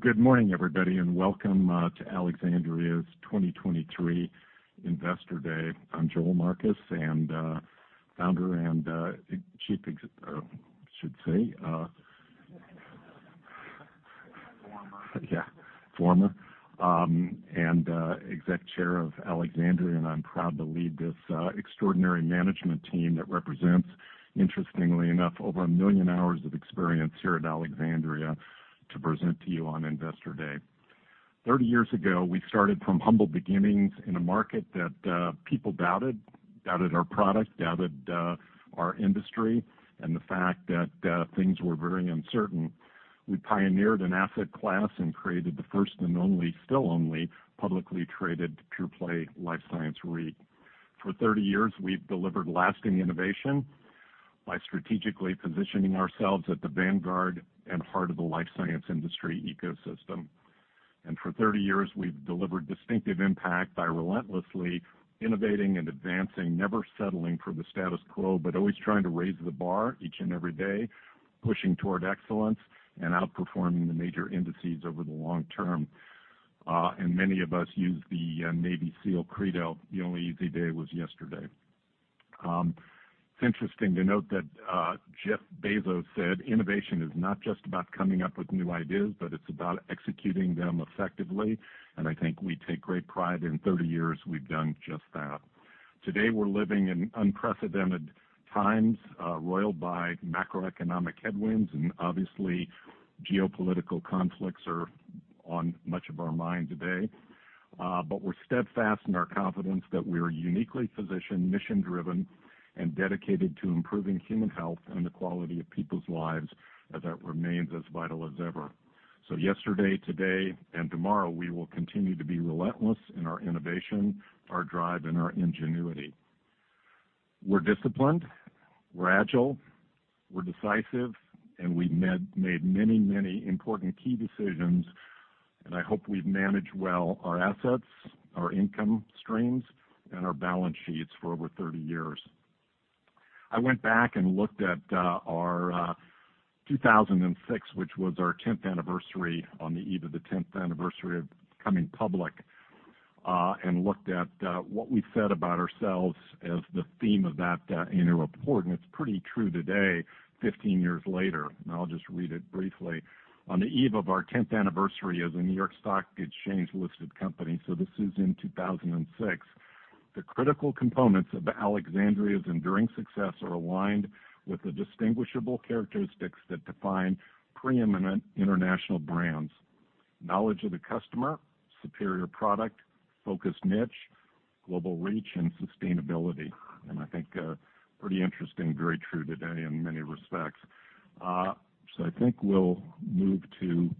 Good morning, everybody, and welcome to Alexandria's 2023 Investor Day. I'm Joel Marcus, and Founder and, I should say, yeah, former, and Exec Chair of Alexandria, and I'm proud to lead this extraordinary management team that represents, interestingly enough, over 1 million hours of experience here at Alexandria to present to you on Investor Day. 30 years ago, we started from humble beginnings in a market that people doubted. Doubted our product, doubted our industry, and the fact that things were very uncertain. We pioneered an asset class and created the first and only, still only, publicly traded pure-play life science REIT. For 30 years, we've delivered lasting innovation by strategically positioning ourselves at the vanguard and heart of the life science industry ecosystem. And for 30 years, we've delivered distinctive impact by relentlessly innovating and advancing, never settling for the status quo, but always trying to raise the bar each and every day, pushing toward excellence and outperforming the major indices over the long term. And many of us use the Navy SEAL credo, "The only easy day was yesterday." It's interesting to note that Jeff Bezos said, "Innovation is not just about coming up with new ideas, but it's about executing them effectively." And I think we take great pride in 30 years, we've done just that. Today, we're living in unprecedented times, roiled by macroeconomic headwinds, and obviously, geopolitical conflicts are on much of our mind today. But we're steadfast in our confidence that we are uniquely positioned, mission-driven, and dedicated to improving human health and the quality of people's lives, as that remains as vital as ever. So yesterday, today, and tomorrow, we will continue to be relentless in our innovation, our drive, and our ingenuity. We're disciplined, we're agile, we're decisive, and we've made, made many, many important key decisions, and I hope we've managed well our assets, our income streams, and our balance sheets for over 30 years. I went back and looked at our 2006, which was our 10th anniversary, on the eve of the 10th anniversary of coming public, and looked at what we said about ourselves as the theme of that annual report, and it's pretty true today, 15 years later, and I'll just read it briefly. On the eve of our tenth anniversary as a New York Stock Exchange-listed company," so this is in 2006, "the critical components of Alexandria's enduring success are aligned with the distinguishable characteristics that define preeminent international brands: knowledge of the customer, superior product, focused niche, global reach, and sustainability." I think, pretty interesting, very true today in many respects. So I think we'll move to...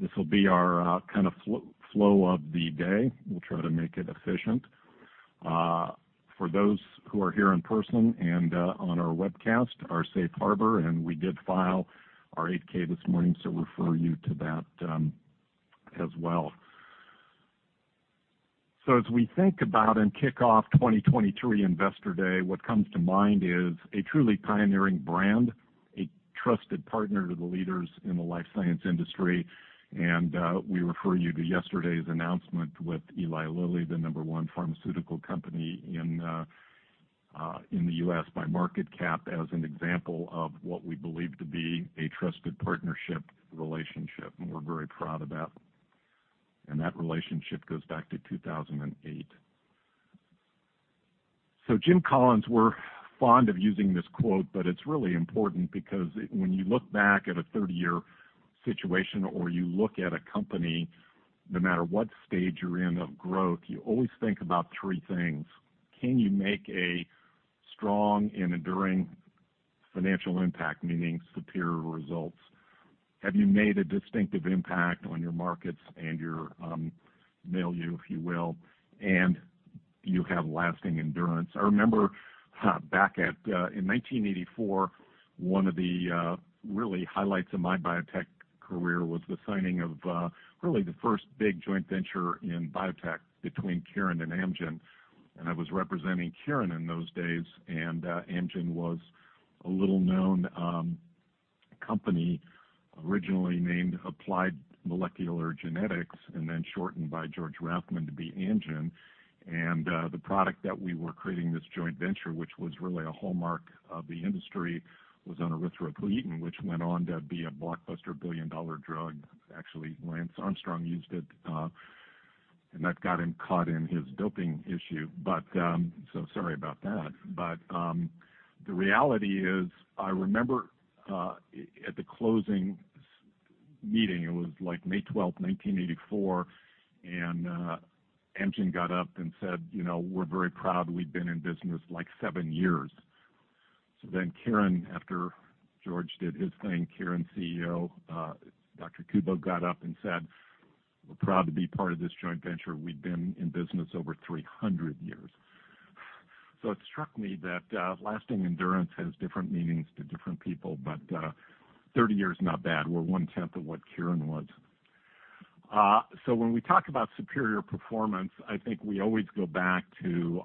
This will be our, kind of flow of the day. We'll try to make it efficient. For those who are here in person and, on our webcast, our safe harbor, and we did file our 8-K this morning, so refer you to that, as well. So as we think about and kick off 2023 Investor Day, what comes to mind is a truly pioneering brand, a trusted partner to the leaders in the life science industry. We refer you to yesterday's announcement with Eli Lilly, the number one pharmaceutical company in the U.S. by market cap, as an example of what we believe to be a trusted partnership relationship, and we're very proud of that. That relationship goes back to 2008. So Jim Collins, we're fond of using this quote, but it's really important because when you look back at a 30-year situation, or you look at a company, no matter what stage you're in of growth, you always think about three things: Can you make a strong and enduring financial impact, meaning superior results? Have you made a distinctive impact on your markets and your value, if you will, and you have lasting endurance? I remember back at in 1984, one of the really highlights of my biotech career was the signing of really the first big joint venture in biotech between Kirin and Amgen. And I was representing Kirin in those days, and Amgen was a little-known company, originally named Applied Molecular Genetics, and then shortened by George Rathmann to be Amgen. And the product that we were creating, this joint venture, which was really a hallmark of the industry, was erythropoietin, which went on to be a blockbuster billion-dollar drug. Actually, Lance Armstrong used it, and that got him caught in his doping issue. But so sorry about that. But, the reality is, I remember, at the closing meeting, it was like May 12, 1984, and, Amgen got up and said, "You know, we're very proud. We've been in business, like, seven years." So then Kirin, after George did his thing, Kirin CEO, Dr. Kubo, got up and said, "We're proud to be part of this joint venture. We've been in business over 300 years." So it struck me that, lasting endurance has different meanings to different people, but, 30 years is not bad. We're one-tenth of what Kirin was.... So when we talk about superior performance, I think we always go back to,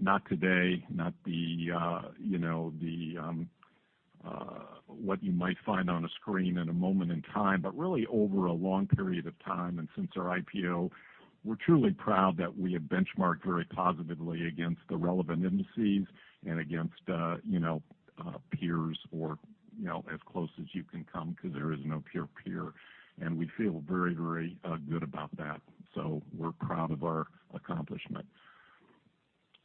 not today, not the, you know, the, what you might find on a screen in a moment in time, but really over a long period of time. And since our IPO, we're truly proud that we have benchmarked very positively against the relevant indices and against, you know, peers or, you know, as close as you can come, because there is no peer peer. And we feel very, very, good about that. So we're proud of our accomplishment.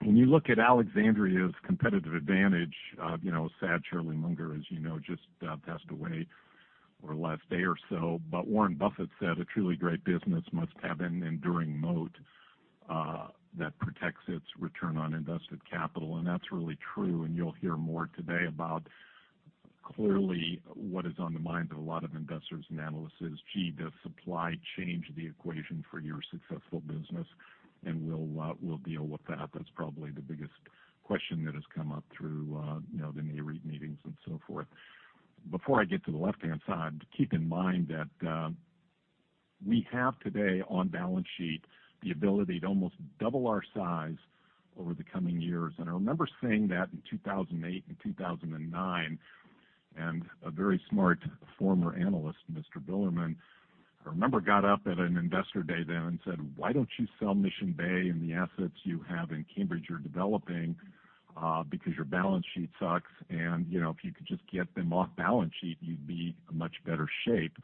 When you look at Alexandria's competitive advantage, you know, sadly, Charlie Munger, as you know, just passed away over the last day or so. But Warren Buffett said, "A truly great business must have an enduring moat that protects its return on invested capital." And that's really true, and you'll hear more today about clearly, what is on the mind of a lot of investors and analysts is, gee, does supply change the equation for your successful business? And we'll deal with that. That's probably the biggest question that has come up through, you know, the Nareit meetings and so forth. Before I get to the left-hand side, keep in mind that, we have today on balance sheet, the ability to almost double our size over the coming years. And I remember saying that in 2008 and 2009, and a very smart former analyst, Mr. Bilerman, I remember, got up at an Investor Day then and said, "Why don't you sell Mission Bay and the assets you have in Cambridge you're developing, because your balance sheet sucks, and, you know, if you could just get them off balance sheet, you'd be in much better shape."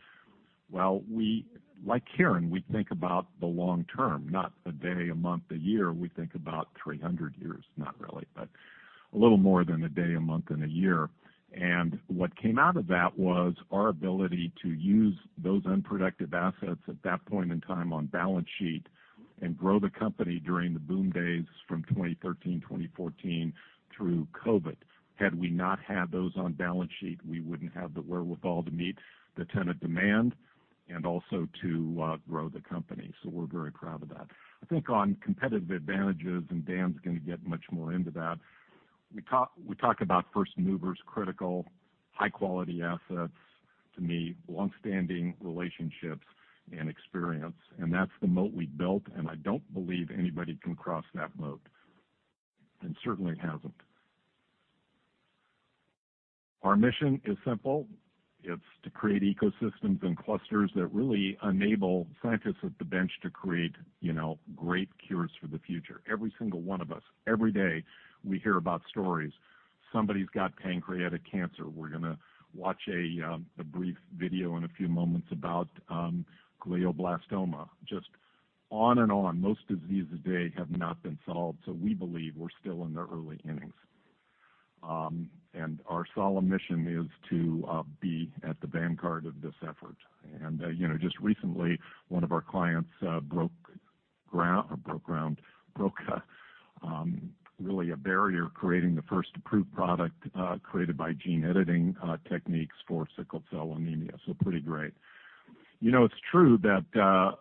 Well, we, like Kirin, we think about the long term, not a day, a month, a year. We think about 300 years, not really, but a little more than a day, a month, and a year. And what came out of that was our ability to use those unproductive assets at that point in time on balance sheet and grow the company during the boom days from 2013, 2014 through COVID. Had we not had those on balance sheet, we wouldn't have the wherewithal to meet the tenant demand and also to grow the company. So we're very proud of that. I think on competitive advantages, and Dan's going to get much more into that, we talk, we talk about first movers, critical, high quality assets, to me, longstanding relationships and experience. And that's the moat we built, and I don't believe anybody can cross that moat, and certainly hasn't. Our mission is simple. It's to create ecosystems and clusters that really enable scientists at the bench to create, you know, great cures for the future. Every single one of us, every day, we hear about stories. Somebody's got pancreatic cancer. We're going to watch a brief video in a few moments about glioblastoma, just on and on. Most diseases today have not been solved, so we believe we're still in the early innings. And our solemn mission is to be at the vanguard of this effort. And you know, just recently, one of our clients broke ground, really a barrier, creating the first approved product created by gene editing techniques for sickle cell anemia. So pretty great. You know, it's true that,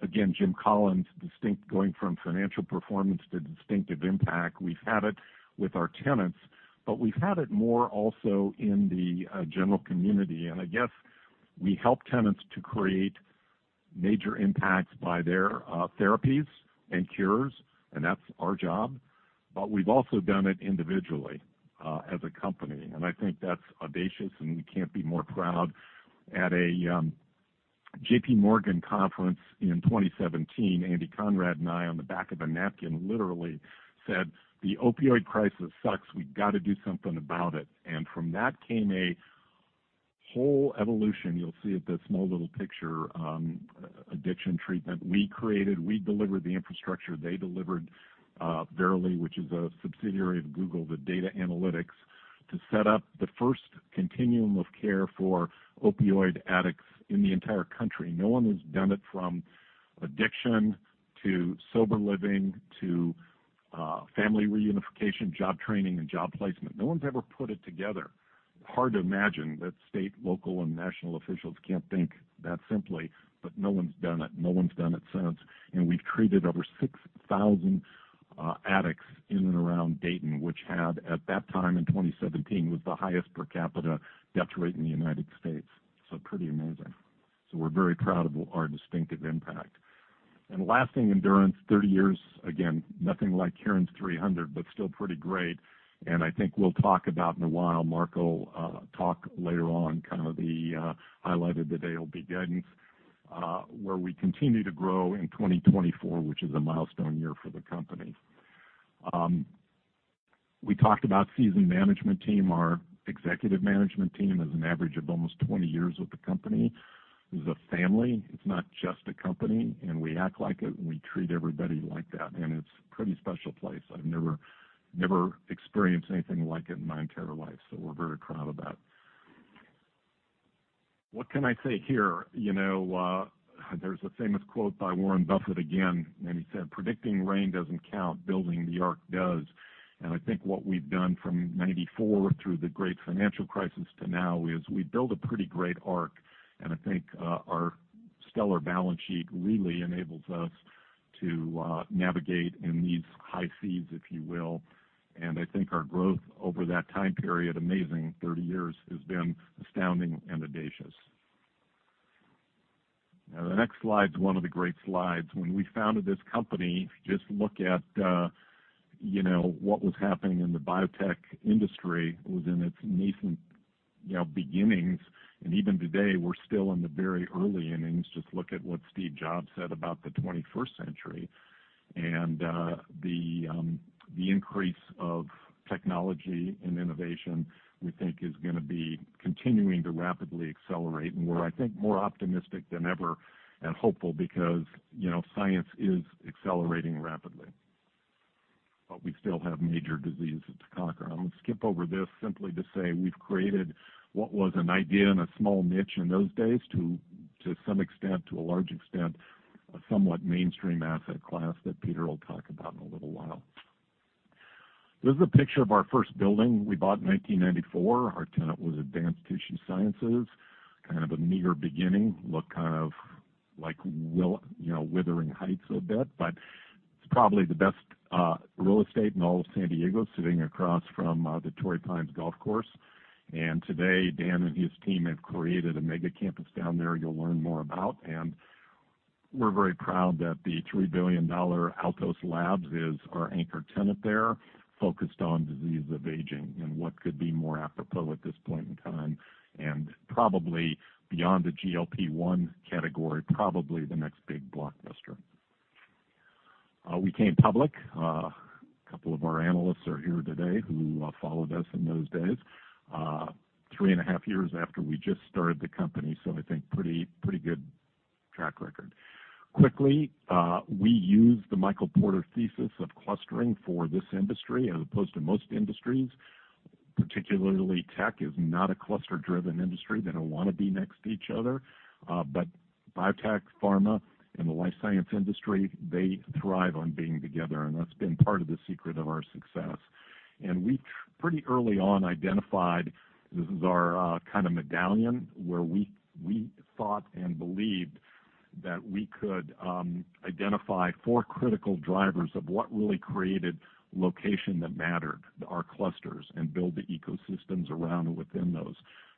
again, Jim Collins, distinct going from financial performance to distinctive impact. We've had it with our tenants, but we've had it more also in the general community. And I guess we help tenants to create major impacts by their therapies and cures, and that's our job. But we've also done it individually as a company, and I think that's audacious, and we can't be more proud. At a JPMorgan conference in 2017, Andy Conrad and I, on the back of a napkin, literally said, "The opioid crisis sucks. We've got to do something about it." And from that came a whole evolution. You'll see it, the small little picture, addiction treatment. We created, we delivered the infrastructure, they delivered Verily, which is a subsidiary of Google, the data analytics, to set up the first continuum of care for opioid addicts in the entire country. No one has done it from addiction to sober living, to, family reunification, job training, and job placement. No one's ever put it together. Hard to imagine that state, local, and national officials can't think that simply, but no one's done it, no one's done it since. And we've treated over 6,000 addicts in and around Dayton, which had, at that time in 2017, was the highest per capita death rate in the United States. So pretty amazing. So we're very proud of our distinctive impact. And last thing, endurance. 30 years, again, nothing like Kirin's 300, but still pretty great. And I think we'll talk about in a while, Marc, talk later on, kind of the, highlight of the day will be Dayton, where we continue to grow in 2024, which is a milestone year for the company. We talked about seasoned management team. Our executive management team has an average of almost 20 years with the company. It's a family. It's not just a company, and we act like it, and we treat everybody like that, and it's a pretty special place. I've never, never experienced anything like it in my entire life, so we're very proud of that. What can I say here? You know, there's a famous quote by Warren Buffett again, and he said, "Predicting rain doesn't count. Building the ark does." And I think what we've done from 1994 through the Great Financial Crisis to now, is we built a pretty great ark, and I think, our stellar balance sheet really enables us to navigate in these high seas, if you will. And I think our growth over that time period, amazing 30 years, has been astounding and audacious. Now, the next slide is one of the great slides. When we founded this company, if you just look at, you know, what was happening in the biotech industry, it was in its nascent, you know, beginnings, and even today, we're still in the very early innings. Just look at what Steve Jobs said about the 21st century. And, the increase of technology and innovation, we think is gonna be continuing to rapidly accelerate. And we're, I think, more optimistic than ever and hopeful because, you know, science is accelerating rapidly, but we still have major diseases to conquer. I'm going to skip over this simply to say we've created what was an idea and a small niche in those days to some extent, to a large extent, a somewhat mainstream asset class that Peter will talk about in a little while. This is a picture of our first building we bought in 1994. Our tenant was Advanced Tissue Sciences. Kind of a meager beginning. Looked kind of like you know, Wuthering Heights a bit, but it's probably the best real estate in all of San Diego, sitting across from the Torrey Pines Golf Course. Today, Dan and his team have created a mega campus down there you'll learn more about, and we're very proud that the $3 billion Altos Labs is our anchor tenant there, focused on disease of aging. What could be more apropos at this point in time and probably beyond the GLP-1 category, probably the next big blockbuster. We came public. A couple of our analysts are here today who followed us in those days, 3.5 years after we just started the company. So I think pretty, pretty good track record. Quickly, we used the Michael Porter thesis of clustering for this industry as opposed to most industries, particularly tech, is not a cluster-driven industry. They don't want to be next to each other. But biotech, pharma, and the life science industry, they thrive on being together, and that's been part of the secret of our success. And we pretty early on identified, this is our, kind of Medallion, where we, we thought and believed that we could, identify four critical drivers of what really created location that mattered, our clusters, and build the ecosystems around and within those.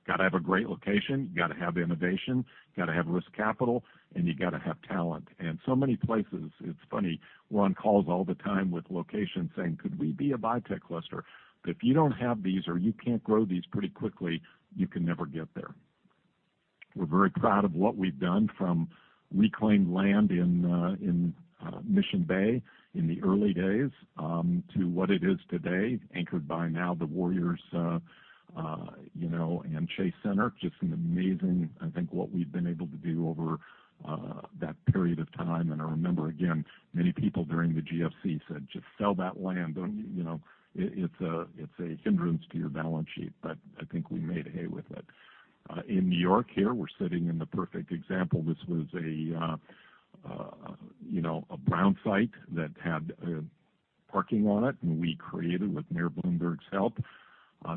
Got to have a great location, you got to have innovation, you got to have risk capital, and you got to have talent. So many places, it's funny, we're on calls all the time with locations saying, "Could we be a biotech cluster?" But if you don't have these or you can't grow these pretty quickly, you can never get there. We're very proud of what we've done, from reclaimed land in Mission Bay in the early days to what it is today, anchored by now the Warriors, you know, and Chase Center. Just an amazing, I think, what we've been able to do over that period of time. And I remember, again, many people during the GFC said, "Just sell that land. Don't, you know, it's a hindrance to your balance sheet," but I think we made hay with it. In New York here, we're sitting in the perfect example. This was a, you know, a brown site that had a parking on it, and we created, with Mayor Bloomberg's help,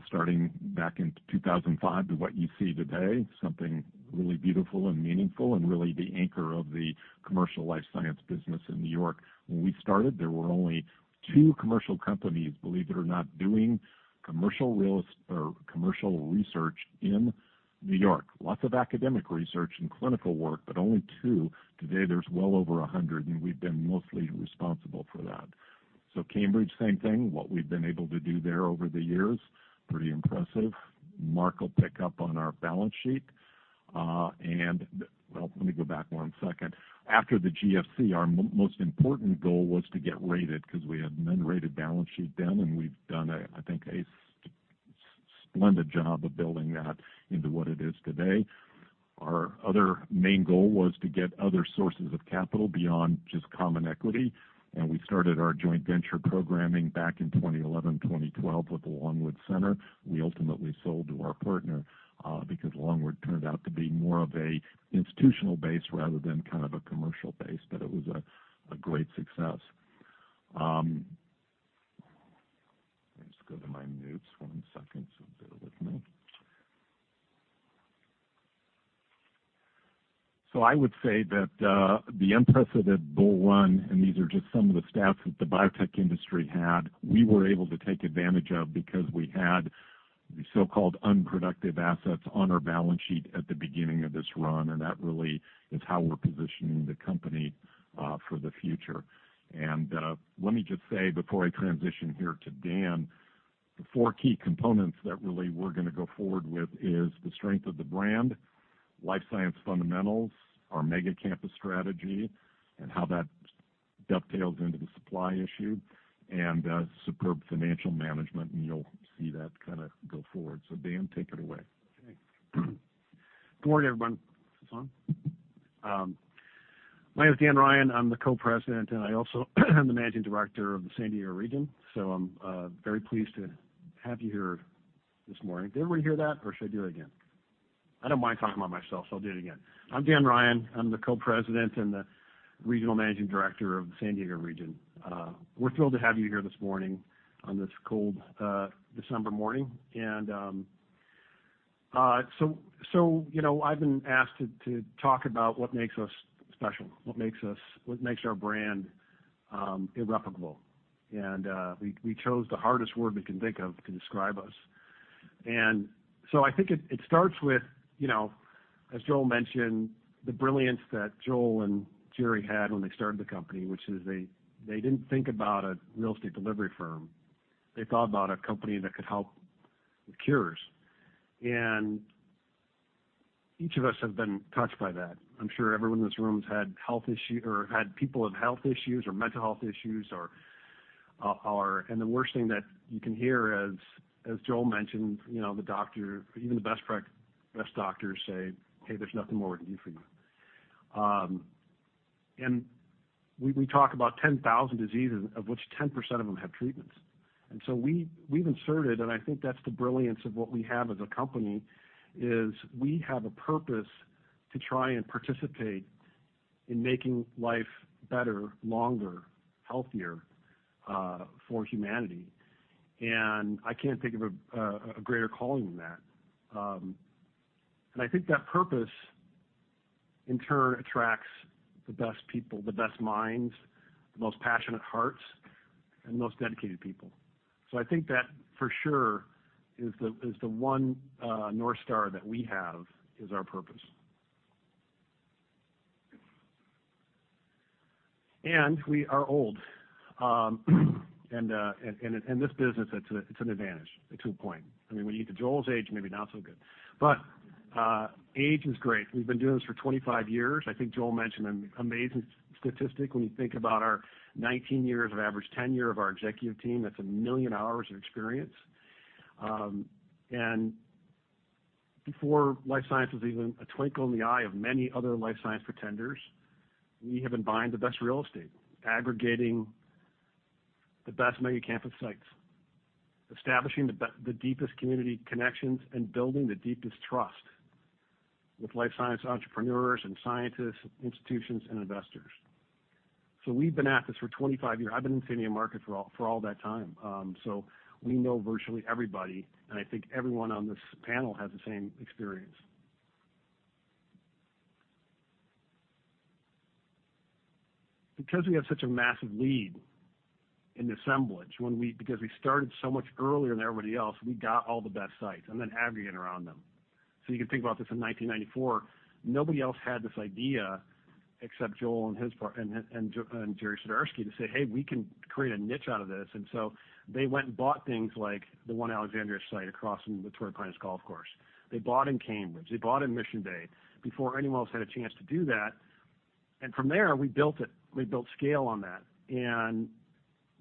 starting back in 2005, to what you see today, something really beautiful and meaningful and really the anchor of the commercial life science business in New York. When we started, there were only two commercial companies, believe it or not, doing commercial research in New York. Lots of academic research and clinical work, but only two. Today, there's well over 100, and we've been mostly responsible for that. So Cambridge, same thing. What we've been able to do there over the years, pretty impressive. Marc will pick up on our balance sheet. And, well, let me go back one second. After the GFC, our most important goal was to get rated because we had an unrated balance sheet then, and we've done, I think, a splendid job of building that into what it is today. Our other main goal was to get other sources of capital beyond just common equity, and we started our joint venture programming back in 2011, 2012, with the Longwood Center. We ultimately sold to our partner, because Longwood turned out to be more of an institutional base rather than kind of a commercial base, but it was a great success. Let me just go to my notes one second, so bear with me. So I would say that, the impressive at bull one, and these are just some of the stats that the biotech industry had. We were able to take advantage of because we had the so-called unproductive assets on our balance sheet at the beginning of this run, and that really is how we're positioning the company for the future. And, let me just say before I transition here to Dan, the four key components that really we're gonna go forward with is the strength of the brand, life science fundamentals, our mega campus strategy, and how that dovetails into the supply issue, and superb financial management, and you'll see that kind of go forward. So Dan, take it away. Okay. Good morning, everyone. Is this on? My name is Dan Ryan. I'm the Co-President, and I also am the Managing Director of the San Diego region, so I'm very pleased to have you here this morning. Did everybody hear that, or should I do it again? I don't mind talking about myself, so I'll do it again. I'm Dan Ryan. I'm the Co-President and the Regional Managing Director of the San Diego region. We're thrilled to have you here this morning on this cold December morning, and so, you know, I've been asked to talk about what makes us special, what makes us, what makes our brand irreparable. And we chose the hardest word we can think of to describe us. And so I think it starts with, you know, as Joel mentioned, the brilliance that Joel and Jerry had when they started the company, which is they didn't think about a real estate delivery firm. They thought about a company that could help with cures. And each of us have been touched by that. I'm sure everyone in this room has had health issue or had people with health issues or mental health issues or. And the worst thing that you can hear, as Joel mentioned, you know, the doctor, even the best doctors say, "Hey, there's nothing more we can do for you." And we talk about 10,000 diseases, of which 10% of them have treatments. We've inserted, and I think that's the brilliance of what we have as a company, is we have a purpose to try and participate in making life better, longer, healthier, for humanity. And I can't think of a greater calling than that. And I think that purpose, in turn, attracts the best people, the best minds, the most passionate hearts, and the most dedicated people. So I think that, for sure, is the one North Star that we have, is our purpose. And we are old, and in this business, it's an advantage, a two point. I mean, when you get to Joel's age, maybe not so good. But, age is great. We've been doing this for 25 years. I think Joel mentioned an amazing statistic when you think about our 19 years of average tenure of our executive team. That's 1 million hours of experience. And before life science was even a twinkle in the eye of many other life science pretenders, we have been buying the best real estate, aggregating the best mega campus sites, establishing the the deepest community connections, and building the deepest trust with life science entrepreneurs and scientists, institutions, and investors. So we've been at this for 25 years. I've been in the market for all, for all that time. So we know virtually everybody, and I think everyone on this panel has the same experience. Because we have such a massive lead in the assemblage, because we started so much earlier than everybody else, we got all the best sites and then aggregate around them. So you can think about this in 1994, nobody else had this idea except Joel and his partner Jerry Sudarsky, to say, "Hey, we can create a niche out of this." And so they went and bought things like the One Alexandria site across from the Torrey Pines Golf Course. They bought in Cambridge. They bought in Mission Bay before anyone else had a chance to do that. And from there, we built it. We built scale on that. And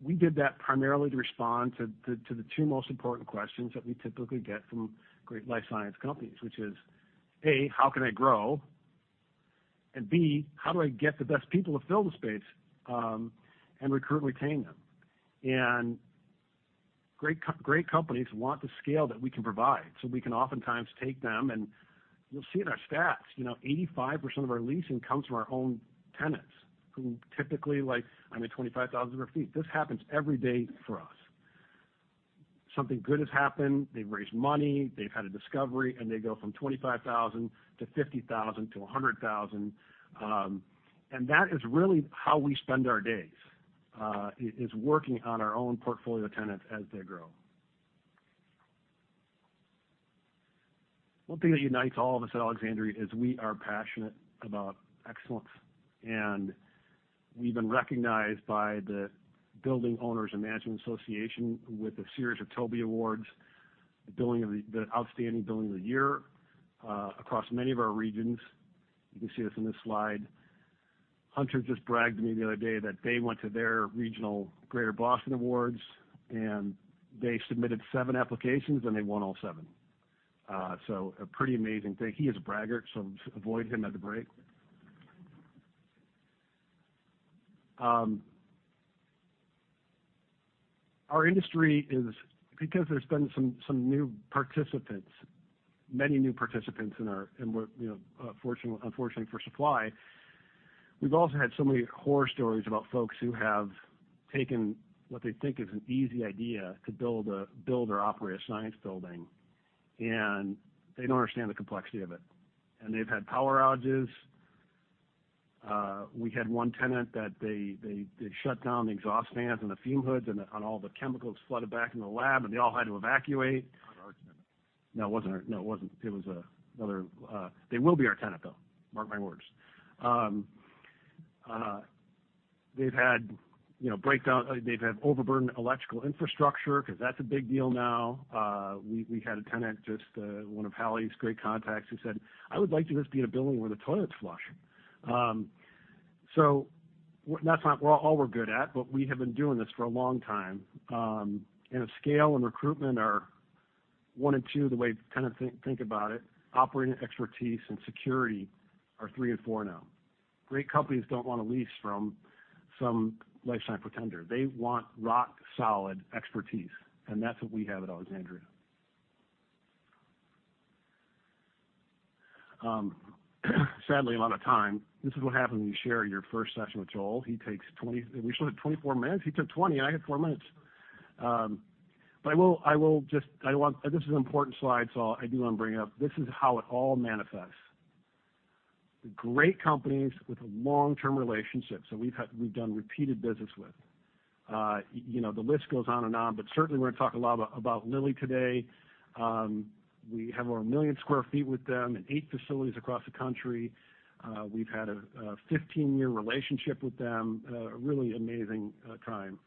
we did that primarily to respond to the two most important questions that we typically get from great life science companies, which is, A, how can I grow? And B, how do I get the best people to fill the space and recruit and retain them? Great companies want the scale that we can provide, so we can oftentimes take them, and you'll see in our stats, you know, 85% of our leasing comes from our own tenants, who typically, like, I mean, 25,000 sq ft. This happens every day for us. Something good has happened, they've raised money, they've had a discovery, and they go from 25,000 sq ft to 50,000 sq ft to 100,000 sq ft. And that is really how we spend our days, working on our own portfolio tenants as they grow. One thing that unites all of us at Alexandria is we are passionate about excellence, and we've been recognized by the Building Owners and Management Association with a series of TOBY Awards, the building of the outstanding building of the year, across many of our regions. You can see this in this slide. Hunter just bragged to me the other day that they went to their regional Greater Boston Awards, and they submitted seven applications, and they won all seven. So a pretty amazing thing. He is a braggart, so avoid him at the break. Our industry is... Because there's been some new participants, many new participants in our in what, you know, unfortunately for supply, we've also had so many horror stories about folks who have taken what they think is an easy idea to build or operate a science building, and they don't understand the complexity of it. And they've had power outages. We had one tenant that they shut down the exhaust fans and the fume hoods, and all the chemicals flooded back in the lab, and they all had to evacuate. No, it wasn't. It was another. They will be our tenant, though. Mark my words. They've had, you know, breakdowns. They've had overburdened electrical infrastructure, because that's a big deal now. We had a tenant, just, one of Hallie's great contacts, who said, "I would like to just be in a building where the toilets flush." So that's not all we're good at, but we have been doing this for a long time. And if scale and recruitment are one and two, the way to kind of think about it, operating expertise and security are three and four now. Great companies don't want to lease from some lifestyle pretender. They want rock-solid expertise, and that's what we have at Alexandria, sadly, a lot of the time. This is what happens when you share your first session with Joel. He takes 20. We still had 24 minutes. He took 20, I had four minutes. But I will just—I want—This is an important slide, so I do want to bring it up. This is how it all manifests. Great companies with a long-term relationship, so we've had—we've done repeated business with. You know, the list goes on and on, but certainly, we're going to talk a lot about Lilly today. We have over 1 million sq ft with them in eight facilities across the country. We've had a 15-year relationship with them, a really amazing time.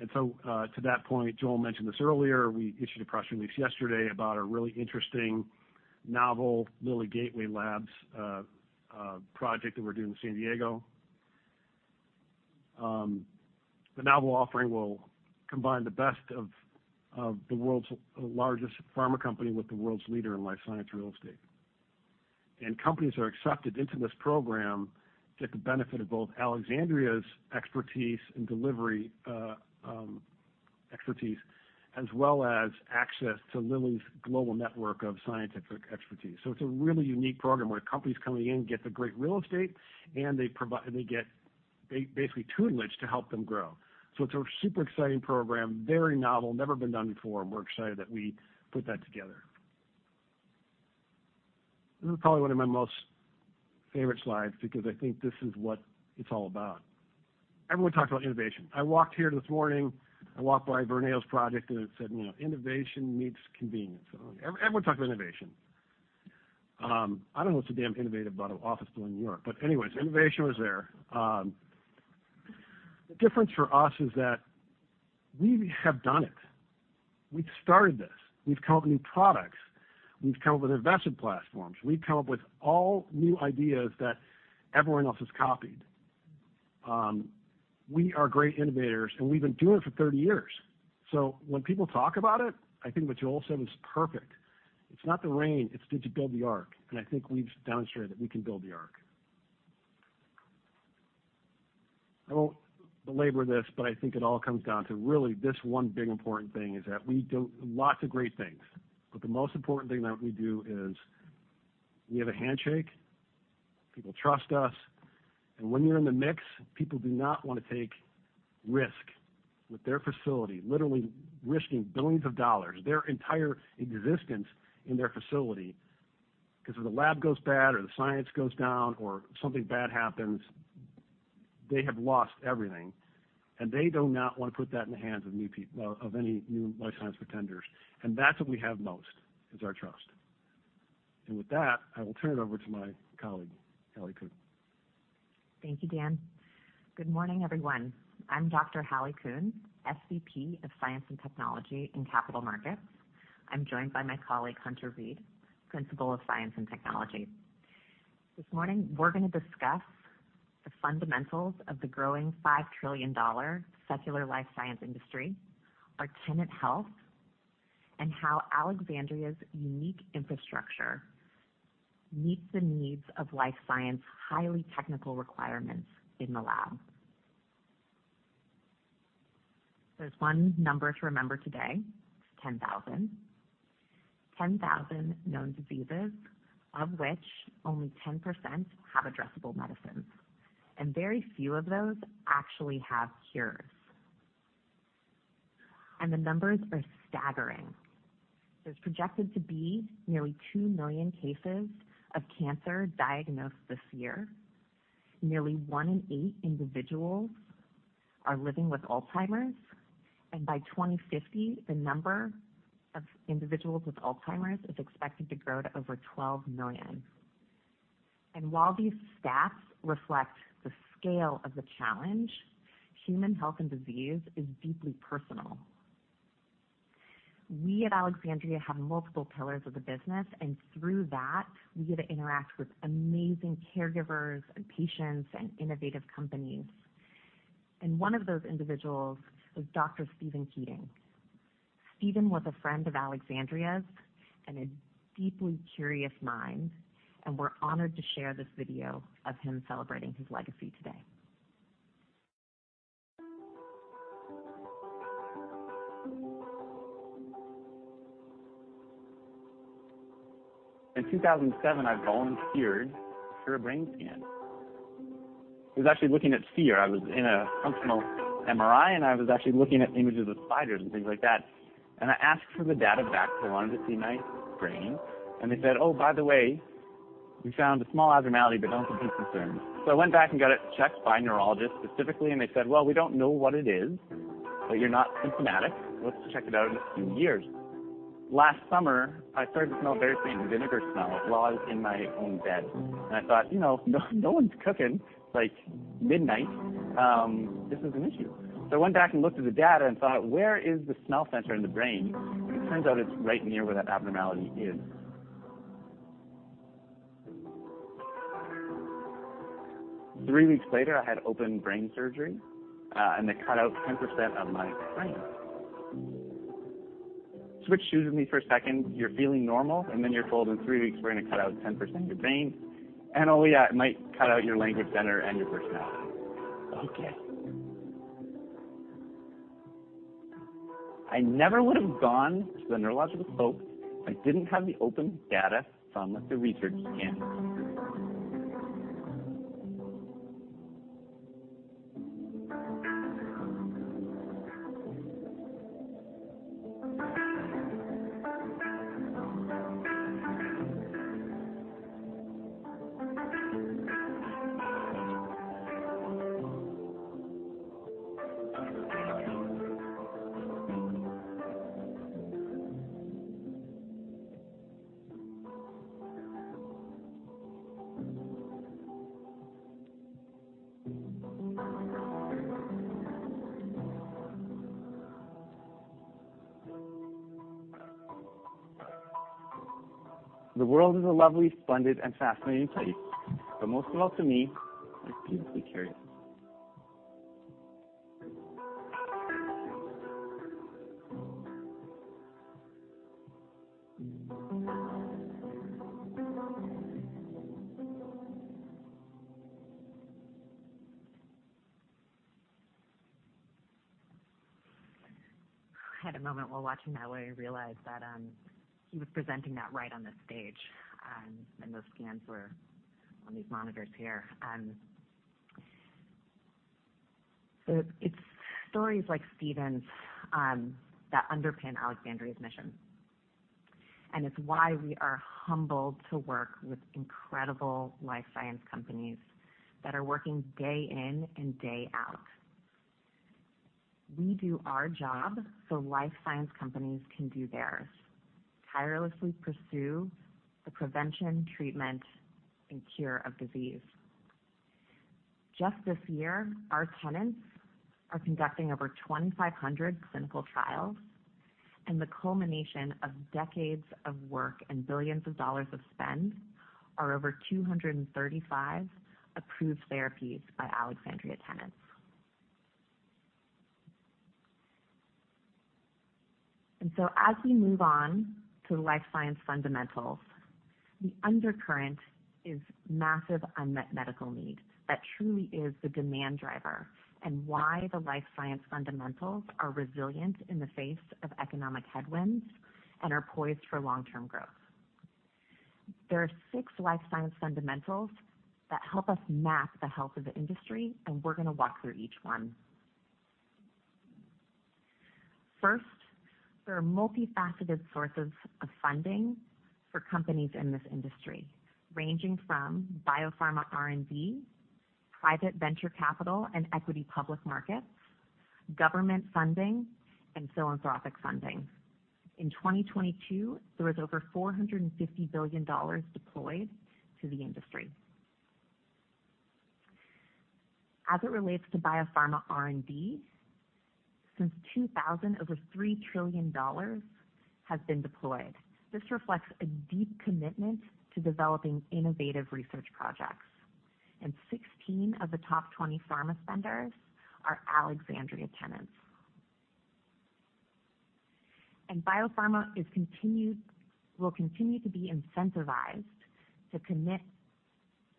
And so, to that point, Joel mentioned this earlier, we issued a press release yesterday about a really interesting novel Lilly Gateway Labs project that we're doing in San Diego. The novel offering will combine the best of the world's largest pharma company with the world's leader in life science real estate. And companies are accepted into this program get the benefit of both Alexandria's expertise and delivery expertise, as well as access to Lilly's global network of scientific expertise. So it's a really unique program where companies coming in get the great real estate, and they get basically tutelage to help them grow. So it's a super exciting program, very novel, never been done before, and we're excited that we put that together. This is probably one of my most favorite slides because I think this is what it's all about. Everyone talks about innovation. I walked here this morning. I walked by Vornado's project, and it said, you know, innovation meets convenience. So everyone talks about innovation. I don't know what's so damn innovative about an office building in New York, but anyways, innovation was there. The difference for us is that we have done it. We've started this. We've come up with new products. We've come up with investment platforms. We've come up with all new ideas that everyone else has copied. We are great innovators, and we've been doing it for 30 years. So when people talk about it, I think what Joel said was perfect: It's not the rain, it's, did you build the ark? And I think we've demonstrated that we can build the ark. I won't belabor this, but I think it all comes down to really this one big important thing, is that we do lots of great things, but the most important thing that we do is we have a handshake, people trust us, and when you're in the mix, people do not want to take risk with their facility, literally risking billions of dollars, their entire existence in their facility. Because if the lab goes bad or the science goes down or something bad happens, they have lost everything, and they do not want to put that in the hands of new people, of any new life science pretenders. And that's what we have most, is our trust. And with that, I will turn it over to my colleague, Hallie Kuhn. Thank you, Dan. Good morning, everyone. I'm Dr. Hallie Kuhn, SVP of Science and Technology and Capital Markets. I'm joined by my colleague, Hunter Reed, Principal of Science and Technology. This morning, we're going to discuss the fundamentals of the growing $5 trillion secular life science industry, our tenant health, and how Alexandria's unique infrastructure meets the needs of life science's highly technical requirements in the lab. There's one number to remember today, 10,000. 10,000 known diseases, of which only 10% have addressable medicines, and very few of those actually have cures. The numbers are staggering. There's projected to be nearly 2 million cases of cancer diagnosed this year. Nearly one in eight individuals are living with Alzheimer's, and by 2050, the number of individuals with Alzheimer's is expected to grow to over 12 million. While these stats reflect the scale of the challenge, human health and disease is deeply personal. We at Alexandria have multiple pillars of the business, and through that, we get to interact with amazing caregivers and patients and innovative companies. One of those individuals was Dr. Steven Keating. Stephen was a friend of Alexandria's and a deeply curious mind, and we're honored to share this video of him celebrating his legacy today. In 2007, I volunteered for a brain scan. I was actually looking at fear. I was in a functional MRI, and I was actually looking at images of spiders and things like that. And I asked for the data back. I wanted to see my brain, and they said: Oh, by the way, we found a small abnormality, but don't be concerned. So I went back and got it checked by a neurologist specifically, and they said: Well, we don't know what it is, but you're not symptomatic. Let's check it out in a few years. Last summer, I started to smell a very strange vinegar smell while I was in my own bed, and I thought, you know, no, no one's cooking, like, midnight. This is an issue. So I went back and looked at the data and thought, where is the smell center in the brain? And it turns out it's right near where that abnormality is. Three weeks later, I had open brain surgery, and they cut out 10% of my brain. Switch shoes with me for a second. You're feeling normal, and then you're told in three weeks we're going to cut out 10% of your brain. And, oh, yeah, it might cut out your language center and your personality. Okay.... I never would have gone to the neurological slope if I didn't have the open data from the research scan. The world is a lovely, splendid, and fascinating place, but most of all, to me, it's beautifully curious. I had a moment while watching that, where I realized that, he was presenting that right on the stage, and those scans were on these monitors here. So it's stories like Stephen's, that underpin Alexandria's mission, and it's why we are humbled to work with incredible life science companies that are working day in and day out. We do our job so life science companies can do theirs, tirelessly pursue the prevention, treatment, and cure of disease. Just this year, our tenants are conducting over 2,500 clinical trials, and the culmination of decades of work and billions of dollars of spend are over 235 approved therapies by Alexandria tenants. And so as we move on to life science fundamentals, the undercurrent is massive unmet medical need. That truly is the demand driver, and why the life science fundamentals are resilient in the face of economic headwinds and are poised for long-term growth. There are six life science fundamentals that help us map the health of the industry, and we're going to walk through each one. First, there are multifaceted sources of funding for companies in this industry, ranging from biopharma R&D, private venture capital and equity public markets, government funding, and philanthropic funding. In 2022, there was over $450 billion deployed to the industry. As it relates to biopharma R&D, since 2000, over $3 trillion has been deployed. This reflects a deep commitment to developing innovative research projects, and 16 of the top 20 pharma spenders are Alexandria tenants. Biopharma will continue to be incentivized to commit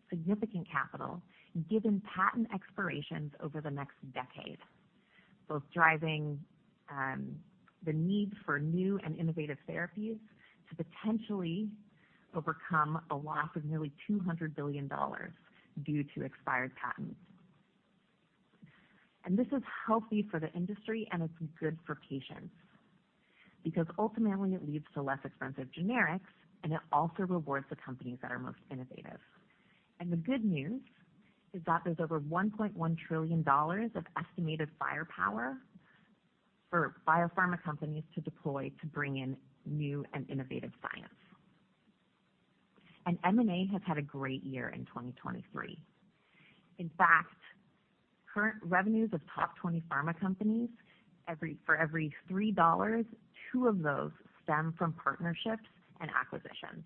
significant capital, given patent expirations over the next decade, both driving the need for new and innovative therapies to potentially overcome a loss of nearly $200 billion due to expired patents. And this is healthy for the industry, and it's good for patients, because ultimately it leads to less expensive generics, and it also rewards the companies that are most innovative. And the good news is that there's over $1.1 trillion of estimated firepower for biopharma companies to deploy to bring in new and innovative science. And M&A has had a great year in 2023. In fact, current revenues of top 20 pharma companies, for every three dollars, two of those stem from partnerships and acquisitions.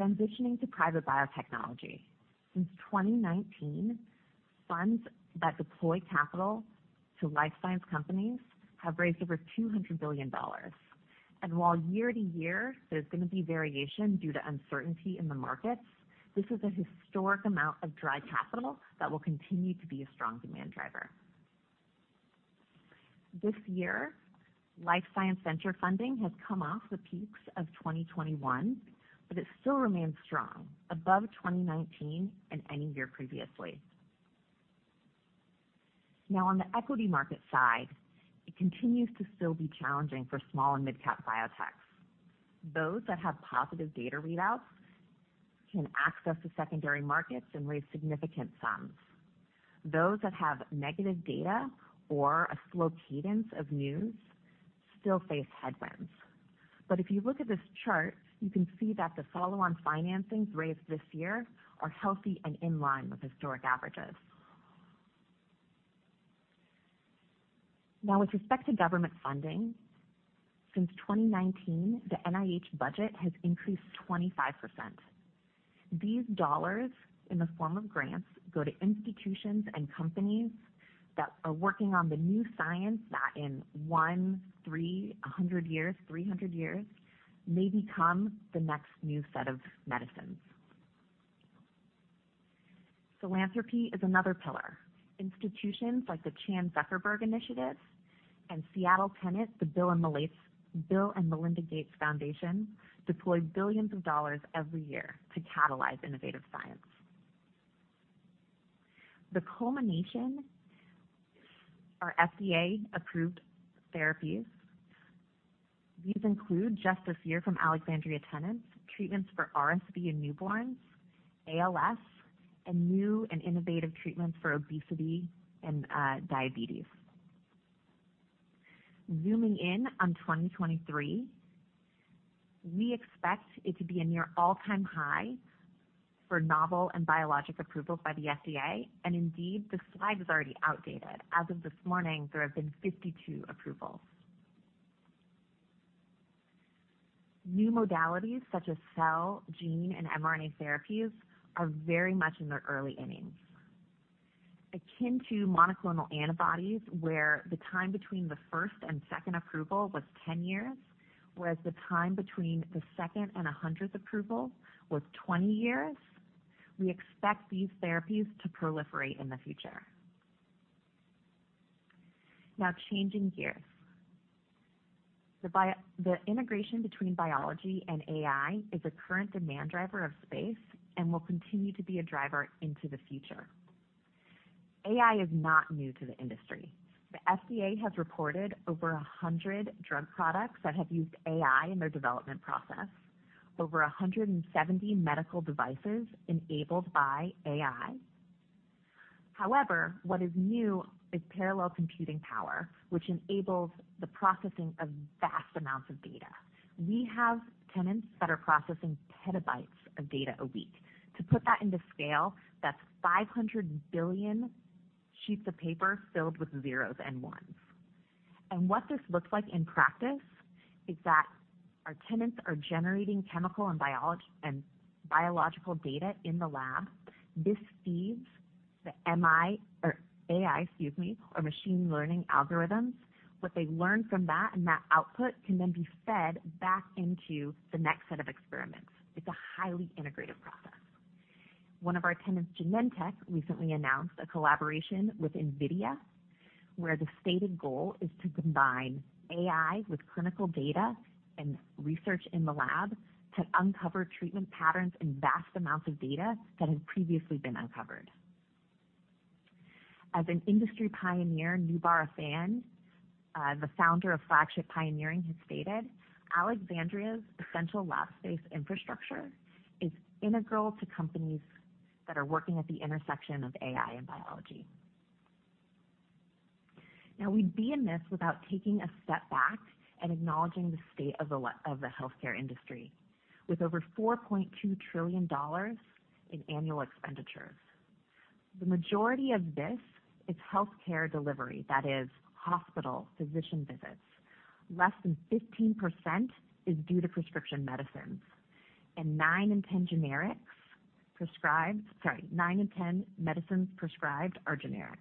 Transitioning to private biotechnology. Since 2019, funds that deploy capital to life science companies have raised over $200 billion. And while year to year, there's going to be variation due to uncertainty in the markets, this is a historic amount of dry capital that will continue to be a strong demand driver. This year, life science venture funding has come off the peaks of 2021, but it still remains strong, above 2019 and any year previously. Now, on the equity market side, it continues to still be challenging for small and mid-cap biotechs. Those that have positive data readouts can access the secondary markets and raise significant sums. Those that have negative data or a slow cadence of news still face headwinds. But if you look at this chart, you can see that the follow-on financings raised this year are healthy and in line with historic averages. Now, with respect to government funding, since 2019, the NIH budget has increased 25%. These dollars, in the form of grants, go to institutions and companies that are working on the new science that in 1, 3, 100 years, 300 years, may become the next new set of medicines.... Philanthropy is another pillar. Institutions like the Chan Zuckerberg Initiative and Seattle tenant, the Bill and Melinda Gates Foundation, deploy billions of dollars every year to catalyze innovative science. The culmination are FDA-approved therapies. These include, just this year from Alexandria tenants, treatments for RSV in newborns, ALS, and new and innovative treatments for obesity and, diabetes. Zooming in on 2023, we expect it to be a near all-time high for novel and biologic approvals by the FDA, and indeed, this slide is already outdated. As of this morning, there have been 52 approvals. New modalities, such as cell, gene, and mRNA therapies, are very much in their early innings. Akin to monoclonal antibodies, where the time between the first and second approval was 10 years, whereas the time between the second and 100th approval was 20 years, we expect these therapies to proliferate in the future. Now, changing gears. The integration between biology and AI is a current demand driver of space and will continue to be a driver into the future. AI is not new to the industry. The FDA has reported over 100 drug products that have used AI in their development process, over 170 medical devices enabled by AI. However, what is new is parallel computing power, which enables the processing of vast amounts of data. We have tenants that are processing petabytes of data a week. To put that into scale, that's 500 billion sheets of paper filled with zeros and ones. And what this looks like in practice is that our tenants are generating chemical and biological data in the lab. This feeds the MI, or AI, excuse me, our machine learning algorithms. What they learn from that and that output can then be fed back into the next set of experiments. It's a highly integrated process. One of our tenants, Genentech, recently announced a collaboration with NVIDIA, where the stated goal is to combine AI with clinical data and research in the lab to uncover treatment patterns and vast amounts of data that had previously been uncovered. As an industry pioneer, Noubar Afeyan, the Founder of Flagship Pioneering, has stated, "Alexandria's essential lab space infrastructure is integral to companies that are working at the intersection of AI and biology." Now, we'd be remiss without taking a step back and acknowledging the state of the healthcare industry, with over $4.2 trillion in annual expenditures. The majority of this is healthcare delivery, that is, hospital physician visits. Less than 15% is due to prescription medicines, and nine in ten generics prescribed... Sorry, nine in ten medicines prescribed are generics.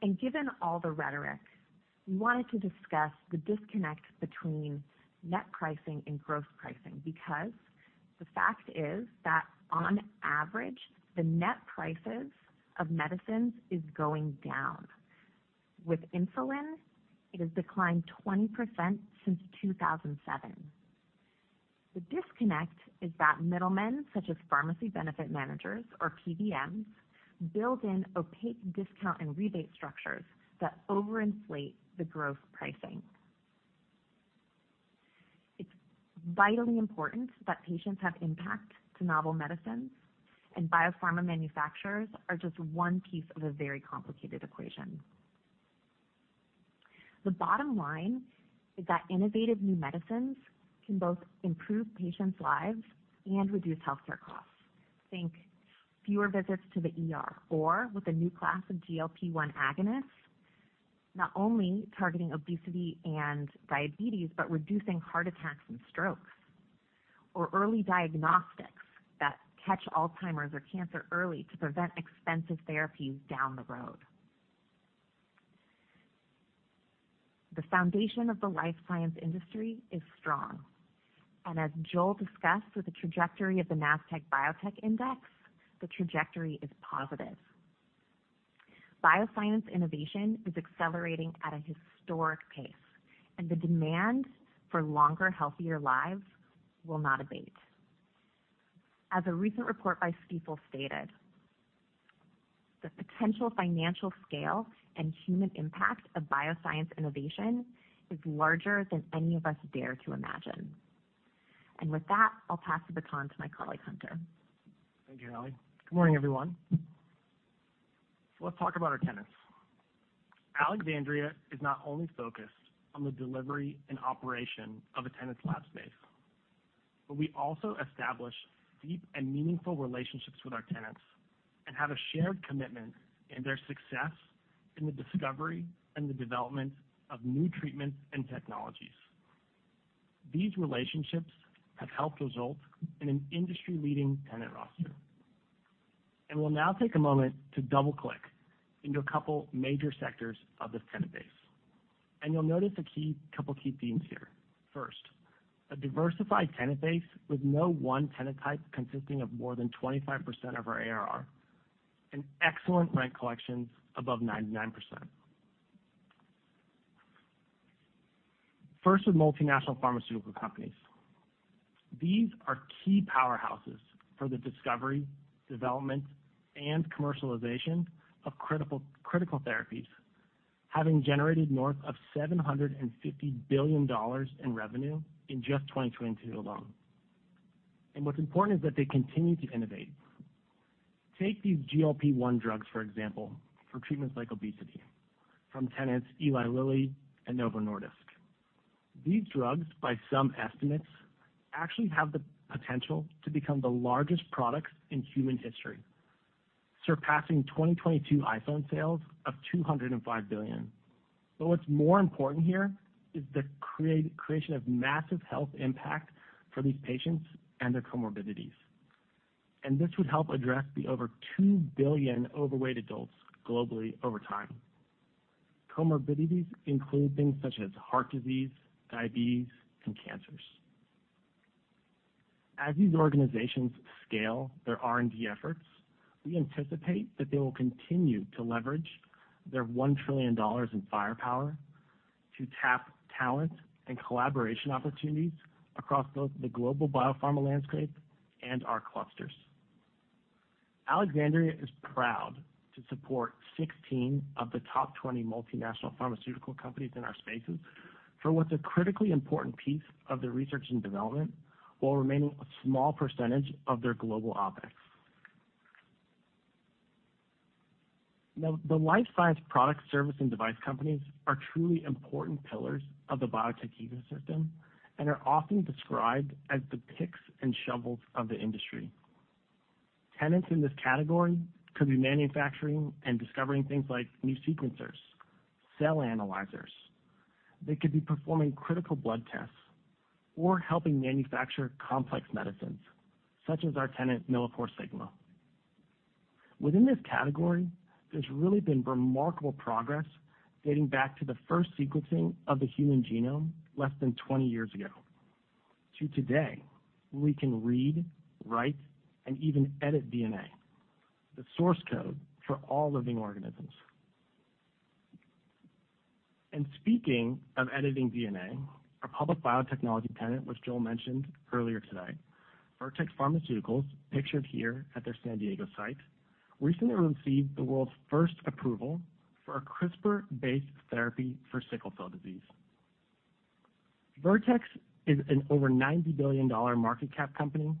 And given all the rhetoric, we wanted to discuss the disconnect between net pricing and gross pricing, because the fact is that on average, the net prices of medicines is going down. With insulin, it has declined 20% since 2007. The disconnect is that middlemen, such as pharmacy benefit managers, or PBMs, build in opaque discount and rebate structures that overinflate the gross pricing. It's vitally important that patients have impact to novel medicines, and biopharma manufacturers are just one piece of a very complicated equation. The bottom line is that innovative new medicines can both improve patients' lives and reduce healthcare costs. Think fewer visits to the ER, or with a new class of GLP-1 agonists, not only targeting obesity and diabetes, but reducing heart attacks and strokes, or early diagnostics that catch Alzheimer's or cancer early to prevent expensive therapies down the road. The foundation of the life science industry is strong, and as Joel discussed with the trajectory of the Nasdaq Biotech Index, the trajectory is positive. Bioscience innovation is accelerating at a historic pace, and the demand for longer, healthier lives will not abate. As a recent report by Stifel stated, "The potential financial scale and human impact of bioscience innovation is larger than any of us dare to imagine." And with that, I'll pass the baton to my colleague, Hunter. Thank you, Hallie. Good morning, everyone. So let's talk about our tenants. Alexandria is not only focused on the delivery and operation of a tenant's lab space, but we also establish deep and meaningful relationships with our tenants and have a shared commitment in their success in the discovery and the development of new treatments and technologies. These relationships have helped result in an industry-leading tenant roster. And we'll now take a moment to double click into a couple major sectors of this tenant base, and you'll notice a couple key themes here. First, a diversified tenant base with no one tenant type consisting of more than 25% of our ARR, and excellent rent collections above 99%. First, with multinational pharmaceutical companies. These are key powerhouses for the discovery, development, and commercialization of critical, critical therapies, having generated north of $750 billion in revenue in just 2022 alone. What's important is that they continue to innovate. Take these GLP-1 drugs, for example, for treatments like obesity, from tenants Eli Lilly and Novo Nordisk. These drugs, by some estimates, actually have the potential to become the largest products in human history, surpassing 2022 iPhone sales of $205 billion. But what's more important here is the creation of massive health impact for these patients and their comorbidities. And this would help address the over 2 billion overweight adults globally over time. Comorbidities include things such as heart disease, diabetes, and cancers. As these organizations scale their R&D efforts, we anticipate that they will continue to leverage their $1 trillion in firepower to tap talent and collaboration opportunities across both the global biopharma landscape and our clusters. Alexandria is proud to support 16 of the top 20 multinational pharmaceutical companies in our spaces, for what's a critically important piece of their research and development, while remaining a small percentage of their global OpEx. Now, the life science product service and device companies are truly important pillars of the biotech ecosystem and are often described as the picks and shovels of the industry. Tenants in this category could be manufacturing and discovering things like new sequencers, cell analyzers. They could be performing critical blood tests or helping manufacture complex medicines, such as our tenant, MilliporeSigma. Within this category, there's really been remarkable progress dating back to the first sequencing of the human genome less than 20 years ago. To today, we can read, write, and even edit DNA, the source code for all living organisms. And speaking of editing DNA, our public biotechnology tenant, which Joel mentioned earlier today, Vertex Pharmaceuticals, pictured here at their San Diego site, recently received the world's first approval for a CRISPR-based therapy for sickle cell disease. Vertex is an over $90 billion market cap company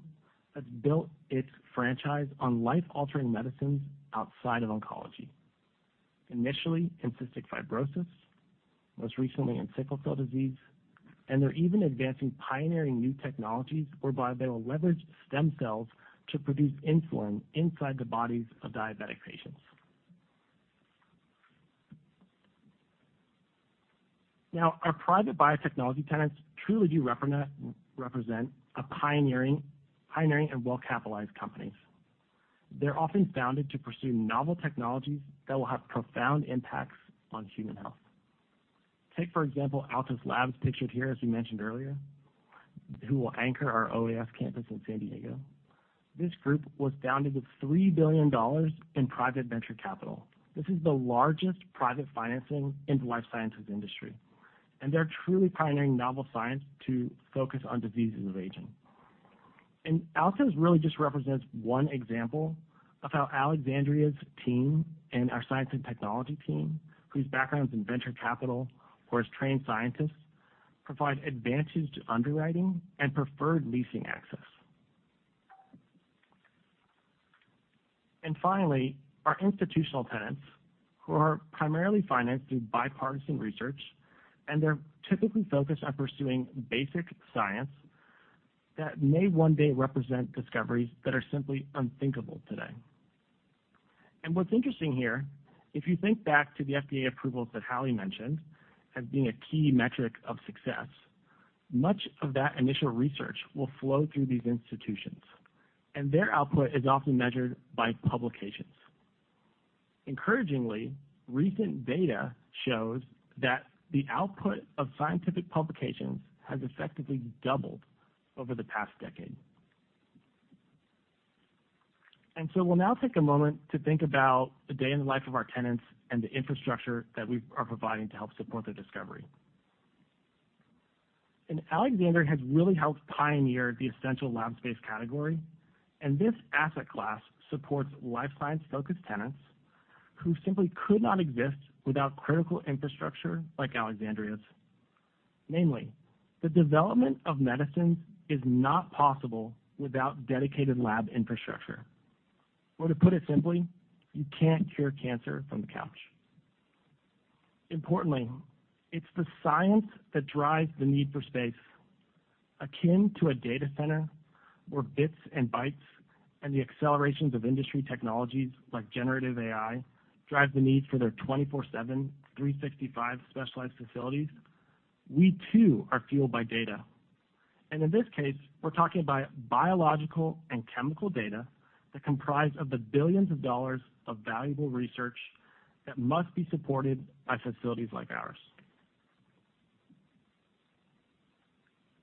that's built its franchise on life-altering medicines outside of oncology. Initially, in cystic fibrosis, most recently in sickle cell disease, and they're even advancing pioneering new technologies whereby they will leverage stem cells to produce insulin inside the bodies of diabetic patients. Now, our private biotechnology tenants truly do represent a pioneering, pioneering, and well-capitalized companies. They're often founded to pursue novel technologies that will have profound impacts on human health. Take, for example, Altos Labs, pictured here, as we mentioned earlier, who will anchor our OAS campus in San Diego. This group was founded with $3 billion in private venture capital. This is the largest private financing in the life sciences industry, and they're truly pioneering novel science to focus on diseases of aging. And Altos really just represents one example of how Alexandria's team and our science and technology team, whose backgrounds in venture capital or as trained scientists, provide advantage to underwriting and preferred leasing access. And finally, our institutional tenants, who are primarily financed through bipartisan research, and they're typically focused on pursuing basic science that may one day represent discoveries that are simply unthinkable today. And what's interesting here, if you think back to the FDA approvals that Hallie mentioned as being a key metric of success, much of that initial research will flow through these institutions, and their output is often measured by publications. Encouragingly, recent data shows that the output of scientific publications has effectively doubled over the past decade. And so we'll now take a moment to think about the day in the life of our tenants and the infrastructure that we are providing to help support their discovery. And Alexandria has really helped pioneer the essential lab space category, and this asset class supports life science-focused tenants who simply could not exist without critical infrastructure like Alexandria's. Namely, the development of medicines is not possible without dedicated lab infrastructure. Or to put it simply, you can't cure cancer from the couch. Importantly, it's the science that drives the need for space, akin to a data center where bits and bytes and the accelerations of industry technologies like generative AI drive the need for their 24/7, 365 specialized facilities. We, too, are fueled by data.... And in this case, we're talking about biological and chemical data that comprise of the billions of dollars of valuable research that must be supported by facilities like ours.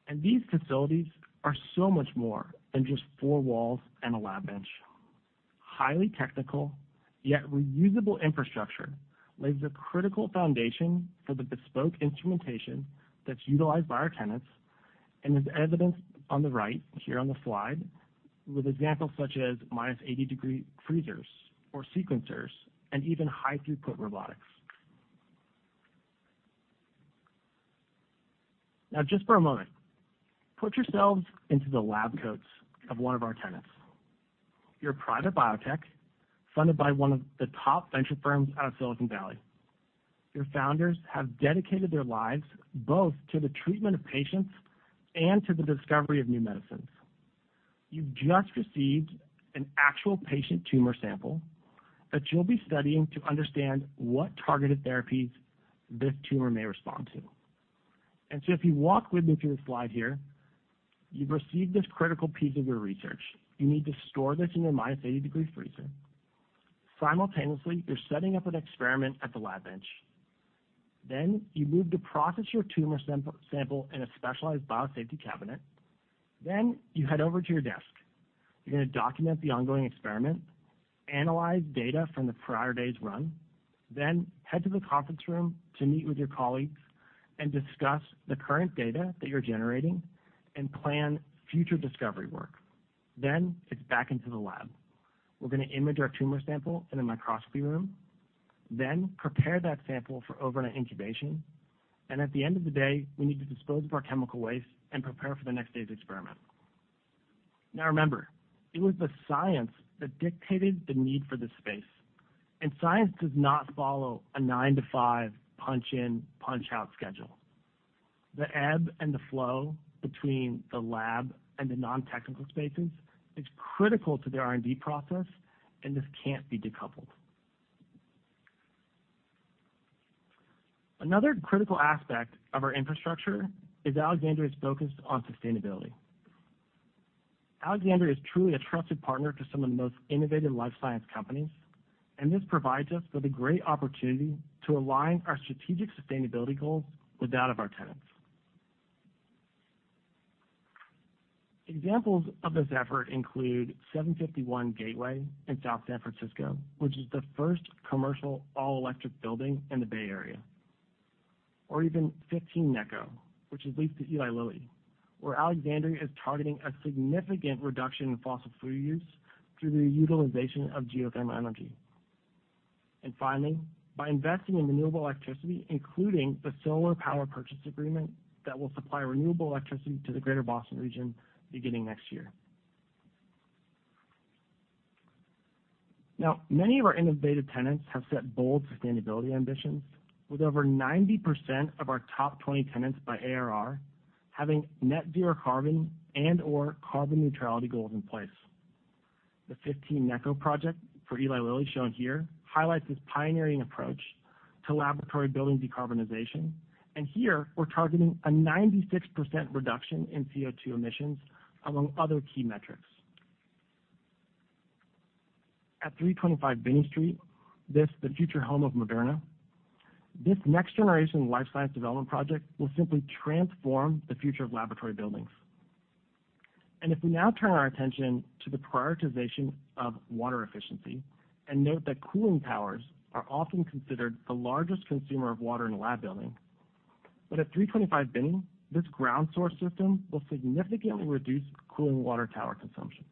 And these facilities are so much more than just four walls and a lab bench. Highly technical, yet reusable infrastructure, lays a critical foundation for the bespoke instrumentation that's utilized by our tenants, and is evidenced on the right here on the slide, with examples such as -80-degree freezers or sequencers, and even high throughput robotics. Now, just for a moment, put yourselves into the lab coats of one of our tenants. You're a private biotech, funded by one of the top venture firms out of Silicon Valley. Your founders have dedicated their lives both to the treatment of patients and to the discovery of new medicines. You've just received an actual patient tumor sample that you'll be studying to understand what targeted therapies this tumor may respond to. And so if you walk with me through the slide here, you've received this critical piece of your research. You need to store this in your -80-degree freezer. Simultaneously, you're setting up an experiment at the lab bench. Then you move to process your tumor sample in a specialized biosafety cabinet. Then you head over to your desk. You're going to document the ongoing experiment, analyze data from the prior day's run, then head to the conference room to meet with your colleagues and discuss the current data that you're generating and plan future discovery work. Then it's back into the lab. We're going to image our tumor sample in a microscopy room, then prepare that sample for overnight incubation, and at the end of the day, we need to dispose of our chemical waste and prepare for the next day's experiment. Now, remember, it was the science that dictated the need for this space, and science does not follow a nine to five punch in, punch out schedule. The ebb and the flow between the lab and the non-technical spaces is critical to the R&D process, and this can't be decoupled. Another critical aspect of our infrastructure is Alexandria's focus on sustainability. Alexandria is truly a trusted partner to some of the most innovative life science companies, and this provides us with a great opportunity to align our strategic sustainability goals with that of our tenants. Examples of this effort include 751 Gateway in South San Francisco, which is the first commercial all-electric building in the Bay Area, or even 15 Necco, which is leased to Eli Lilly, where Alexandria is targeting a significant reduction in fossil fuel use through the utilization of geothermal energy. And finally, by investing in renewable electricity, including the solar power purchase agreement, that will supply renewable electricity to the Greater Boston region beginning next year. Now, many of our innovative tenants have set bold sustainability ambitions, with over 90% of our top 20 tenants by ARR having net zero carbon and or carbon neutrality goals in place. The 15 Necco project for Eli Lilly, shown here, highlights this pioneering approach to laboratory building decarbonization, and here we're targeting a 96% reduction in CO2 emissions, among other key metrics. At 325 Binney Street, this the future home of Moderna. This next generation life science development project will simply transform the future of laboratory buildings. If we now turn our attention to the prioritization of water efficiency and note that cooling towers are often considered the largest consumer of water in a lab building, but at 325 Binney, this ground source system will significantly reduce cooling water tower consumption.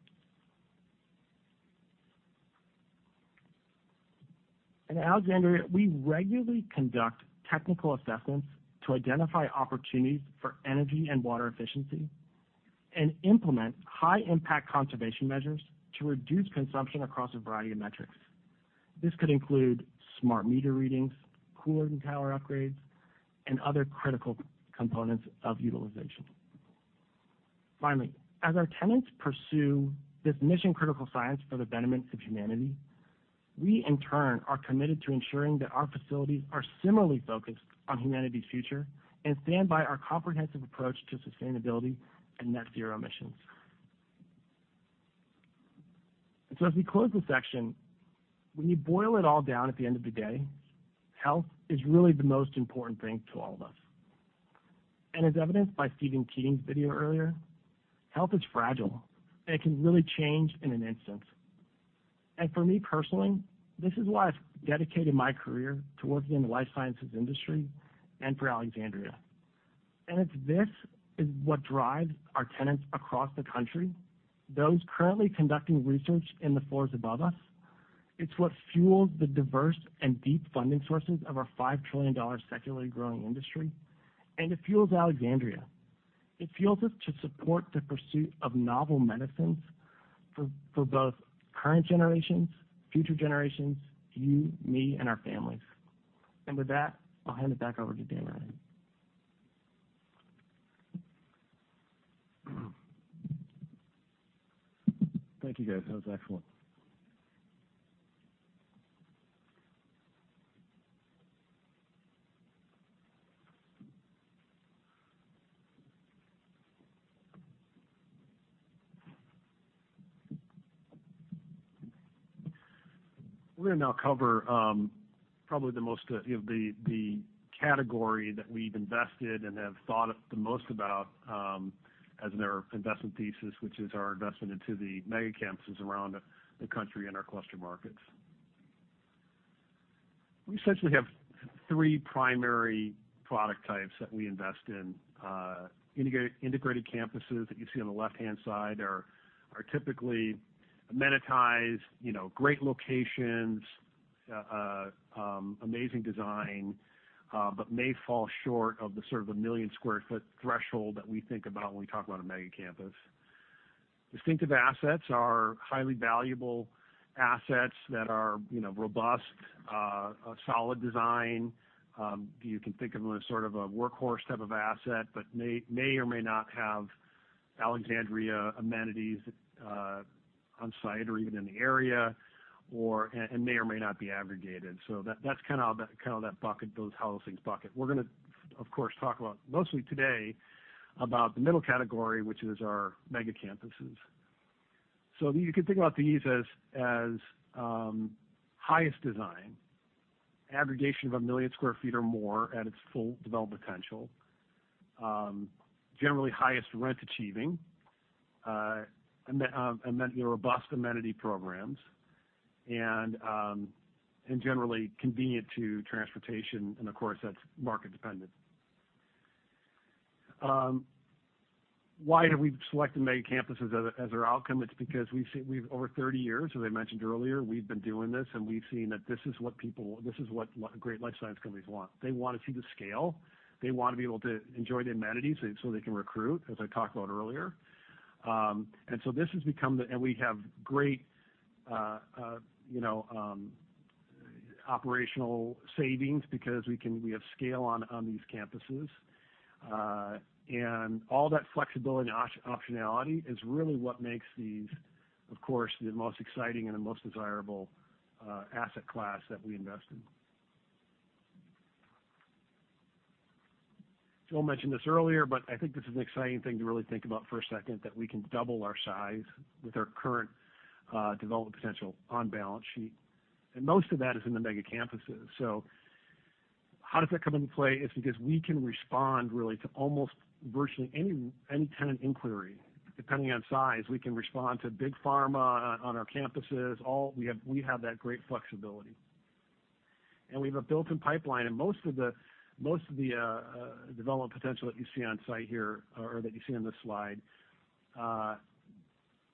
At Alexandria, we regularly conduct technical assessments to identify opportunities for energy and water efficiency, and implement high impact conservation measures to reduce consumption across a variety of metrics. This could include smart meter readings, cooling tower upgrades, and other critical components of utilization. Finally, as our tenants pursue this mission critical science for the betterment of humanity, we in turn are committed to ensuring that our facilities are similarly focused on humanity's future and stand by our comprehensive approach to sustainability and net zero emissions. So as we close this section, when you boil it all down, at the end of the day, health is really the most important thing to all of us. As evidenced by Steven Keating's video earlier, health is fragile, and it can really change in an instant. For me personally, this is why I've dedicated my career to working in the life sciences industry and for Alexandria. And this is what drives our tenants across the country, those currently conducting research in the floors above us. It's what fuels the diverse and deep funding sources of our $5 trillion secularly growing industry, and it fuels Alexandria. It fuels us to support the pursuit of novel medicines for both current generations, future generations, you, me, and our families. And with that, I'll hand it back over to Dan Ryan. Thank you, guys. That was excellent. We're gonna now cover probably the most, you know, the category that we've invested and have thought the most about, as in our investment thesis, which is our investment into the mega campuses around the country and our cluster markets. We essentially have three primary product types that we invest in. Integrated campuses that you see on the left-hand side are typically amenitized, you know, great locations, amazing design, but may fall short of the sort of a 1 million sq ft threshold that we think about when we talk about a mega campus. Distinctive assets are highly valuable assets that are, you know, robust, a solid design. You can think of them as sort of a workhorse type of asset, but may or may not have Alexandria amenities on site or even in the area, or and may or may not be aggregated. So that's kinda of that, kinda of that bucket, those holdings bucket. We're gonna, of course, talk about mostly today, about the middle category, which is our mega campuses. So you can think about these as highest design, aggregation of 1 million sq ft or more at its full development potential. Generally highest rent achieving, and then the robust amenity programs, and generally convenient to transportation, and of course, that's market dependent. Why do we select the mega campuses as our outcome? It's because we've seen over 30 years, as I mentioned earlier, we've been doing this, and we've seen that this is what people, this is what great life science companies want. They want to see the scale. They want to be able to enjoy the amenities so they can recruit, as I talked about earlier. And so this has become the... And we have great, you know, operational savings because we can have scale on these campuses. And all that flexibility and optionality is really what makes these, of course, the most exciting and the most desirable asset class that we invest in. Joel mentioned this earlier, but I think this is an exciting thing to really think about for a second, that we can double our size with our current development potential on balance sheet, and most of that is in the mega campuses. So how does that come into play? It's because we can respond, really, to almost virtually any tenant inquiry. Depending on size, we can respond to big pharma on our campuses. We have, we have that great flexibility. And we have a built-in pipeline, and most of the development potential that you see on site here, or that you see on this slide,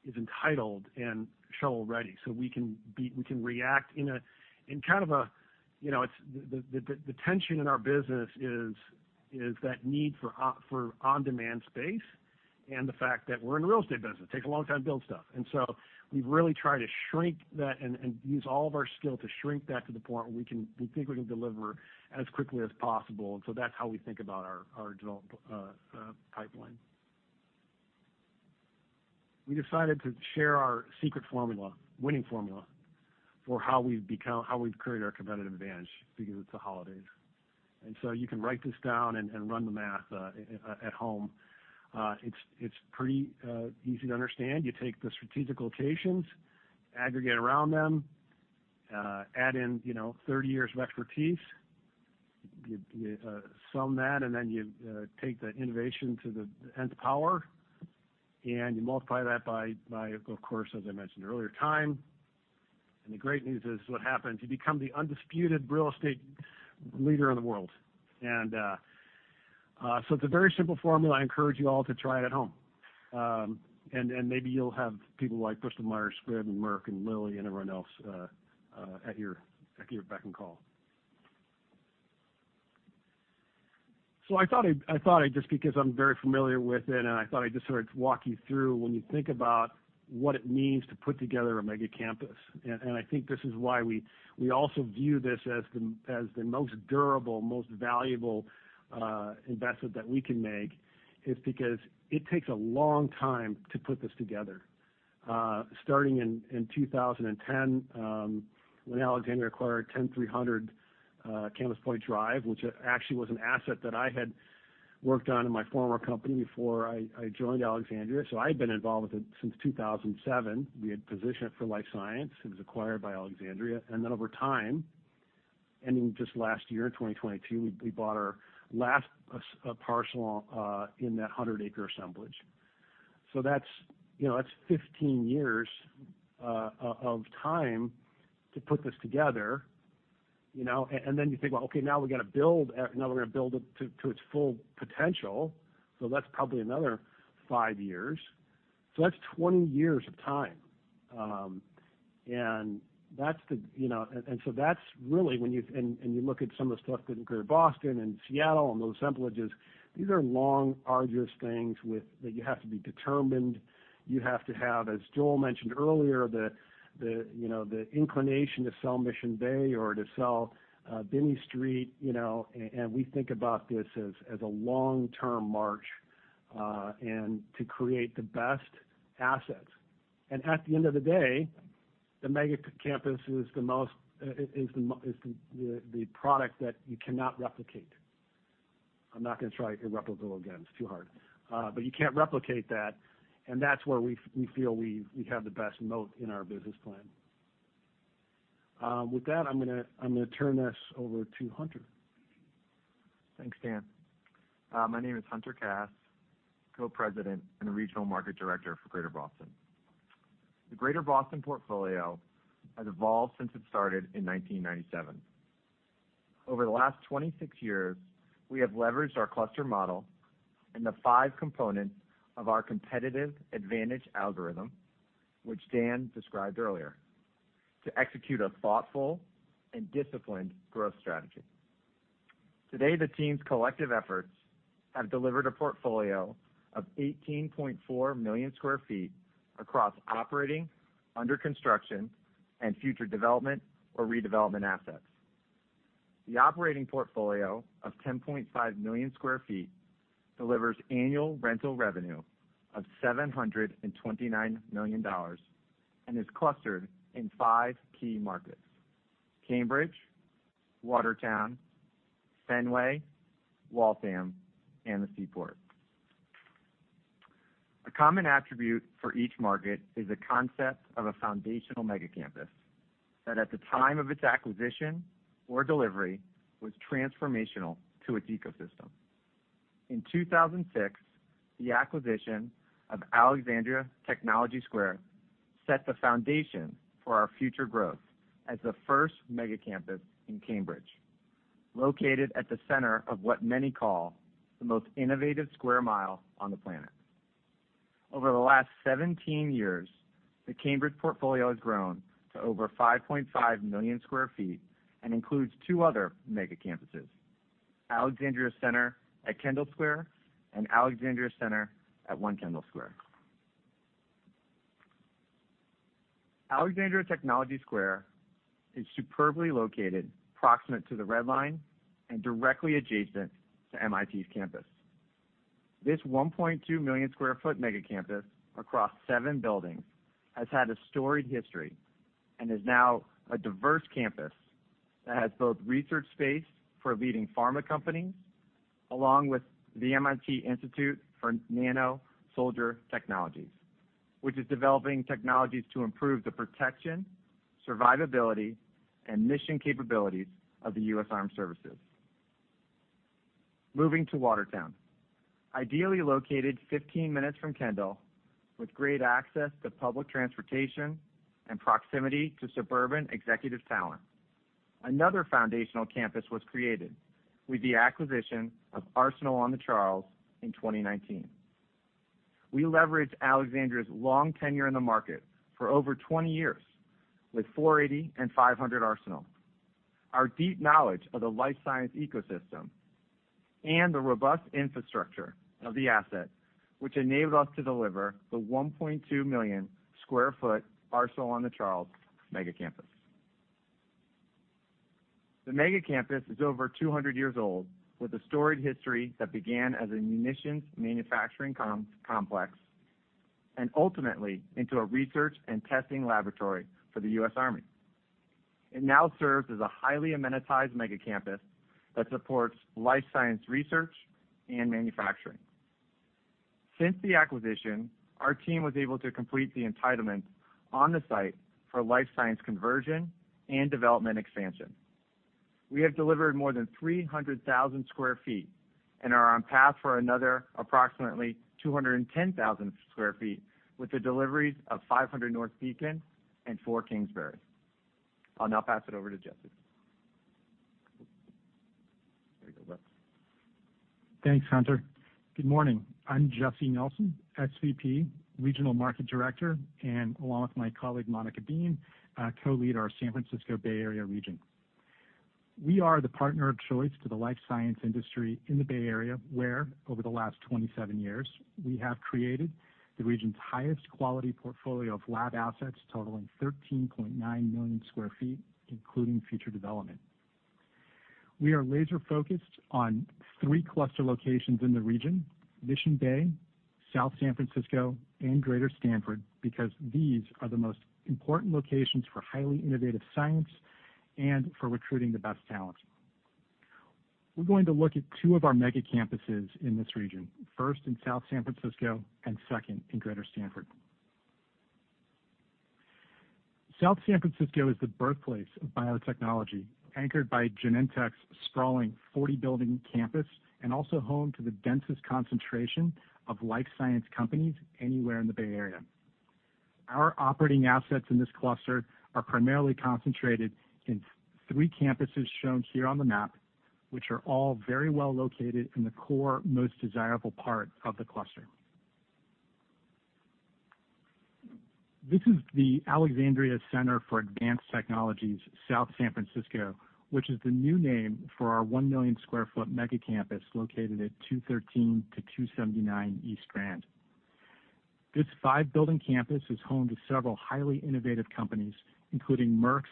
is entitled and shovel-ready. So we can react in a, in kind of a, you know, it's... The tension in our business is that need for on-demand space, and the fact that we're in the real estate business, it takes a long time to build stuff. We've really tried to shrink that and use all of our skill to shrink that to the point where we can—we think we can deliver as quickly as possible. That's how we think about our development pipeline. We decided to share our secret formula, winning formula, for how we've become—how we've created our competitive advantage, because it's the holidays. You can write this down and run the math at home. It's pretty easy to understand. You take the strategic locations, aggregate around them, add in, you know, 30 years of expertise, you sum that, and then you take the innovation to the nth power, and you multiply that by, of course, as I mentioned earlier, time. And the great news is what happens: You become the undisputed real estate leader in the world. So it's a very simple formula. I encourage you all to try it at home. And maybe you'll have people like Bristol-Myers Squibb, and Merck, and Lilly, and everyone else at your beck and call. So I thought I'd just sort of walk you through, just because I'm very familiar with it, when you think about what it means to put together a mega campus. I think this is why we also view this as the most durable, most valuable, investment that we can make, is because it takes a long time to put this together. Starting in 2010, when Alexandria acquired 10,300 Campus Point Drive, which actually was an asset that I had worked on in my former company before I joined Alexandria. So I've been involved with it since 2007. We had positioned it for life science. It was acquired by Alexandria. And then over time, ending just last year, in 2022, we bought our last parcel in that 100-acre assemblage. So that's, you know, that's 15 years of time to put this together, you know? And then you think, well, okay, now we're gonna build it to its full potential, so that's probably another five years. So that's 20 years of time. And that's the, you know. And so that's really when you. And you look at some of the stuff that occurred in Boston and Seattle and those assemblages, these are long, arduous things with that you have to be determined. You have to have, as Joel mentioned earlier, the, you know, the inclination to sell Mission Bay or to sell Binney Street, you know, and we think about this as a long-term march and to create the best assets. And at the end of the day, the mega campus is the most, the product that you cannot replicate. I'm not gonna try irreplicable again, it's too hard. But you can't replicate that, and that's where we feel we have the best moat in our business plan. With that, I'm gonna turn this over to Hunter. Thanks, Dan. My name is Hunter Kass, Co-President and Regional Market Director for Greater Boston. The Greater Boston portfolio has evolved since it started in 1997. Over the last 26 years, we have leveraged our cluster model and the five components of our competitive advantage algorithm, which Dan described earlier, to execute a thoughtful and disciplined growth strategy. Today, the team's collective efforts have delivered a portfolio of 18.4 million sq ft across operating, under construction, and future development or redevelopment assets. The operating portfolio of 10.5 million sq ft delivers annual rental revenue of $729 million and is clustered in five key markets: Cambridge, Watertown, Fenway, Waltham, and the Seaport. A common attribute for each market is the concept of a foundational mega campus, that at the time of its acquisition or delivery, was transformational to its ecosystem. In 2006, the acquisition of Alexandria Technology Square set the foundation for our future growth as the first mega campus in Cambridge, located at the center of what many call the most innovative square mile on the planet. Over the last 17 years, the Cambridge portfolio has grown to over 5.5 million sq ft and includes two other mega campuses, Alexandria Center at Kendall Square and Alexandria Center at One Kendall Square. Alexandria Technology Square is superbly located proximate to the Red Line and directly adjacent to MIT's campus. This 1.2 million sq ft mega campus across seven buildings has had a storied history and is now a diverse campus that has both research space for leading pharma companies, along with the MIT Institute for Nano Soldier Technologies, which is developing technologies to improve the protection, survivability, and mission capabilities of the U.S. Armed Services. Moving to Watertown. Ideally located 15 minutes from Kendall, with great access to public transportation and proximity to suburban executive talent, another foundational campus was created with the acquisition of Arsenal on the Charles in 2019. We leveraged Alexandria's long tenure in the market for over 20 years with 480 and 500 Arsenal. Our deep knowledge of the life science ecosystem and the robust infrastructure of the asset, which enabled us to deliver the 1.2 million sq ft Arsenal on the Charles mega campus. The mega campus is over 200 years old, with a storied history that began as a munitions manufacturing complex, and ultimately into a research and testing laboratory for the U.S. Army. It now serves as a highly amenitized mega campus that supports life science research and manufacturing. Since the acquisition, our team was able to complete the entitlement on the site for life science conversion and development expansion. We have delivered more than 300,000 sq ft and are on path for another approximately 210,000 sq ft, with the deliveries of 500 North Beacon and 4 Kingsbury. I'll now pass it over to Jesse. There you go, bud. Thanks, Hunter. Good morning. I'm Jesse Nelson, SVP, Regional Market Director, and along with my colleague, Monica Dean, co-lead our San Francisco Bay Area region. We are the partner of choice to the life science industry in the Bay Area, where over the last 27 years, we have created the region's highest quality portfolio of lab assets, totaling 13.9 million sq ft, including future development. We are laser focused on three cluster locations in the region: Mission Bay, South San Francisco, and Greater Stanford, because these are the most important locations for highly innovative science and for recruiting the best talent. We're going to look at two of our mega campuses in this region, first in South San Francisco and second in Greater Stanford. South San Francisco is the birthplace of biotechnology, anchored by Genentech's sprawling 40-building campus, and also home to the densest concentration of life science companies anywhere in the Bay Area. Our operating assets in this cluster are primarily concentrated in three campuses shown here on the map, which are all very well located in the core, most desirable part of the cluster. This is the Alexandria Center for Advanced Technologies, South San Francisco, which is the new name for our 1 million sq ft mega campus located at 213-279 East Grand. This five-building campus is home to several highly innovative companies, including Merck's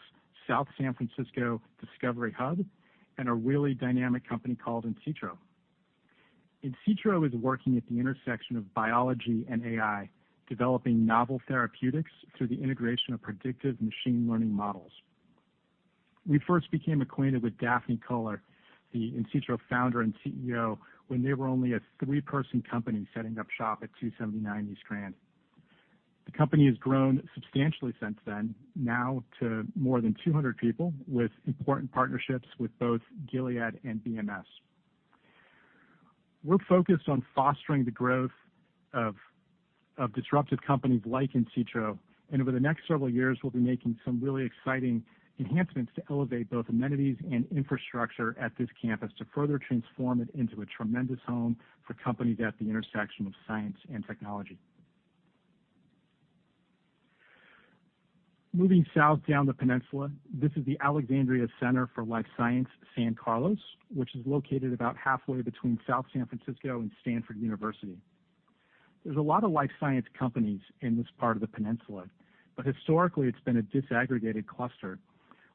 South San Francisco Discovery Hub and a really dynamic company called insitro. insitro is working at the intersection of biology and AI, developing novel therapeutics through the integration of predictive machine learning models. We first became acquainted with Daphne Koller, the insitro Founder and CEO, when they were only a three-person company setting up shop at 279 East Grand. The company has grown substantially since then, now to more than 200 people, with important partnerships with both Gilead and BMS. We're focused on fostering the growth of disruptive companies like insitro, and over the next several years, we'll be making some really exciting enhancements to elevate both amenities and infrastructure at this campus to further transform it into a tremendous home for companies at the intersection of science and technology. Moving south down the peninsula, this is the Alexandria Center for Life Science, San Carlos, which is located about halfway between South San Francisco and Stanford University. There's a lot of life science companies in this part of the peninsula, but historically, it's been a disaggregated cluster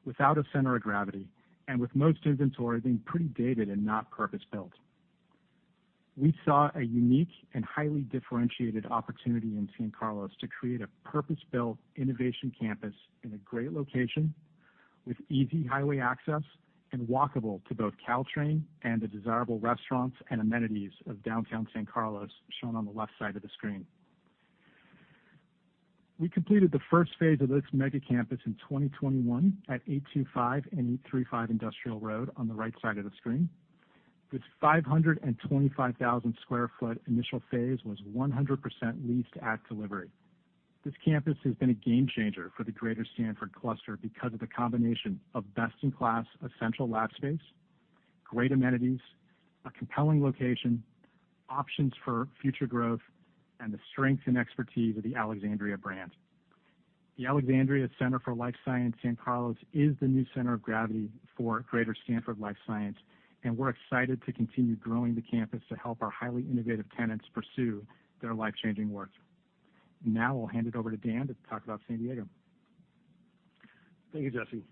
without a center of gravity, and with most inventory being pretty dated and not purpose-built. We saw a unique and highly differentiated opportunity in San Carlos to create a purpose-built innovation campus in a great location, with easy highway access and walkable to both Caltrain and the desirable restaurants and amenities of downtown San Carlos, shown on the left side of the screen. We completed the first phase of this Mega Campus in 2021 at 825 and 835 Industrial Road, on the right side of the screen. This 525,000 sq ft initial phase was 100% leased at delivery. This campus has been a game changer for the greater Stanford cluster because of the combination of best-in-class essential lab space, great amenities, a compelling location, options for future growth, and the strength and expertise of the Alexandria brand. The Alexandria Center for Life Science, San Carlos, is the new center of gravity for greater Stanford life science, and we're excited to continue growing the campus to help our highly innovative tenants pursue their life-changing work. Now I'll hand it over to Dan to talk about San Diego. Thank you, Jesse.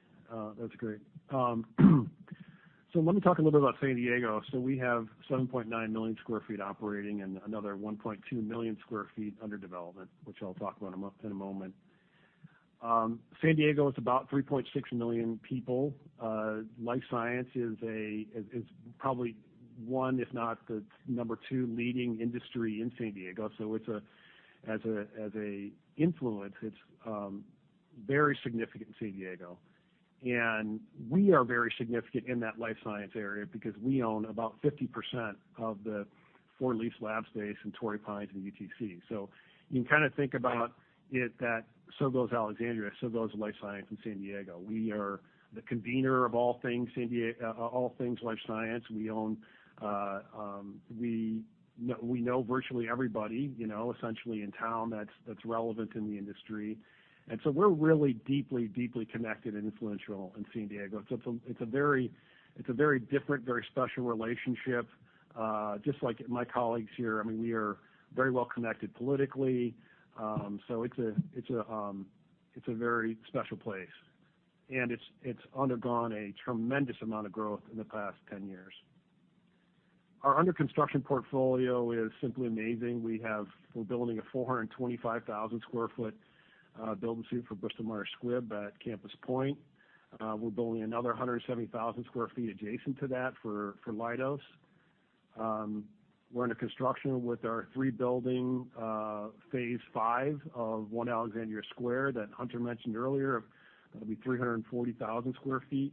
That's great. So let me talk a little bit about San Diego. We have 7.9 million sq ft operating and another 1.2 million sq ft under development, which I'll talk about in a moment. San Diego is about 3.6 million people. Life science is probably one, if not the number two leading industry in San Diego. So it's as an influence, it's very significant in San Diego. And we are very significant in that life science area because we own about 50% of the leased lab space in Torrey Pines and UTC. So you can kind of think about it that, so goes Alexandria, so goes life science in San Diego. We are the convener of all things San Diego, all things life science. We own, we know, we know virtually everybody, you know, essentially in town that's, that's relevant in the industry. And so we're really deeply, deeply connected and influential in San Diego. So it's a very different, very special relationship. Just like my colleagues here, I mean, we are very well connected politically. So it's a very special place, and it's, it's undergone a tremendous amount of growth in the past 10 years. Our under construction portfolio is simply amazing. We have-- We're building a 425,000 sq ft building suite for Bristol-Myers Squibb at Campus Point. We're building another 170,000 sq ft adjacent to that for Leidos. We're under construction with our three-building phase five of One Alexandria Square that Hunter mentioned earlier. That'll be 340,000 sq ft,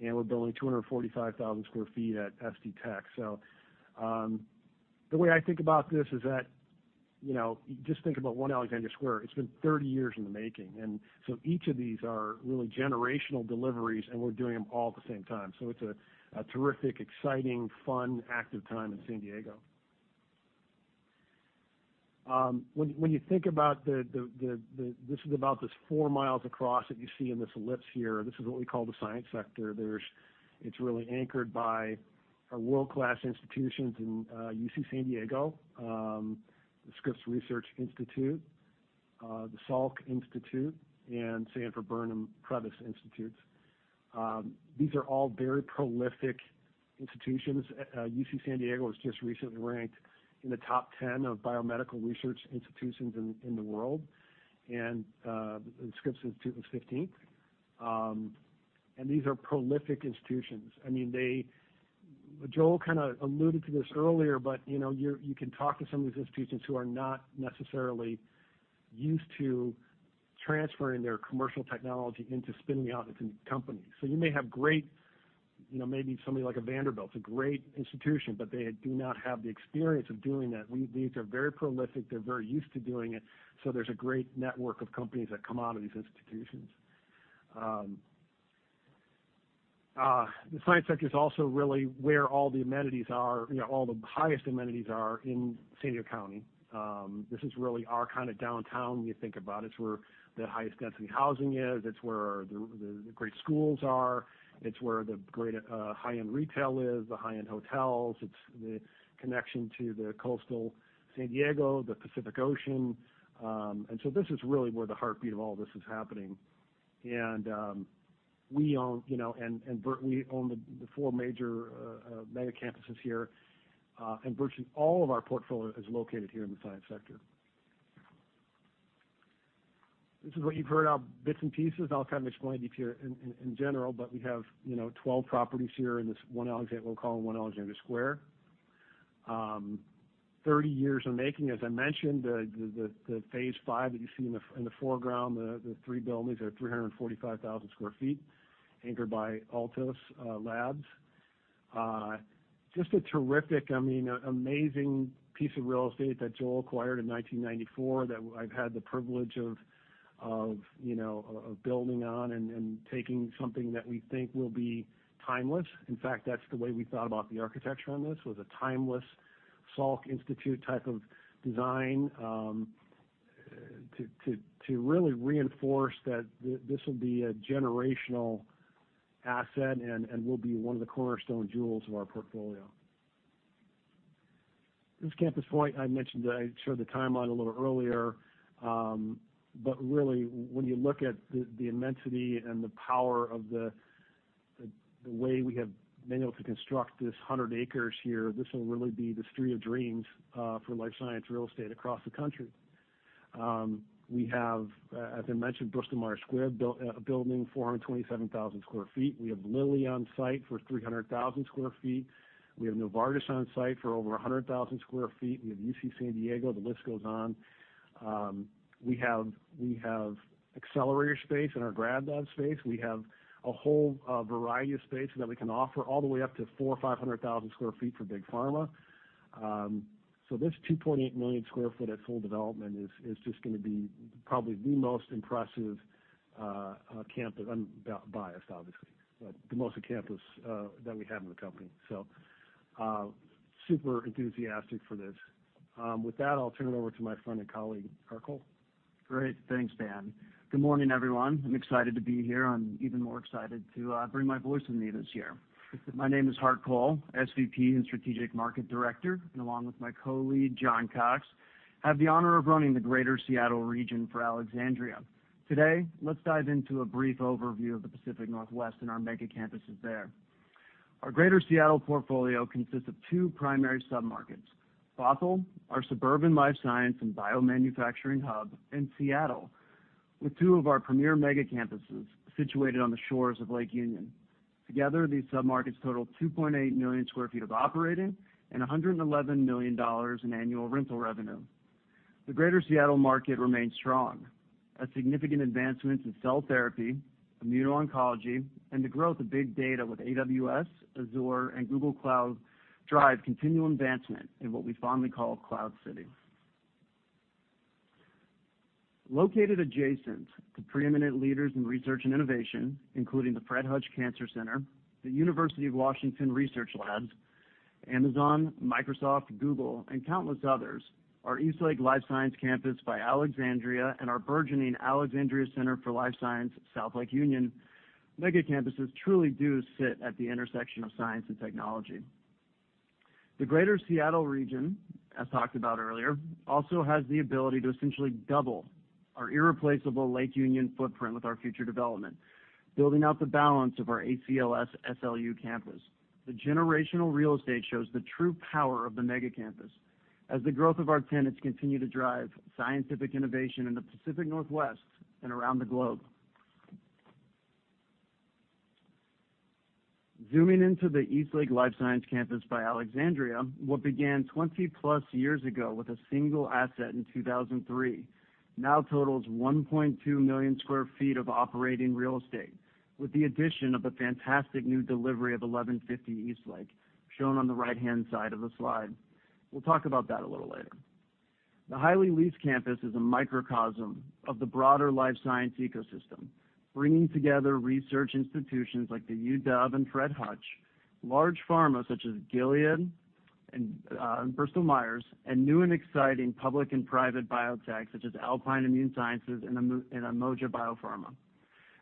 and we're building 245,000 sq ft at SD Tech. So, the way I think about this is that, you know, just think about One Alexandria Square. It's been 30 years in the making, and so each of these are really generational deliveries, and we're doing them all at the same time. So it's a terrific, exciting, fun, active time in San Diego. When you think about this 4 miles across that you see in this ellipse here. This is what we call the science sector. It's really anchored by our world-class institutions in UC San Diego, the Scripps Research Institute, the Salk Institute, and Sanford Burnham Prebys Institutes. These are all very prolific institutions. UC San Diego was just recently ranked in the top 10 of biomedical research institutions in the world, and Scripps Institute was fifteenth. And these are prolific institutions. I mean, they... Joel kind of alluded to this earlier, but, you know, you're, you can talk to some of these institutions who are not necessarily used to transferring their commercial technology into spinning out into companies. So you may have great, you know, maybe somebody like a Vanderbilt. It's a great institution, but they do not have the experience of doing that. These are very prolific, they're very used to doing it, so there's a great network of companies that come out of these institutions. The science sector is also really where all the amenities are, you know, all the highest amenities are in San Diego County. This is really our kind of downtown, when you think about it. It's where the highest density housing is, it's where the great schools are, it's where the great high-end retail is, the high-end hotels. It's the connection to the coastal San Diego, the Pacific Ocean. And so this is really where the heartbeat of all this is happening. We own, you know, and virtually we own the four major mega campuses here, and virtually all of our portfolio is located here in the science sector. This is what you've heard about bits and pieces, and I'll kind of explain it to you in general, but we have, you know, 12 properties here in this One Alexandria, we'll call it One Alexandria Square. Thirty years in the making, as I mentioned, the phase five that you see in the foreground, the three buildings are 345,000 sq ft, anchored by Altos Labs. Just a terrific, I mean, amazing piece of real estate that Joel acquired in 1994, that I've had the privilege of, you know, of building on and taking something that we think will be timeless. In fact, that's the way we thought about the architecture on this, was a timeless Salk Institute type of design, to really reinforce that this will be a generational asset and will be one of the cornerstone jewels of our portfolio. This Campus Point, I mentioned, I showed the timeline a little earlier. But really, when you look at the immensity and the power of the way we have been able to construct this 100 acres here, this will really be the street of dreams for life science real estate across the country. We have, as I mentioned, Bristol-Myers Squibb building 427,000 sq ft. We have Lilly on site for 300,000 sq ft. We have Novartis on site for over 100,000 sq ft. We have UC San Diego. The list goes on. We have accelerator space in our GradLabs space. We have a whole variety of space that we can offer all the way up to 400,000 sq ft or 500,000 sq ft for big pharma. So this 2.8 million sq ft at full development is just gonna be probably the most impressive campus. I'm biased, obviously, but the most campus that we have in the company. So super enthusiastic for this. With that, I'll turn it over to my friend and colleague, Hart Cole. Great. Thanks, Dan. Good morning, everyone. I'm excited to be here. I'm even more excited to bring my voice to me this year. My name is Hart Cole, SVP and Strategic Market Director, and along with my colleague, John Cox, have the honor of running the Greater Seattle region for Alexandria. Today, let's dive into a brief overview of the Pacific Northwest and our mega campuses there. Our Greater Seattle portfolio consists of two primary submarkets: Bothell, our suburban life science and biomanufacturing hub, and Seattle, with two of our premier mega campuses situated on the shores of Lake Union. Together, these submarkets total 2.8 million sq ft of operating and $111 million in annual rental revenue. The Greater Seattle market remains strong. As significant advancements in cell therapy, immuno-oncology, and the growth of big data with AWS, Azure, and Google Cloud drive continual advancement in what we fondly call Cloud City. Located adjacent to preeminent leaders in research and innovation, including the Fred Hutch Cancer Center, the University of Washington research labs, Amazon, Microsoft, Google, and countless others, our Eastlake Life Science campus by Alexandria and our burgeoning Alexandria Center for Life Science, South Lake Union, mega campuses truly do sit at the intersection of science and technology. The Greater Seattle region, as talked about earlier, also has the ability to essentially double our irreplaceable Lake Union footprint with our future development, building out the balance of our ACLS SLU campus. The generational real estate shows the true power of the mega campus, as the growth of our tenants continue to drive scientific innovation in the Pacific Northwest and around the globe. Zooming into the Eastlake Life Science campus by Alexandria, what began 20+ years ago with a single asset in 2003, now totals 1.2 million sq ft of operating real estate, with the addition of a fantastic new delivery of 1150 Eastlake, shown on the right-hand side of the slide. We'll talk about that a little later. The highly leased campus is a microcosm of the broader life science ecosystem, bringing together research institutions like the UDub and Fred Hutch, large pharma such as Gilead and and Bristol-Myers, and new and exciting public and private biotech, such as Alpine Immune Sciences and Umoja Biopharma,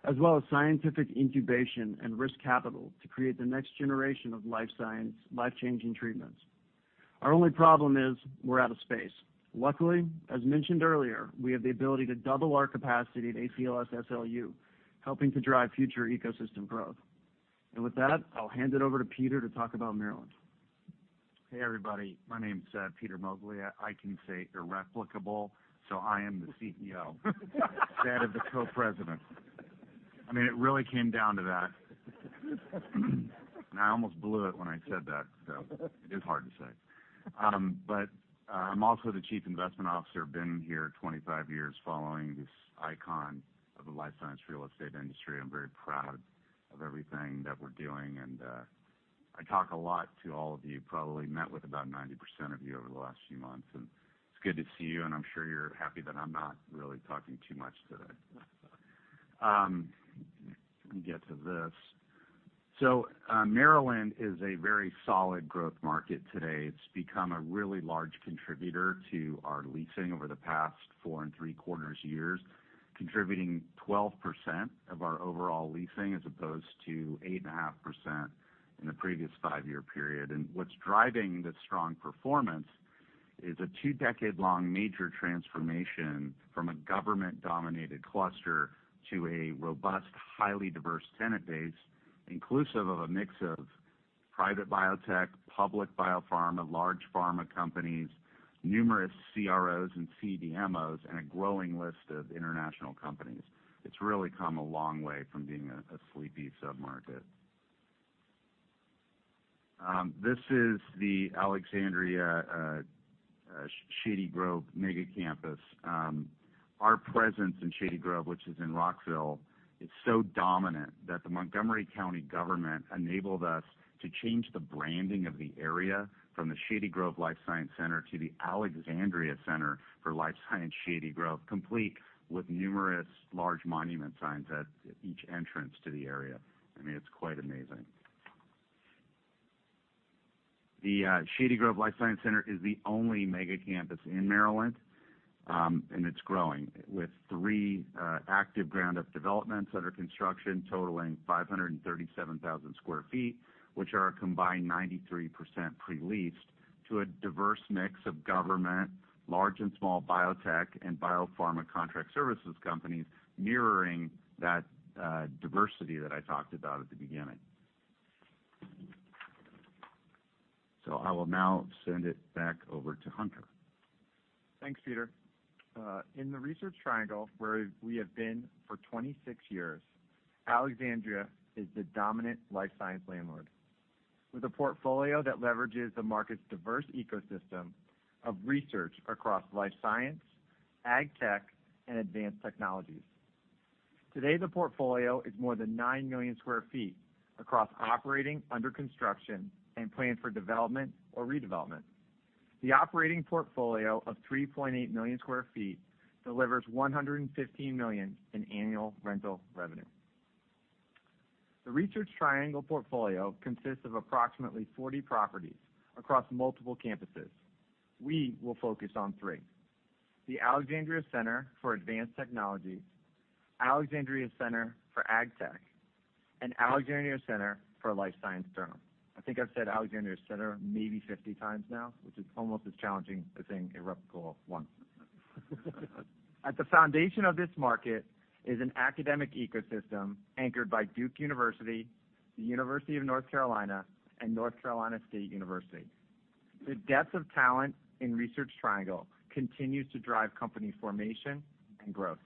as well as scientific incubation and risk capital to create the next generation of life science, life-changing treatments. Our only problem is we're out of space. Luckily, as mentioned earlier, we have the ability to double our capacity at ACLS SLU, helping to drive future ecosystem growth. With that, I'll hand it over to Peter to talk about Maryland. Hey, everybody. My name's Peter Moglia. I can say irreplicable, so I am the CEO and Co-President. I mean, it really came down to that. I almost blew it when I said that, so it is hard to say. But I'm also the Chief Investment Officer. Been here 25 years, following this icon of the life science real estate industry. I'm very proud of everything that we're doing, and I talk a lot to all of you. Probably met with about 90% of you over the last few months, and it's good to see you, and I'm sure you're happy that I'm not really talking too much today. Let me get to this. Maryland is a very solid growth market today. It's become a really large contributor to our leasing over the past 4.75 years, contributing 12% of our overall leasing, as opposed to 8.5% in the previous five-year period. And what's driving the strong performance? is a two-decade-long major transformation from a government-dominated cluster to a robust, highly diverse tenant base, inclusive of a mix of private biotech, public biopharma, large pharma companies, numerous CROs and CDMOs, and a growing list of international companies. It's really come a long way from being a sleepy submarket. This is the Alexandria Shady Grove Mega Campus. Our presence in Shady Grove, which is in Rockville, is so dominant that the Montgomery County government enabled us to change the branding of the area from the Shady Grove Life Science Center to the Alexandria Center for Life Science, Shady Grove, complete with numerous large monument signs at each entrance to the area. I mean, it's quite amazing. The Shady Grove Life Science Center is the only mega campus in Maryland, and it's growing, with three active ground-up developments under construction, totaling 537,000 sq ft, which are a combined 93% pre-leased to a diverse mix of government, large and small biotech, and biopharma contract services companies, mirroring that diversity that I talked about at the beginning. So I will now send it back over to Hunter. Thanks, Peter. In the Research Triangle, where we have been for 26 years, Alexandria is the dominant life science landlord. With a portfolio that leverages the market's diverse ecosystem of research across life science, ag tech, and advanced technologies. Today, the portfolio is more than 9 million sq ft across operating, under construction, and planned for development or redevelopment. The operating portfolio of 3.8 million sq ft delivers $115 million in annual rental revenue. The Research Triangle portfolio consists of approximately 40 properties across multiple campuses. We will focus on three: the Alexandria Center for Advanced Technologies, Alexandria Center for AgTech, and Alexandria Center for Life Science, Durham. I think I've said Alexandria Center maybe 50x now, which is almost as challenging as saying [erupt goal one]. At the foundation of this market is an academic ecosystem anchored by Duke University, the University of North Carolina, and North Carolina State University. The depth of talent in Research Triangle continues to drive company formation and growth.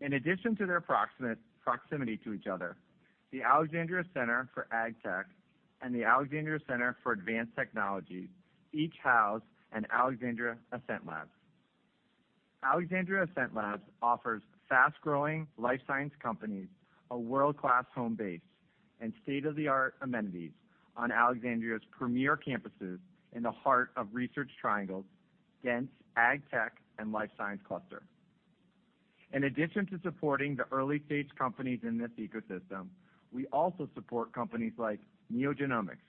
In addition to their proximity to each other, the Alexandria Center for AgTech and the Alexandria Center for Advanced Technologies each house an Alexandria AscentLabs. Alexandria AscentLabs offers fast-growing life science companies, a world-class home base, and state-of-the-art amenities on Alexandria's premier campuses in the heart of Research Triangle's dense ag tech and life science cluster. In addition to supporting the early-stage companies in this ecosystem, we also support companies like NeoGenomics,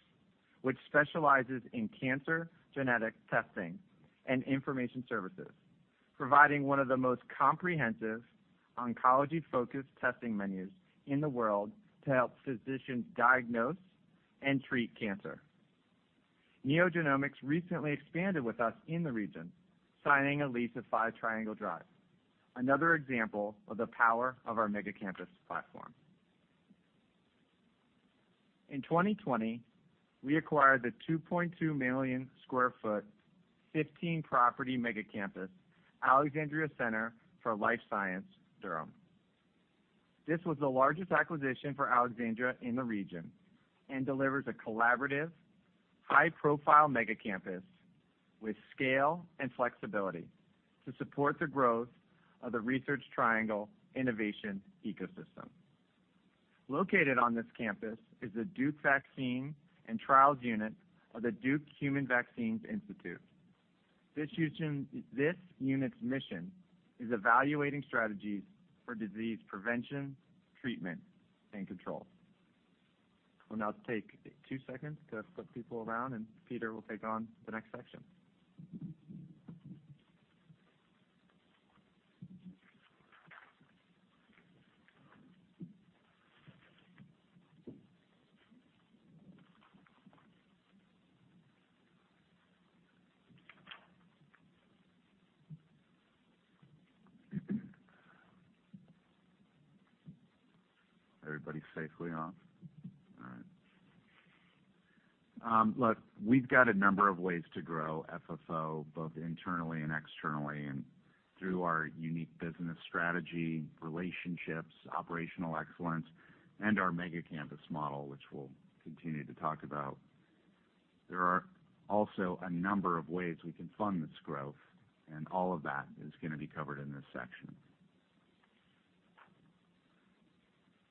which specializes in cancer, genetic testing, and information services, providing one of the most comprehensive oncology-focused testing menus in the world to help physicians diagnose and treat cancer. NeoGenomics recently expanded with us in the region, signing a lease of Five Triangle Drive, another example of the power of our mega campus platform. In 2020, we acquired the 2.2 million sq ft, 15-property mega campus, Alexandria Center for Life Science, Durham. This was the largest acquisition for Alexandria in the region and delivers a collaborative, high-profile mega campus with scale and flexibility to support the growth of the Research Triangle innovation ecosystem. Located on this campus is the Duke Vaccine and Trials Unit of the Duke Human Vaccine Institute. This unit's mission is evaluating strategies for disease prevention, treatment, and control. We'll now take two seconds to flip people around, and Peter will take on the next section. Everybody safely off? All right. Look, we've got a number of ways to grow FFO, both internally and externally, and through our unique business strategy, relationships, operational excellence, and our mega campus model, which we'll continue to talk about. There are also a number of ways we can fund this growth, and all of that is going to be covered in this section.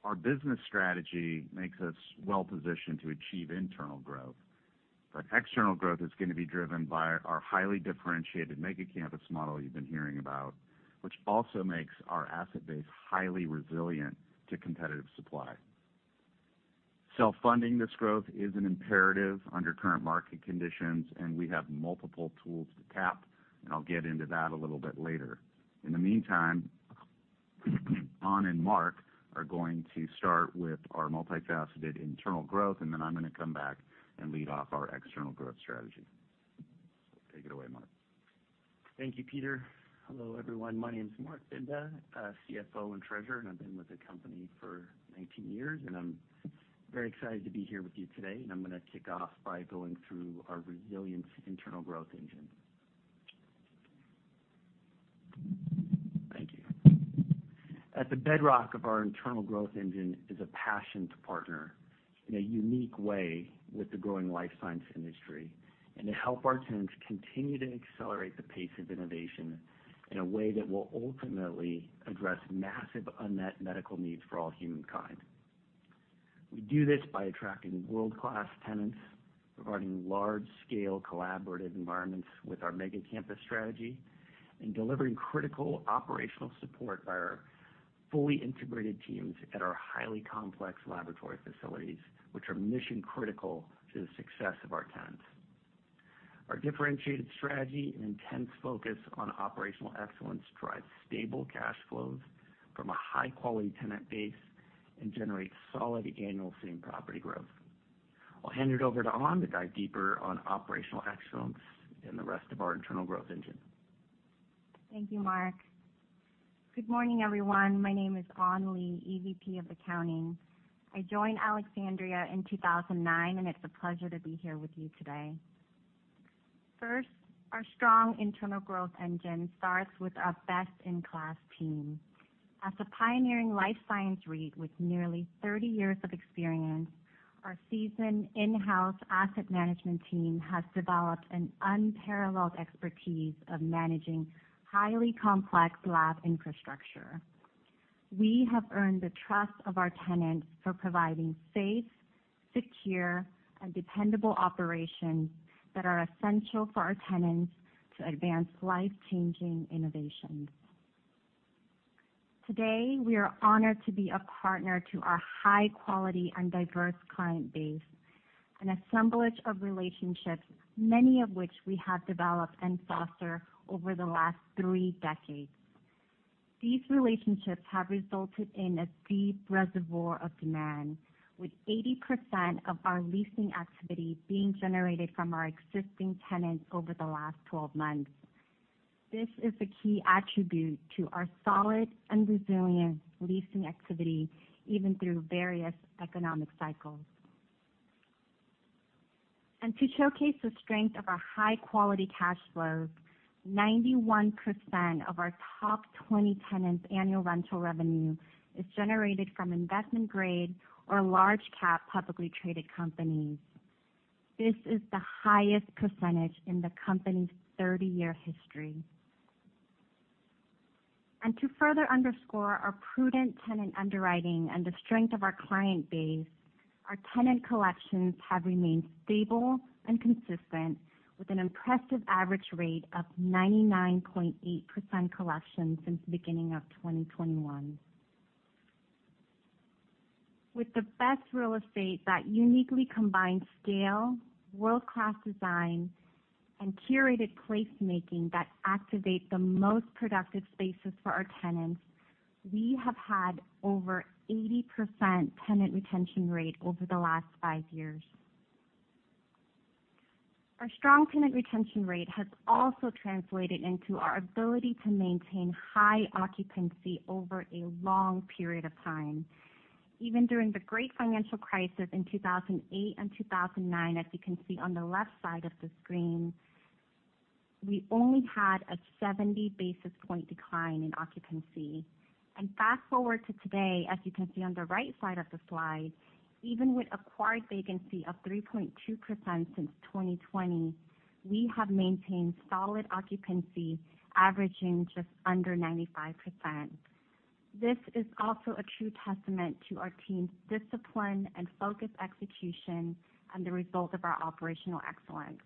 Our business strategy makes us well positioned to achieve internal growth, but external growth is going to be driven by our highly differentiated mega campus model you've been hearing about, which also makes our asset base highly resilient to competitive supply. Self-funding this growth is an imperative under current market conditions, and we have multiple tools to tap, and I'll get into that a little bit later. In the meantime, Onn and Marc are going to start with our multifaceted internal growth, and then I'm going to come back and lead off our external growth strategy. So take it away, Marc. Thank you, Peter. Hello, everyone. My name is Marc Binda, CFO, and Treasurer, and I've been with the company for 19 years, and I'm very excited to be here with you today. I'm going to kick off by going through our resilient internal growth engine. Thank you. At the bedrock of our internal growth engine is a passion to partner in a unique way with the growing life science industry, and to help our tenants continue to accelerate the pace of innovation in a way that will ultimately address massive unmet medical needs for all humankind. We do this by attracting world-class tenants, providing large-scale collaborative environments with our Mega Campus strategy, and delivering critical operational support by our fully integrated teams at our highly complex laboratory facilities, which are mission critical to the success of our tenants. Our differentiated strategy and intense focus on operational excellence drives stable cash flows from a high-quality tenant base and generates solid annual same-property growth. I'll hand it over to Onn to dive deeper on operational excellence and the rest of our internal growth engine. Thank you, Marc. Good morning, everyone. My name is Onn Lee, EVP of Accounting. I joined Alexandria in 2009, and it's a pleasure to be here with you today. First, our strong internal growth engine starts with our best-in-class team. As a pioneering life science REIT with nearly 30 years of experience, our seasoned in-house asset management team has developed an unparalleled expertise of managing highly complex lab infrastructure. We have earned the trust of our tenants for providing safe, secure, and dependable operations that are essential for our tenants to advance life-changing innovations. Today, we are honored to be a partner to our high quality and diverse client base, an assemblage of relationships, many of which we have developed and foster over the last 3 decades. These relationships have resulted in a deep reservoir of demand, with 80% of our leasing activity being generated from our existing tenants over the last 12 months. This is a key attribute to our solid and resilient leasing activity, even through various economic cycles. To showcase the strength of our high-quality cash flow, 91% of our top 20 tenants' annual rental revenue is generated from investment-grade or large-cap publicly traded companies. This is the highest percentage in the company's 30-year history. To further underscore our prudent tenant underwriting and the strength of our client base, our tenant collections have remained stable and consistent, with an impressive average rate of 99.8% collection since the beginning of 2021. With the best real estate that uniquely combines scale, world-class design, and curated placemaking that activate the most productive spaces for our tenants, we have had over 80% tenant retention rate over the last five years. Our strong tenant retention rate has also translated into our ability to maintain high occupancy over a long period of time. Even during the Great Financial Crisis in 2008 and 2009, as you can see on the left side of the screen, we only had a 70 basis point decline in occupancy. And fast forward to today, as you can see on the right side of the slide, even with acquired vacancy of 3.2% since 2020, we have maintained solid occupancy, averaging just under 95%. This is also a true testament to our team's discipline and focused execution and the result of our operational excellence.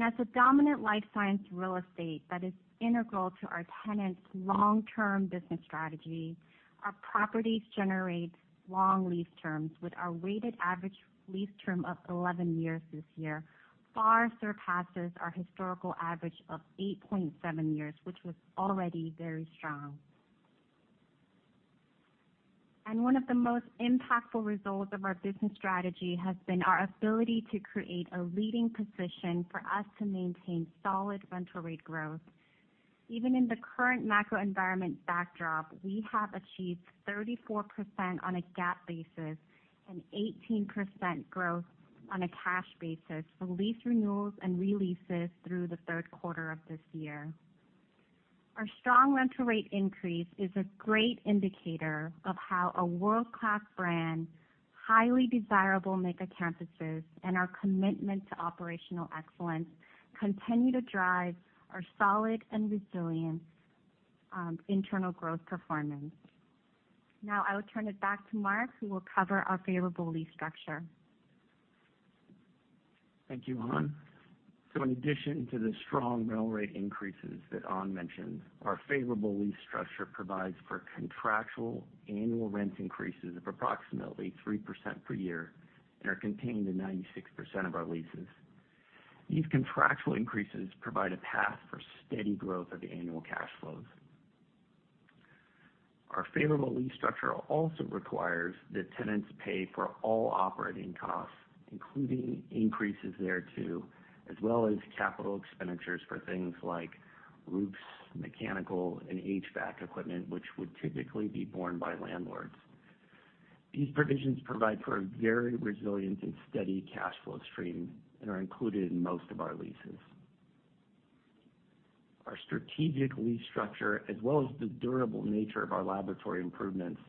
As a dominant life science real estate that is integral to our tenants' long-term business strategy, our properties generate long lease terms, with our weighted average lease term of 11 years this year, far surpasses our historical average of 8.7 years, which was already very strong. One of the most impactful results of our business strategy has been our ability to create a leading position for us to maintain solid rental rate growth. Even in the current macro environment backdrop, we have achieved 34% on a GAAP basis and 18% growth on a cash basis for lease renewals and releases through the third quarter of this year. Our strong rental rate increase is a great indicator of how a world-class brand, highly desirable mega campuses, and our commitment to operational excellence continue to drive our solid and resilient internal growth performance. Now, I will turn it back to Marc, who will cover our favorable lease structure. Thank you, Onn. So in addition to the strong rental rate increases that Onn mentioned, our favorable lease structure provides for contractual annual rent increases of approximately 3% per year and are contained in 96% of our leases. These contractual increases provide a path for steady growth of the annual cash flows. Our favorable lease structure also requires that tenants pay for all operating costs, including increases there, too, as well as capital expenditures for things like roofs, mechanical, and HVAC equipment, which would typically be borne by landlords. These provisions provide for a very resilient and steady cash flow stream and are included in most of our leases. Our strategic lease structure, as well as the durable nature of our laboratory improvements,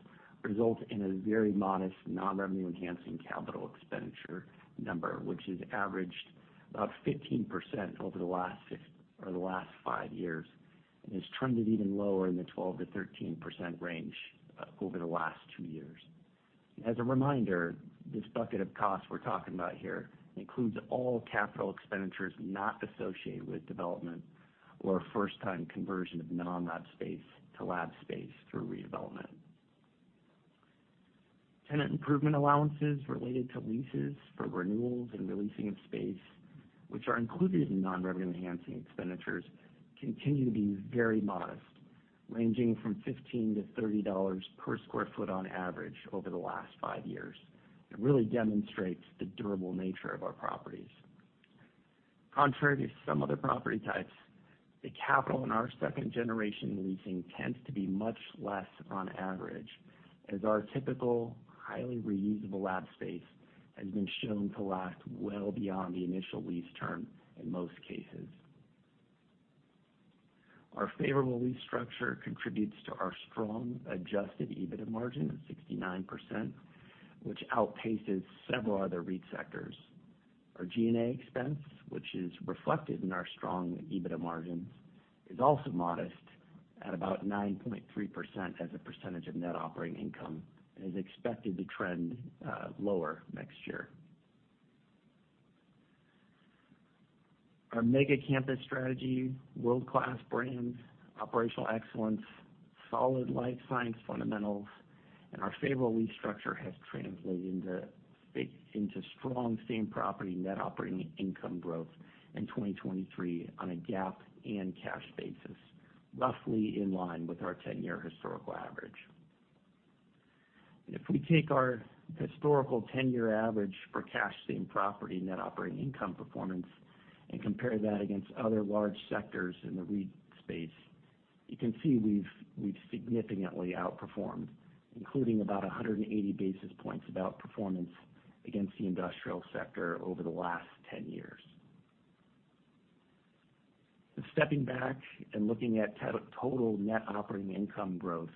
result in a very modest non-revenue enhancing capital expenditure number, which has averaged about 15% over the last six—or the last five years, and has trended even lower in the 12%-13% range over the last two years. As a reminder, this bucket of costs we're talking about here includes all capital expenditures not associated with development or first-time conversion of non-lab space to lab space through redevelopment. Tenant improvement allowances related to leases for renewals and re-leasing of space, which are included in non-revenue enhancing expenditures, continue to be very modest, ranging from $15-$30 per sq ft on average over the last five years. It really demonstrates the durable nature of our properties. Contrary to some other property types, the capital in our second-generation leasing tends to be much less on average, as our typical, highly reusable lab space has been shown to last well beyond the initial lease term in most cases. Our favorable lease structure contributes to our strong adjusted EBITDA margin of 69%, which outpaces several other REIT sectors. Our G&A expense, which is reflected in our strong EBITDA margins, is also modest, at about 9.3% as a percentage of net operating income, and is expected to trend lower next year. Our mega campus strategy, world-class brands, operational excellence, solid life science fundamentals, and our favorable lease structure has translated into strong same-property net operating income growth in 2023 on a GAAP and cash basis, roughly in line with our ten-year historical average. And if we take our historical 10-year average for cash same-property net operating income performance and compare that against other large sectors in the REIT space, you can see we've significantly outperformed, including about 180 basis points of outperformance against the industrial sector over the last 10 years. Stepping back and looking at total net operating income growth,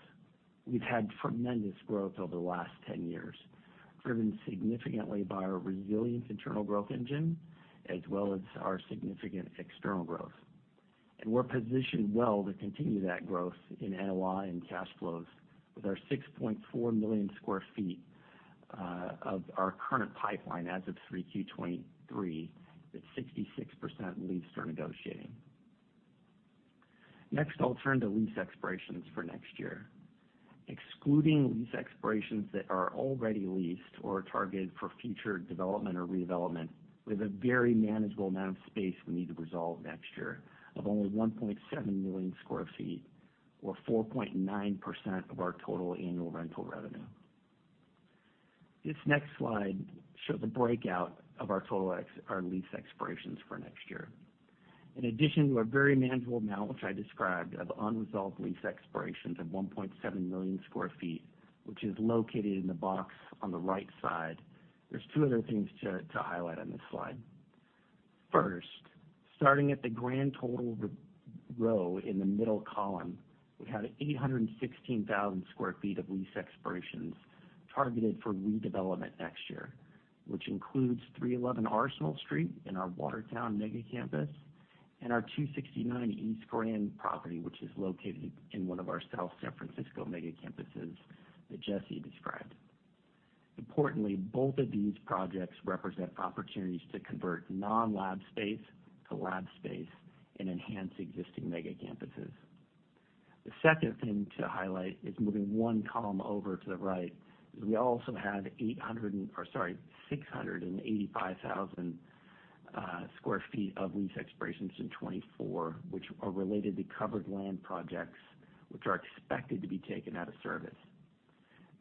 we've had tremendous growth over the last 10 years, driven significantly by our resilient internal growth engine, as well as our significant external growth. And we're positioned well to continue that growth in NOI and cash flows with our 6.4 million sq ft of our current pipeline as of 3Q 2023, with 66% leases are negotiating. Next, I'll turn to lease expirations for next year. Excluding lease expirations that are already leased or targeted for future development or redevelopment, we have a very manageable amount of space we need to resolve next year, of only 1.7 million sq ft or 4.9% of our total annual rental revenue. This next slide shows a breakout of our total our lease expirations for next year. In addition to a very manageable amount, which I described, of unresolved lease expirations of 1.7 million sq ft, which is located in the box on the right side, there's two other things to highlight on this slide. First, starting at the grand total row in the middle column, we have 816,000 sq ft of lease expirations targeted for redevelopment next year, which includes 311 Arsenal Street in our Watertown mega campus, and our 269 East Grand property, which is located in one of our South San Francisco mega campuses that Jesse described. Importantly, both of these projects represent opportunities to convert non-lab space to lab space and enhance existing mega campuses. The second thing to highlight is moving one column over to the right, is we also have eight hundred and... Or sorry, 685,000 sq ft of lease expirations in 2024, which are related to covered land projects, which are expected to be taken out of service.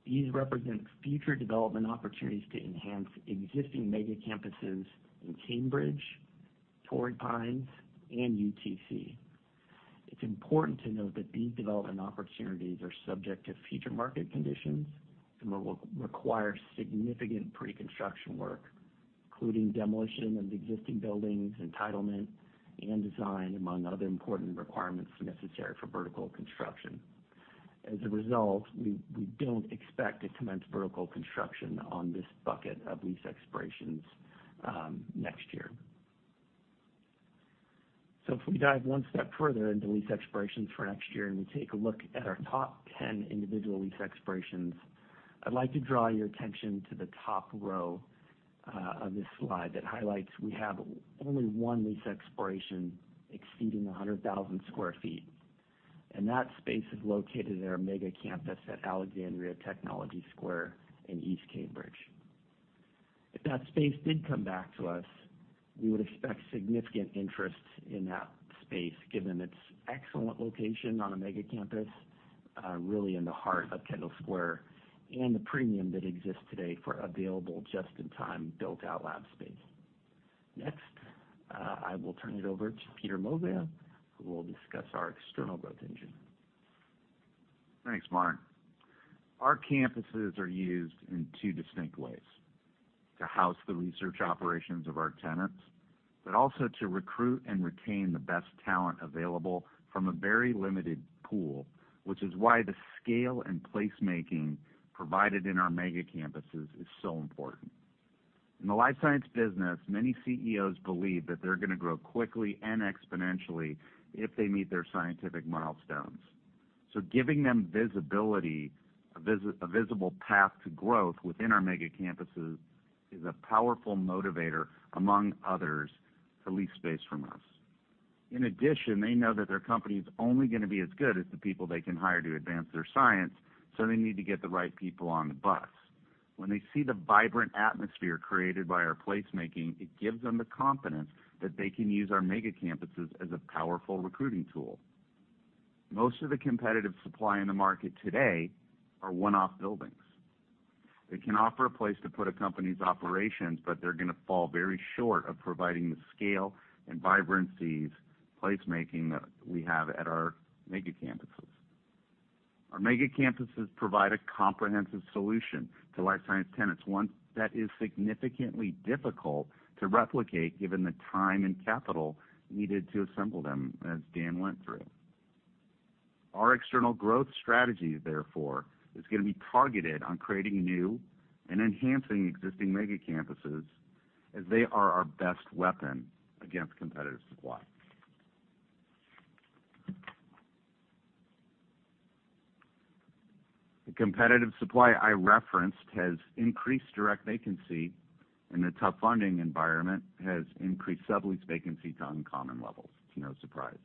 These represent future development opportunities to enhance existing mega campuses in Cambridge, Torrey Pines, and UTC. It's important to note that these development opportunities are subject to future market conditions and will require significant pre-construction work, including demolition of existing buildings, entitlement, and design, among other important requirements necessary for vertical construction. As a result, we don't expect to commence vertical construction on this bucket of lease expirations next year. So if we dive one step further into lease expirations for next year, and we take a look at our top 10 individual lease expirations, I'd like to draw your attention to the top row of this slide that highlights we have only one lease expiration exceeding 100,000 sq ft, and that space is located in our Mega Campus at Alexandria Technology Square in East Cambridge. If that space did come back to us, we would expect significant interest in that space, given its excellent location on a mega campus, really in the heart of Kendall Square, and the premium that exists today for available just-in-time, built-out lab space. Next, I will turn it over to Peter Moglia, who will discuss our external growth engine. Thanks, Marc. Our campuses are used in two distinct ways: to house the research operations of our tenants, but also to recruit and retain the best talent available from a very limited pool, which is why the scale and placemaking provided in our mega campuses is so important. In the life science business, many CEOs believe that they're going to grow quickly and exponentially if they meet their scientific milestones. So giving them visibility, a visible path to growth within our mega campuses, is a powerful motivator, among others, to lease space from us. In addition, they know that their company is only going to be as good as the people they can hire to advance their science, so they need to get the right people on the bus. When they see the vibrant atmosphere created by our placemaking, it gives them the confidence that they can use our mega campuses as a powerful recruiting tool. Most of the competitive supply in the market today are one-off buildings. They can offer a place to put a company's operations, but they're going to fall very short of providing the scale and vibrancy placemaking that we have at our mega campuses. Our mega campuses provide a comprehensive solution to life science tenants, one that is significantly difficult to replicate given the time and capital needed to assemble them, as Dan went through. Our external growth strategy, therefore, is going to be targeted on creating new and enhancing existing mega campuses, as they are our best weapon against competitive supply. The competitive supply I referenced has increased direct vacancy, and the tough funding environment has increased sublease vacancy to uncommon levels, to no surprise.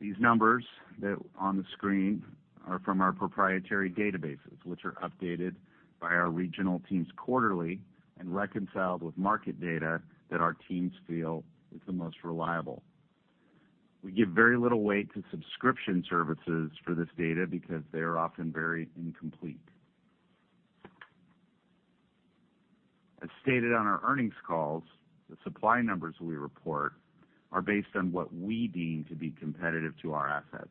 These numbers that on the screen are from our proprietary databases, which are updated by our regional teams quarterly and reconciled with market data that our teams feel is the most reliable. We give very little weight to subscription services for this data because they are often very incomplete. As stated on our earnings calls, the supply numbers we report are based on what we deem to be competitive to our assets.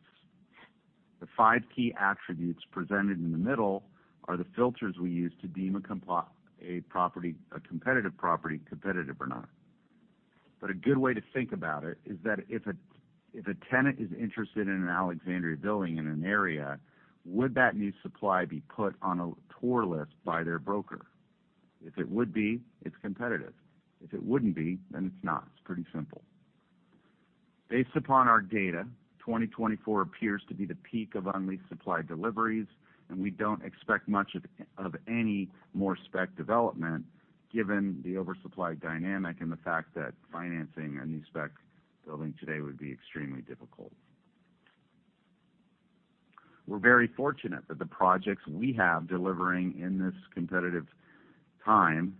The five key attributes presented in the middle are the filters we use to deem a property, a competitive property, competitive or not. But a good way to think about it is that if a tenant is interested in an Alexandria building in an area, would that new supply be put on a tour list by their broker? If it would be, it's competitive. If it wouldn't be, then it's not. It's pretty simple. Based upon our data, 2024 appears to be the peak of unleased supply deliveries, and we don't expect much of any more spec development, given the oversupply dynamic and the fact that financing a new spec building today would be extremely difficult. We're very fortunate that the projects we have delivering in this competitive time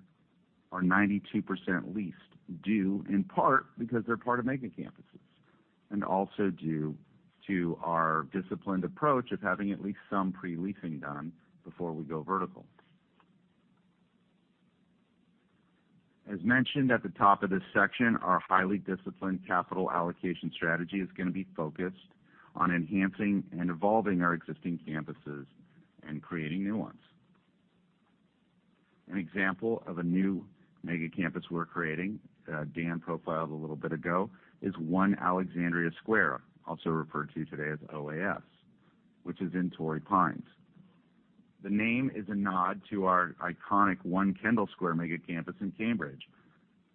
are 92% leased, due in part because they're part of mega campuses, and also due to our disciplined approach of having at least some pre-leasing done before we go vertical. As mentioned at the top of this section, our highly disciplined capital allocation strategy is going to be focused on enhancing and evolving our existing campuses and creating new ones. An example of a new mega campus we're creating, Dan profiled a little bit ago, is One Alexandria Square, also referred to today as OAS, which is in Torrey Pines. The name is a nod to our iconic One Kendall Square mega campus in Cambridge,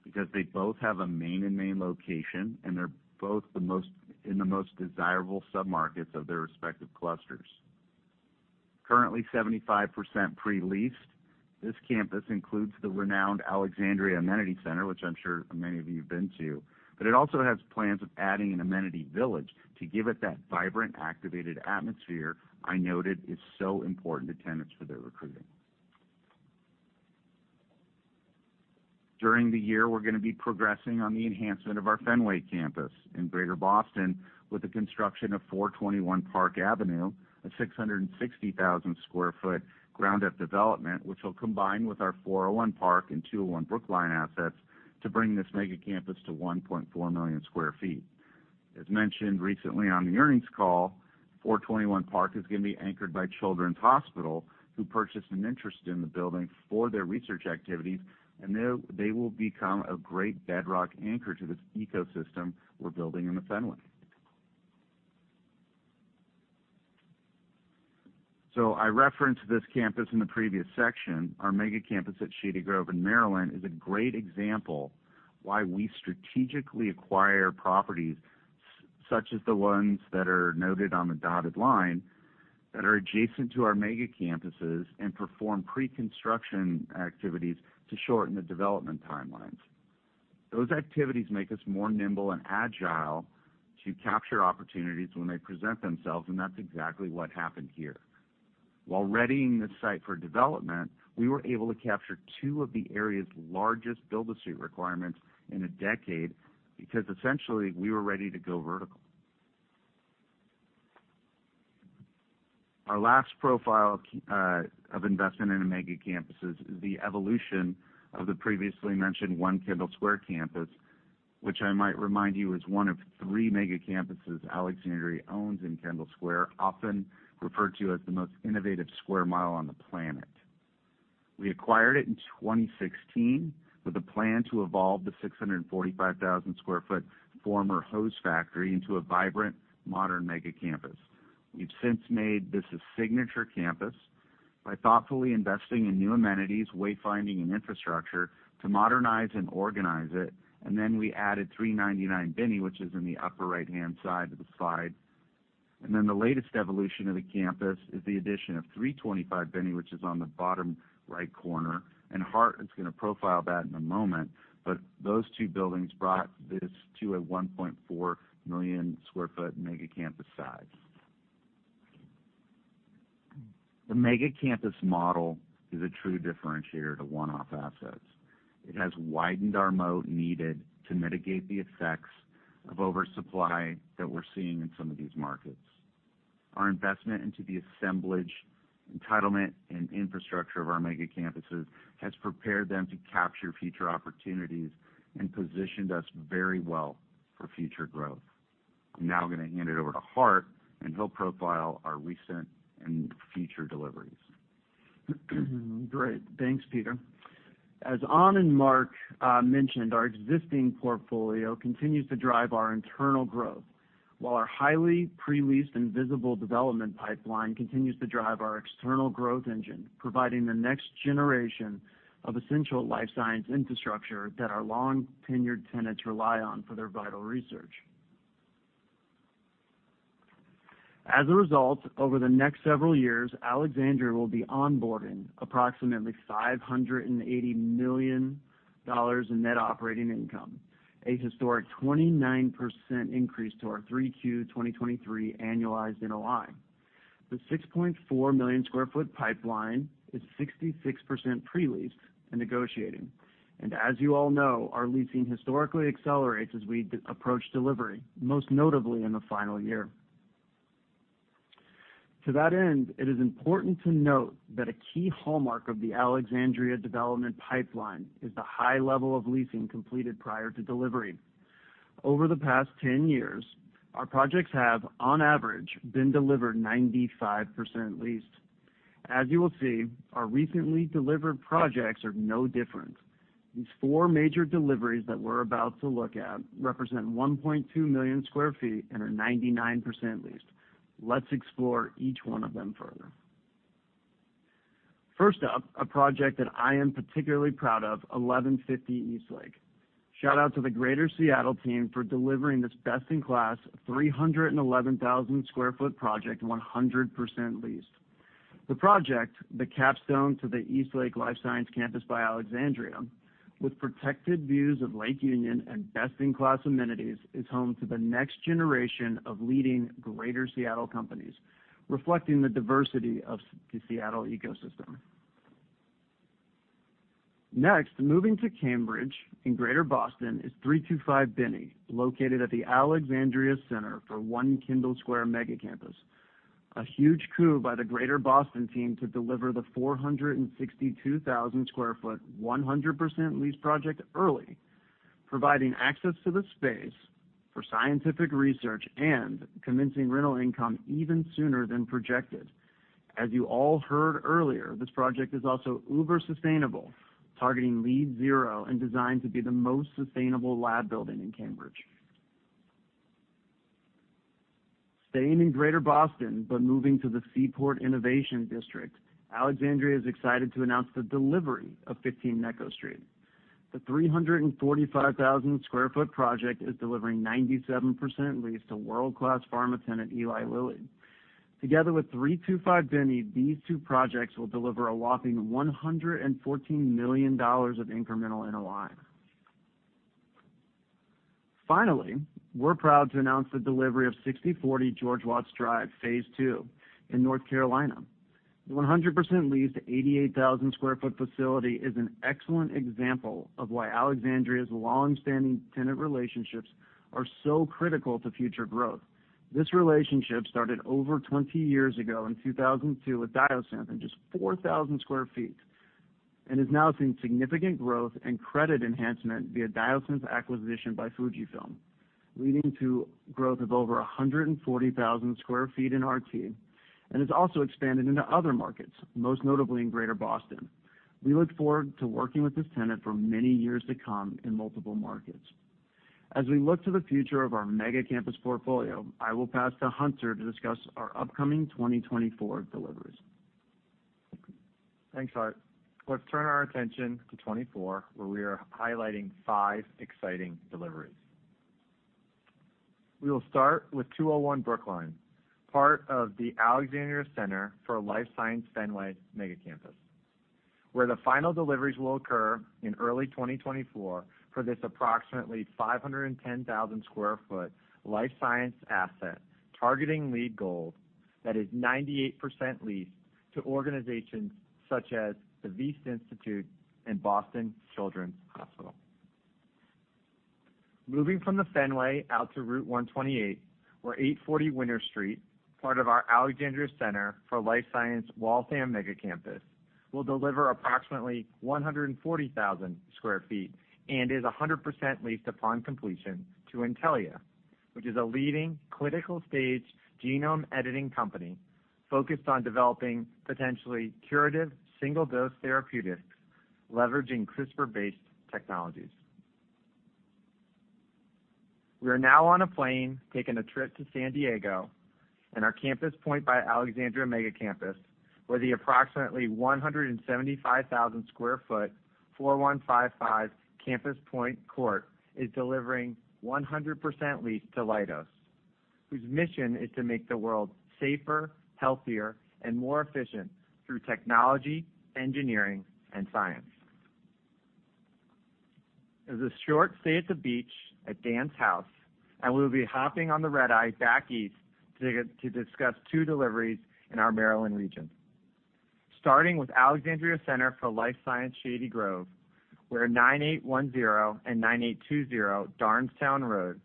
because they both have a main and main location, and they're both the most in the most desirable submarkets of their respective clusters. Currently 75% pre-leased, this campus includes the renowned Alexandria Amenity Center, which I'm sure many of you have been to, but it also has plans of adding an amenity village to give it that vibrant, activated atmosphere I noted is so important to tenants for their recruiting. During the year, we're going to be progressing on the enhancement of our Fenway campus in Greater Boston with the construction of 421 Park Avenue, a 660,000 sq ft ground-up development, which will combine with our 401 Park and 201 Brookline assets to bring this mega campus to 1.4 million sq ft. As mentioned recently on the earnings call, 421 Park is going to be anchored by Boston Children's Hospital, who purchased an interest in the building for their research activities, and they will become a great bedrock anchor to this ecosystem we're building in the Fenway. So I referenced this campus in the previous section. Our mega campus at Shady Grove in Maryland is a great example why we strategically acquire properties, such as the ones that are noted on the dotted line, that are adjacent to our mega campuses and perform pre-construction activities to shorten the development timelines. Those activities make us more nimble and agile to capture opportunities when they present themselves, and that's exactly what happened here. While readying the site for development, we were able to capture two of the area's largest build-to-suit requirements in a decade, because essentially, we were ready to go vertical. Our last profile of investment in the mega campuses is the evolution of the previously mentioned One Kendall Square campus, which I might remind you, is one of three mega campuses Alexandria owns in Kendall Square, often referred to as the most innovative square mile on the planet. We acquired it in 2016, with a plan to evolve the 645,000 sq ft former hose factory into a vibrant, modern mega campus. We've since made this a signature campus by thoughtfully investing in new amenities, wayfinding, and infrastructure to modernize and organize it, and then we added 399 Binney, which is in the upper right-hand side of the slide. Then the latest evolution of the campus is the addition of 325 Binney, which is on the bottom right corner, and Hart is gonna profile that in a moment. But those two buildings brought this to a 1.4 million sq ft mega campus size. The mega campus model is a true differentiator to one-off assets. It has widened our moat needed to mitigate the effects of oversupply that we're seeing in some of these markets. Our investment into the assemblage, entitlement, and infrastructure of our mega campuses has prepared them to capture future opportunities and positioned us very well for future growth. I'm now gonna hand it over to Hart, and he'll profile our recent and future deliveries. Great. Thanks, Peter. As Onn and Marc mentioned, our existing portfolio continues to drive our internal growth, while our highly pre-leased and visible development pipeline continues to drive our external growth engine, providing the next generation of essential life science infrastructure that our long-tenured tenants rely on for their vital research. As a result, over the next several years, Alexandria will be onboarding approximately $580 million in net operating income, a historic 29% increase to our 3Q 2023 annualized NOI. The 6.4 million sq ft pipeline is 66% pre-leased and negotiating. As you all know, our leasing historically accelerates as we approach delivery, most notably in the final year. To that end, it is important to note that a key hallmark of the Alexandria development pipeline is the high level of leasing completed prior to delivery. Over the past 10 years, our projects have, on average, been delivered 95% leased. As you will see, our recently delivered projects are no different. These four major deliveries that we're about to look at represent 1.2 million sq ft and are 99% leased. Let's explore each one of them further. First up, a project that I am particularly proud of, 1150 Eastlake. Shout out to the Greater Seattle team for delivering this best-in-class, 311,000 sq ft project, 100% leased. The project, the capstone to the Eastlake Life Science Campus by Alexandria, with protected views of Lake Union and best-in-class amenities, is home to the next generation of leading Greater Seattle companies, reflecting the diversity of the Seattle ecosystem. Next, moving to Cambridge in Greater Boston, is 325 Binney, located at the Alexandria Center at One Kendall Square mega campus. A huge coup by the Greater Boston team to deliver the 462,000 sq ft, 100% leased project early, providing access to the space for scientific research and commencing rental income even sooner than projected. As you all heard earlier, this project is also uber sustainable, targeting LEED Zero, and designed to be the most sustainable lab building in Cambridge. Staying in Greater Boston, but moving to the Seaport Innovation District, Alexandria is excited to announce the delivery of 15 Necco Street. The 345,000 sq ft project is delivering 97% lease to world-class pharma tenant, Eli Lilly. Together with 325 Binney, these two projects will deliver a whopping $114 million of incremental NOI. Finally, we're proud to announce the delivery of 6040 George Watts Drive, Phase II in North Carolina. The 100% leased, 88,000 sq ft facility is an excellent example of why Alexandria's long-standing tenant relationships are so critical to future growth. This relationship started over 20 years ago in 2002 with Diosynth and just 4,000 sq ft, and has now seen significant growth and credit enhancement via Diosynth's acquisition by Fujifilm, leading to growth of over 140,000 sq ft in RT, and has also expanded into other markets, most notably in Greater Boston. We look forward to working with this tenant for many years to come in multiple markets. As we look to the future of our mega campus portfolio, I will pass to Hunter to discuss our upcoming 2024 deliveries. Thanks, Hart. Let's turn our attention to 24, where we are highlighting five exciting deliveries We will start with 201 Brookline, part of the Alexandria Center for Life Science Fenway mega campus, where the final deliveries will occur in early 2024 for this approximately 510,000 sq ft life science asset, targeting LEED Gold that is 98% leased to organizations such as the Wyss Institute and Boston Children's Hospital. Moving from the Fenway out to Route 128, where 840 Winter Street, part of our Alexandria Center for Life Science Waltham mega campus, will deliver approximately 140,000 sq ft and is 100% leased upon completion to Intellia, which is a leading clinical stage genome editing company focused on developing potentially curative, single-dose therapeutics, leveraging CRISPR-based technologies. We are now on a plane, taking a trip to San Diego and our Campus Point by Alexandria mega campus, where the approximately 175,000 sq ft, 4155 Campus Point Court, is delivering 100% lease to Leidos, whose mission is to make the world safer, healthier, and more efficient through technology, engineering, and science. There's a short stay at the beach at Dan's house, and we'll be hopping on the redeye back east to discuss two deliveries in our Maryland region. Starting with Alexandria Center for Life Science, Shady Grove, where 9810 and 9820 Darnestown Road,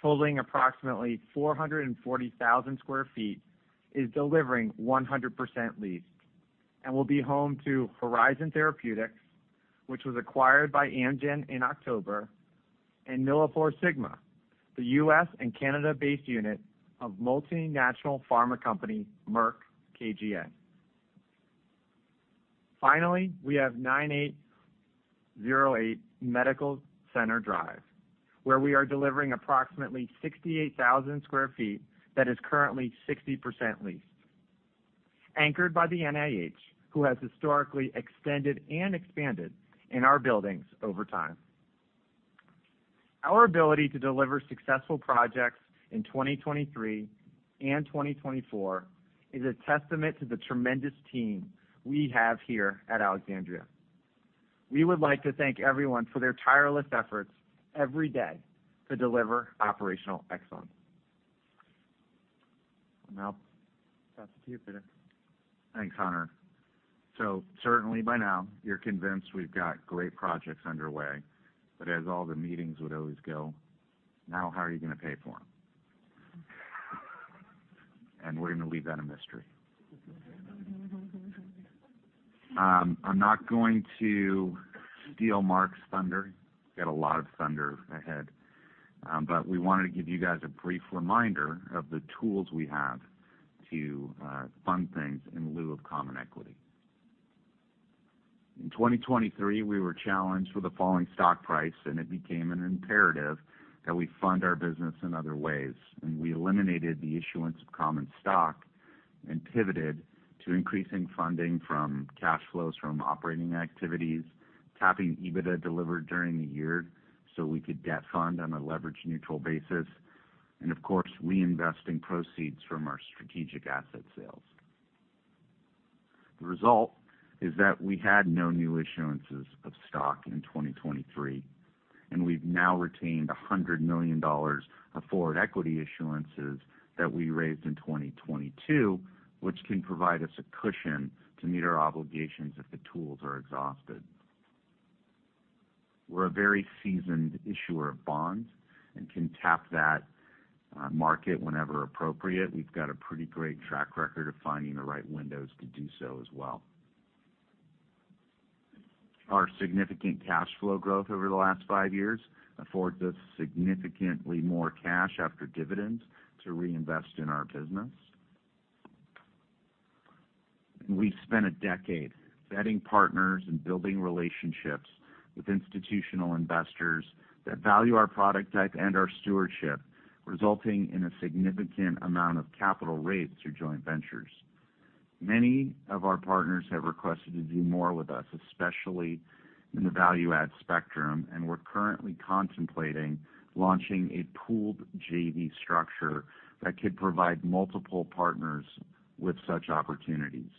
totaling approximately 440,000 sq ft, is delivering 100% leased and will be home to Horizon Therapeutics, which was acquired by Amgen in October, and MilliporeSigma, the U.S. and Canada-based unit of multinational pharma company, Merck KGaA. Finally, we have 9808 Medical Center Drive, where we are delivering approximately 68,000 sq ft that is currently 60% leased, anchored by the NIH, who has historically extended and expanded in our buildings over time. Our ability to deliver successful projects in 2023 and 2024 is a testament to the tremendous team we have here at Alexandria. We would like to thank everyone for their tireless efforts every day to deliver operational excellence. And now, back to you, Peter. Thanks, Hunter. So certainly by now, you're convinced we've got great projects underway, but as all the meetings would always go, "Now, how are you going to pay for them?" And we're going to leave that a mystery. I'm not going to steal Marc's thunder. Got a lot of thunder ahead, but we wanted to give you guys a brief reminder of the tools we have to fund things in lieu of common equity. In 2023, we were challenged with a falling stock price, and it became an imperative that we fund our business in other ways, and we eliminated the issuance of common stock and pivoted to increasing funding from cash flows from operating activities, tapping EBITDA delivered during the year so we could debt fund on a leverage-neutral basis, and of course, reinvesting proceeds from our strategic asset sales. The result is that we had no new issuances of stock in 2023, and we've now retained $100 million of forward equity issuances that we raised in 2022, which can provide us a cushion to meet our obligations if the tools are exhausted. We're a very seasoned issuer of bonds and can tap that market whenever appropriate. We've got a pretty great track record of finding the right windows to do so as well. Our significant cash flow growth over the last five years affords us significantly more cash after dividends to reinvest in our business. We've spent a decade vetting partners and building relationships with institutional investors that value our product type and our stewardship, resulting in a significant amount of capital raised through joint ventures. Many of our partners have requested to do more with us, especially in the value-add spectrum, and we're currently contemplating launching a pooled JV structure that could provide multiple partners with such opportunities.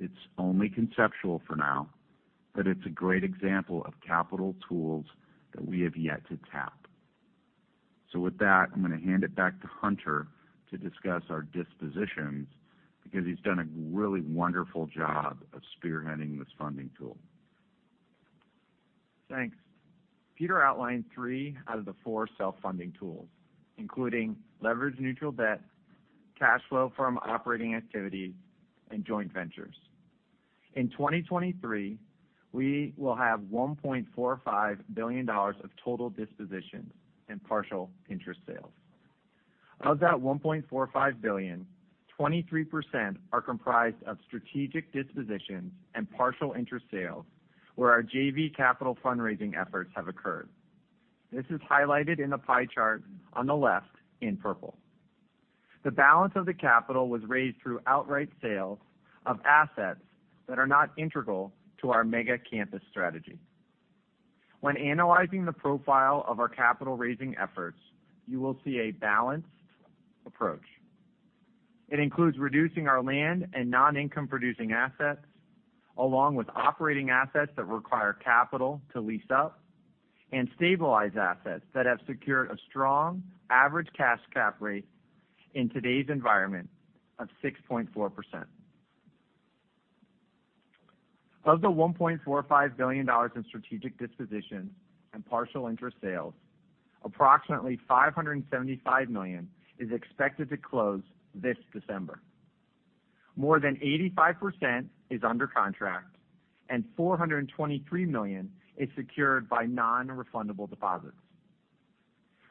It's only conceptual for now, but it's a great example of capital tools that we have yet to tap. With that, I'm going to hand it back to Hunter to discuss our dispositions, because he's done a really wonderful job of spearheading this funding tool. Thanks. Peter outlined three out of the four self-funding tools, including leverage neutral debt, cash flow from operating activities, and joint ventures. In 2023, we will have $1.45 billion of total dispositions and partial interest sales. Of that $1.45 billion, 23% are comprised of strategic dispositions and partial interest sales, where our JV capital fundraising efforts have occurred. This is highlighted in the pie chart on the left in purple.... The balance of the capital was raised through outright sales of assets that are not integral to our mega campus strategy. When analyzing the profile of our capital raising efforts, you will see a balanced approach. It includes reducing our land and non-income producing assets, along with operating assets that require capital to lease-up, and stabilized assets that have secured a strong average cash cap rate in today's environment of 6.4%. Of the $1.45 billion in strategic dispositions and partial interest sales, approximately $575 million is expected to close this December. More than 85% is under contract, and $423 million is secured by nonrefundable deposits.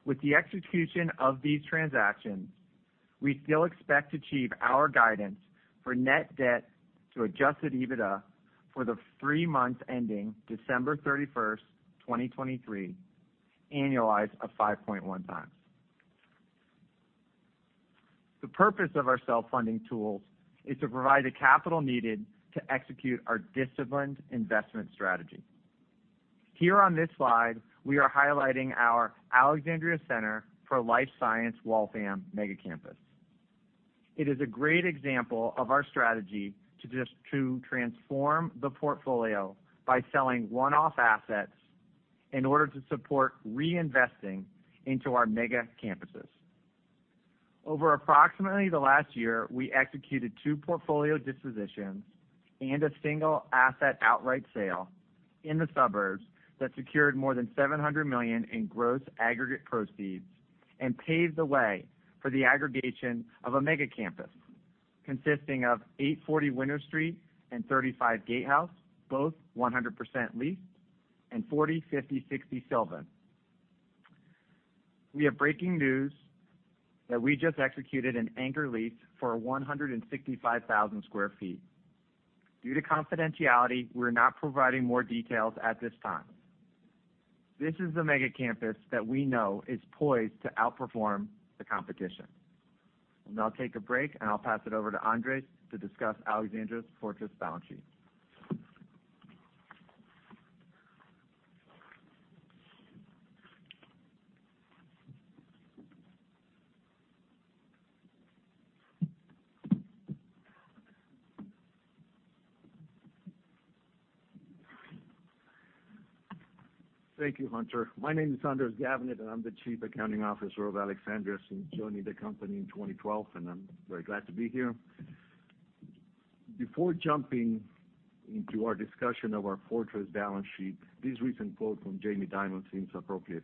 With the execution of these transactions, we still expect to achieve our guidance for net debt to adjusted EBITDA for the three months ending December 31st, 2023, annualized of 5.1x. The purpose of our self-funding tools is to provide the capital needed to execute our disciplined investment strategy. Here on this slide, we are highlighting our Alexandria Center for Life Science Waltham mega campus. It is a great example of our strategy to transform the portfolio by selling one-off assets in order to support reinvesting into our mega campuses. Over approximately the last year, we executed two portfolio dispositions and a single asset outright sale in the suburbs that secured more than $700 million in gross aggregate proceeds and paved the way for the aggregation of a mega campus, consisting of 840 Winter Street and 35 Gatehouse, both 100% leased, and 40, 50, 60 Sylvan. We have breaking news that we just executed an anchor lease for 165,000 sq ft. Due to confidentiality, we're not providing more details at this time. This is the mega campus that we know is poised to outperform the competition. I'll take a break, and I'll pass it over to Andres to discuss Alexandria's fortress balance sheet. Thank you, Hunter. My name is Andres Gavinet, and I'm the Chief Accounting Officer of Alexandria since joining the company in 2012, and I'm very glad to be here. Before jumping into our discussion of our fortress balance sheet, this recent quote from Jamie Dimon seems appropriate,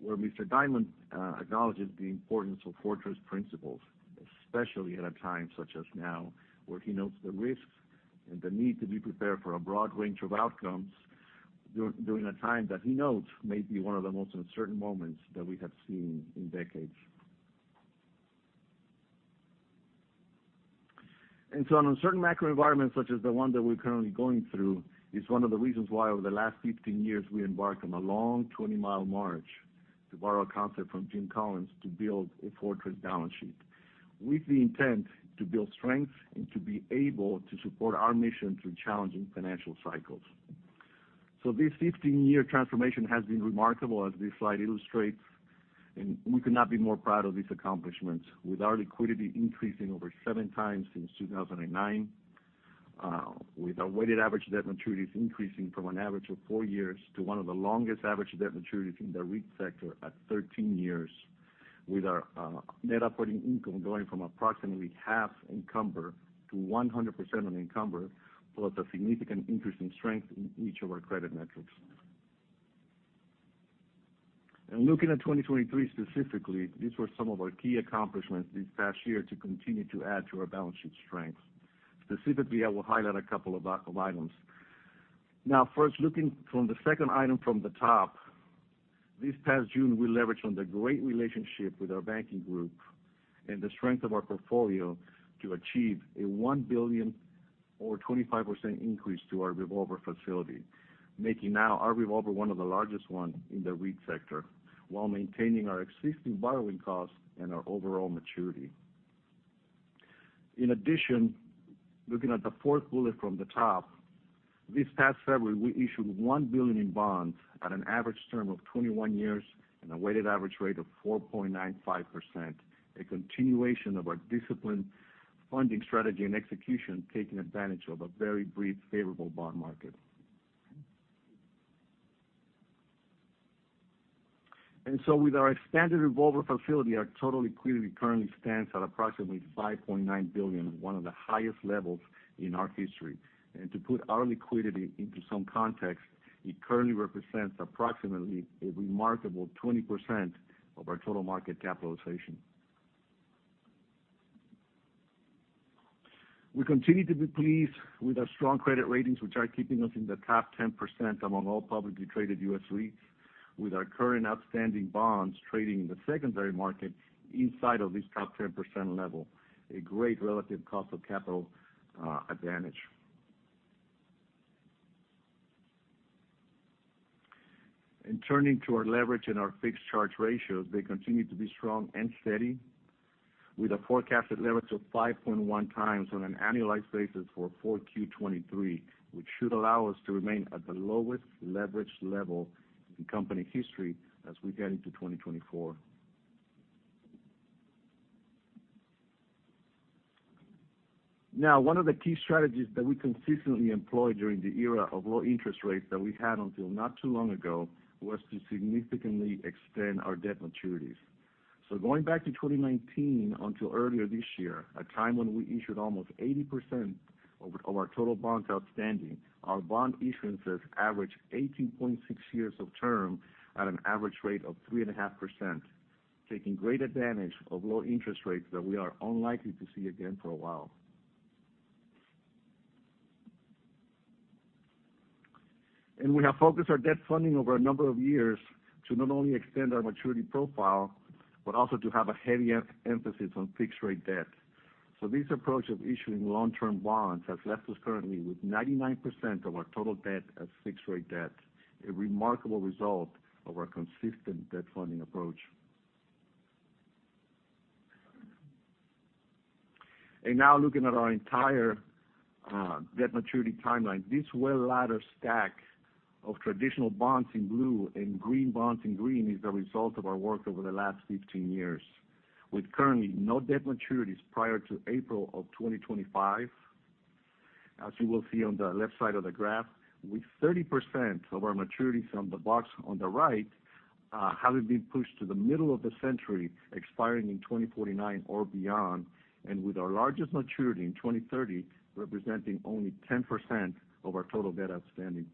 where Mr. Dimon acknowledges the importance of fortress principles, especially at a time such as now, where he notes the risks and the need to be prepared for a broad range of outcomes during a time that he notes may be one of the most uncertain moments that we have seen in decades. An uncertain macro environment, such as the one that we're currently going through, is one of the reasons why, over the last 15 years, we embarked on a long 20-mile march, to borrow a concept from Jim Collins, to build a fortress balance sheet, with the intent to build strength and to be able to support our mission through challenging financial cycles. This 15-year transformation has been remarkable, as this slide illustrates, and we could not be more proud of this accomplishment. With our liquidity increasing over 7x since 2009, with our weighted average debt maturities increasing from an average of four years to one of the longest average debt maturities in the REIT sector at 13 years, with our, net operating income going from approximately half encumbered to 100% unencumbered, plus a significant increase in strength in each of our credit metrics. And looking at 2023 specifically, these were some of our key accomplishments this past year to continue to add to our balance sheet strength. Specifically, I will highlight a couple of, of items. Now first, looking from the second item from the top, this past June, we leveraged on the great relationship with our banking group and the strength of our portfolio to achieve a $1 billion, or 25% increase to our revolver facility, making now our revolver one of the largest one in the REIT sector, while maintaining our existing borrowing costs and our overall maturity. In addition, looking at the fourth bullet from the top, this past February, we issued $1 billion in bonds at an average term of 21 years and a weighted average rate of 4.95%, a continuation of our disciplined funding strategy and execution, taking advantage of a very brief, favorable bond market. And so with our expanded revolver facility, our total liquidity currently stands at approximately $5.9 billion, one of the highest levels in our history. To put our liquidity into some context, it currently represents approximately a remarkable 20% of our total market capitalization. We continue to be pleased with our strong credit ratings, which are keeping us in the top 10% among all publicly traded U.S. REITs, with our current outstanding bonds trading in the secondary market inside of this top 10% level, a great relative cost of capital advantage. Turning to our leverage and our fixed charge ratios, they continue to be strong and steady, with a forecasted leverage of 5.1x on an annualized basis for 4Q 2023, which should allow us to remain at the lowest leverage level in company history as we get into 2024. Now, one of the key strategies that we consistently employed during the era of low interest rates that we had until not too long ago, was to significantly extend our debt maturities. Going back to 2019 until earlier this year, a time when we issued almost 80% of, of our total bonds outstanding, our bond issuances averaged 18.6 years of term at an average rate of 3.5%, taking great advantage of low interest rates that we are unlikely to see again for a while. We have focused our debt funding over a number of years to not only extend our maturity profile, but also to have a heavy emphasis on fixed rate debt. So this approach of issuing long-term bonds has left us currently with 99% of our total debt as fixed rate debt, a remarkable result of our consistent debt funding approach. And now, looking at our entire, debt maturity timeline, this well ladder stack of traditional bonds in blue and green bonds in green, is the result of our work over the last 15 years, with currently no debt maturities prior to April of 2025. As you will see on the left side of the graph, with 30% of our maturities on the box on the right, having been pushed to the middle of the century, expiring in 2049 or beyond, and with our largest maturity in 2030, representing only 10% of our total debt outstanding.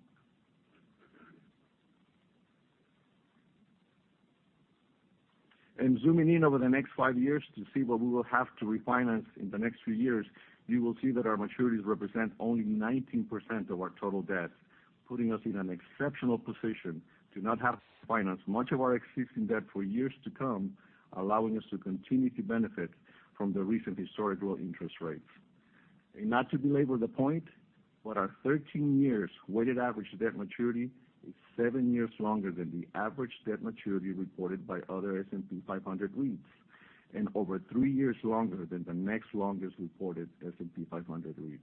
Zooming in over the next five years to see what we will have to refinance in the next few years, you will see that our maturities represent only 19% of our total debt, putting us in an exceptional position to not have to finance much of our existing debt for years to come, allowing us to continue to benefit from the recent historic low interest rates. Not to belabor the point, but our 13-year weighted average debt maturity is seven years longer than the average debt maturity reported by other S&P 500 REITs, and over three years longer than the next longest reported S&P 500 REIT.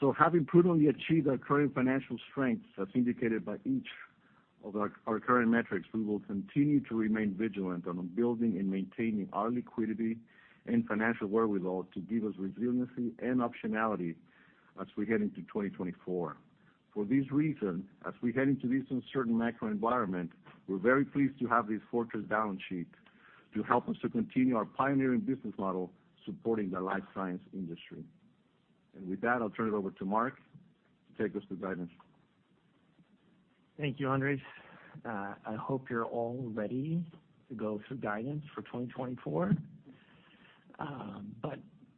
So having prudently achieved our current financial strengths, as indicated by each of our current metrics, we will continue to remain vigilant on building and maintaining our liquidity and financial wherewithal to give us resiliency and optionality as we head into 2024. For this reason, as we head into this uncertain macro environment, we're very pleased to have this fortress balance sheet to help us to continue our pioneering business model, supporting the life science industry. And with that, I'll turn it over to Marc to take us through guidance. Thank you, Andres. I hope you're all ready to go through guidance for 2024.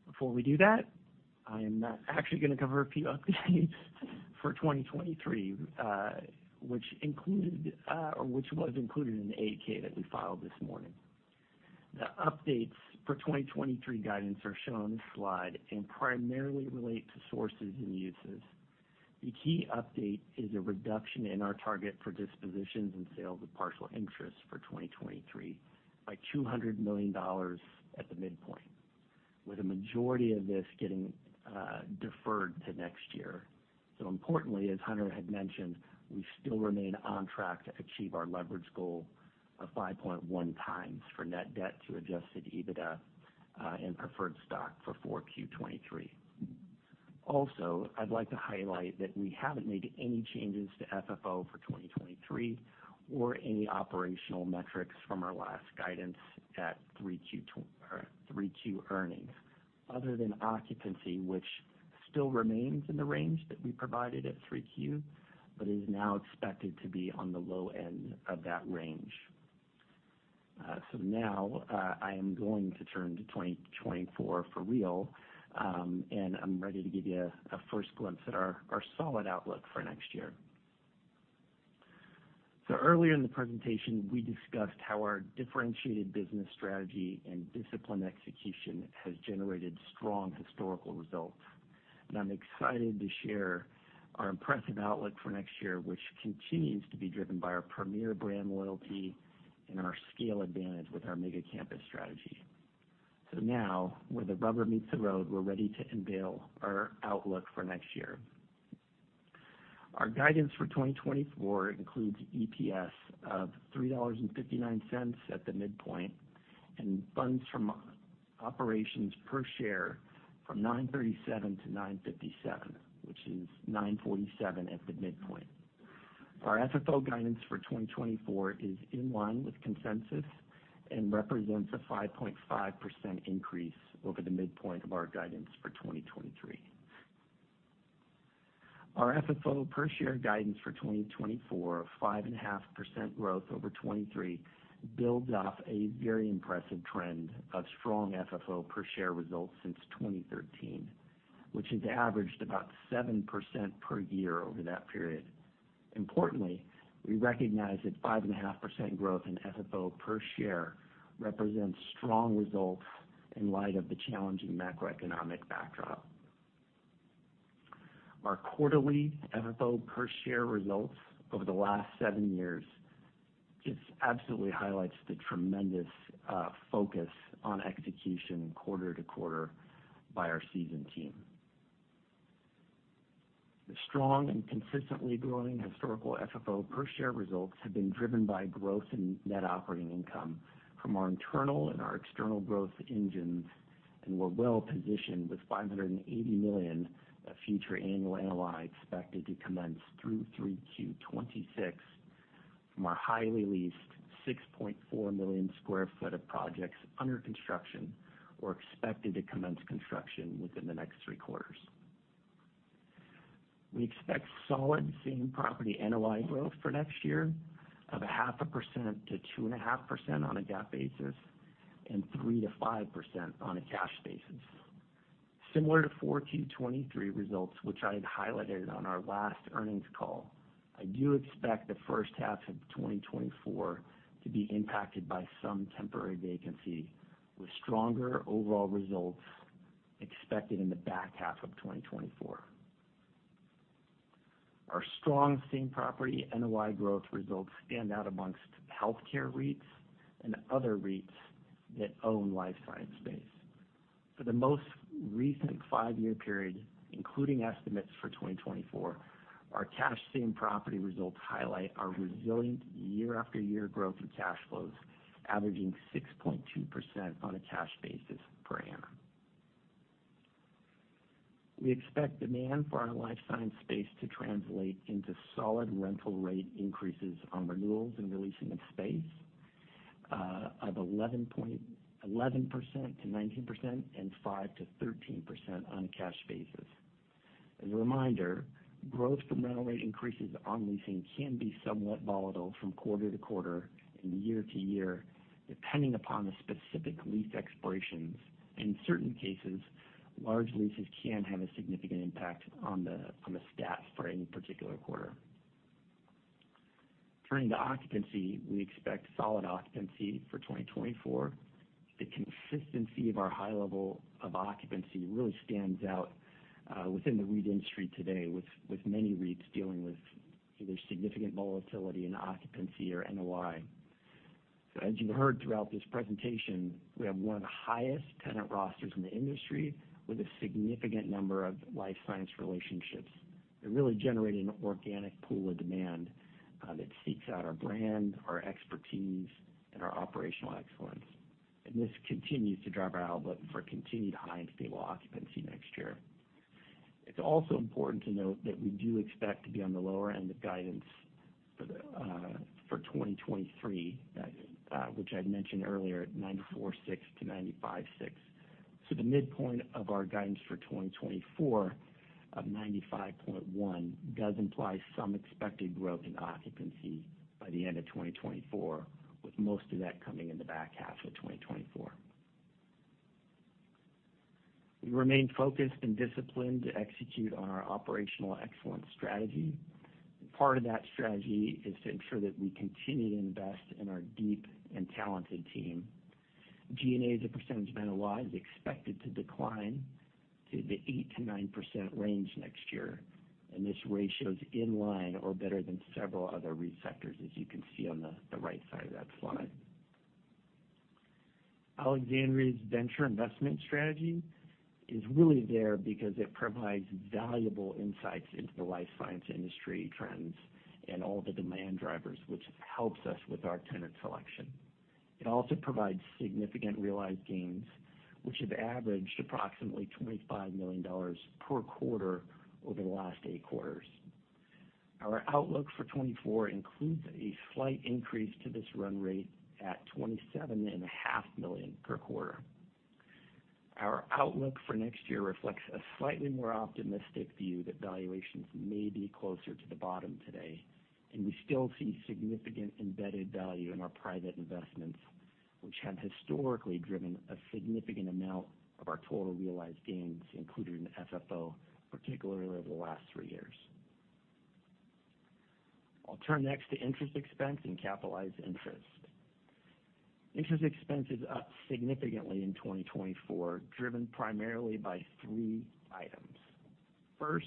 Before we do that, I am actually going to cover a few updates for 2023, which was included in the 8-K that we filed this morning. The updates for 2023 guidance are shown on this slide and primarily relate to sources and uses. The key update is a reduction in our target for dispositions and sales of partial interest for 2023, by $200 million at the midpoint, with the majority of this deferred to next year. Importantly, as Hunter had mentioned, we still remain on track to achieve our leverage goal of 5.1x for net debt to adjusted EBITDA, and preferred stock for 4Q 2023. Also, I'd like to highlight that we haven't made any changes to FFO for 2023, or any operational metrics from our last guidance at 3Q or 3Q earnings, other than occupancy, which still remains in the range that we provided at 3Q, but is now expected to be on the low end of that range. So now, I am going to turn to 2024 for real, and I'm ready to give you a first glimpse at our solid outlook for next year. Earlier in the presentation, we discussed how our differentiated business strategy and disciplined execution has generated strong historical results. I'm excited to share our impressive outlook for next year, which continues to be driven by our premier brand loyalty and our scale advantage with our mega campus strategy. So now, where the rubber meets the road, we're ready to unveil our outlook for next year. Our guidance for 2024 includes EPS of $3.59 at the midpoint, and funds from operations per share from $9.37-$9.57, which is $9.47 at the midpoint. Our FFO guidance for 2024 is in line with consensus and represents a 5.5% increase over the midpoint of our guidance for 2023. Our FFO per share guidance for 2024, of 5.5% growth over 2023, builds off a very impressive trend of strong FFO per share results since 2013, which has averaged about 7% per year over that period. Importantly, we recognize that 5.5% growth in FFO per share represents strong results in light of the challenging macroeconomic backdrop. Our quarterly FFO per share results over the last seven years just absolutely highlights the tremendous focus on execution quarter to quarter by our seasoned team. The strong and consistently growing historical FFO per share results have been driven by growth in net operating income from our internal and our external growth engines, and we're well positioned with $580 million of future annual NOI expected to commence through 3Q 2026, from our highly leased 6.4 million sq ft of projects under construction or expected to commence construction within the next three quarters. We expect solid same-property NOI growth for next year of 0.5%-2.5% on a GAAP basis, and 3%-5% on a cash basis. Similar to 4Q 2023 results, which I had highlighted on our last earnings call, I do expect the first half of 2024 to be impacted by some temporary vacancy, with stronger overall results expected in the back half of 2024. Our strong same-property NOI growth results stand out amongst healthcare REITs and other REITs that own life science space. For the most recent five-year period, including estimates for 2024, our cash same-property results highlight our resilient year-after-year growth in cash flows, averaging 6.2% on a cash basis per annum. We expect demand for our life science space to translate into solid rental rate increases on renewals and re-leasing of space, of 11%-19% and 5%-13% on a cash basis. As a reminder, growth from rental rate increases on leasing can be somewhat volatile from quarter to quarter and year to year, depending upon the specific lease expirations. In certain cases, large leases can have a significant impact on the stat for any particular quarter. Turning to occupancy, we expect solid occupancy for 2024. The consistency of our high level of occupancy really stands out within the REIT industry today, with many REITs dealing with either significant volatility in occupancy or NOI. So as you've heard throughout this presentation, we have one of the highest tenant rosters in the industry, with a significant number of life science relationships. They're really generating an organic pool of demand that seeks out our brand, our expertise, and our operational excellence. And this continues to drive our outlook for continued high and stable occupancy next year. It's also important to note that we do expect to be on the lower end of guidance for 2023, which I'd mentioned earlier, at 94.6-95.6. So the midpoint of our guidance for 2024, of 95.1, does imply some expected growth in occupancy by the end of 2024, with most of that coming in the back half of 2024. We remain focused and disciplined to execute on our operational excellence strategy. Part of that strategy is to ensure that we continue to invest in our deep and talented team. G&A, as a percentage of NOI, is expected to decline to the 8%-9% range next year, and this ratio is in line or better than several other REIT sectors, as you can see on the right side of that slide. Alexandria's venture investment strategy is really there because it provides valuable insights into the life science industry trends and all the demand drivers, which helps us with our tenant selection. It also provides significant realized gains, which have averaged approximately $25 million per quarter over the last eight quarters. Our outlook for 2024 includes a slight increase to this run rate at $27.5 million per quarter. Our outlook for next year reflects a slightly more optimistic view that valuations may be closer to the bottom today, and we still see significant embedded value in our private investments, which have historically driven a significant amount of our total realized gains, including FFO, particularly over the last three years. I'll turn next to interest expense and capitalized interest. Interest expense is up significantly in 2024, driven primarily by three items. First,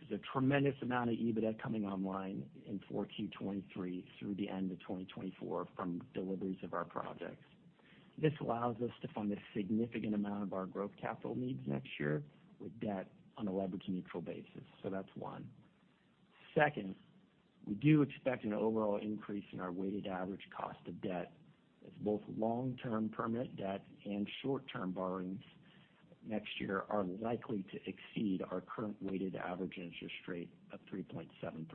there's a tremendous amount of EBITDA coming online in Q4 2023 through the end of 2024 from deliveries of our projects. This allows us to fund a significant amount of our growth capital needs next year, with debt on a leverage-neutral basis. So that's one. Second, we do expect an overall increase in our weighted average cost of debt, as both long-term permanent debt and short-term borrowings next year are likely to exceed our current weighted average interest rate of 3.7%. And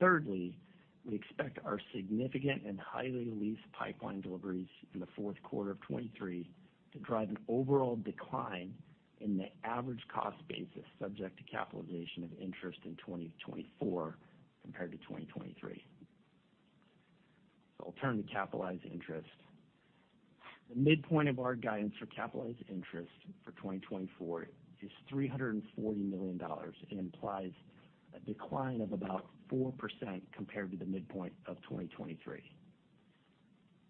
thirdly, we expect our significant and highly leased pipeline deliveries in the fourth quarter of 2023 to drive an overall decline in the average cost basis, subject to capitalization of interest in 2024 compared to 2023. We'll turn to capitalized interest. The midpoint of our guidance for capitalized interest for 2024 is $340 million, and implies a decline of about 4% compared to the midpoint of 2023.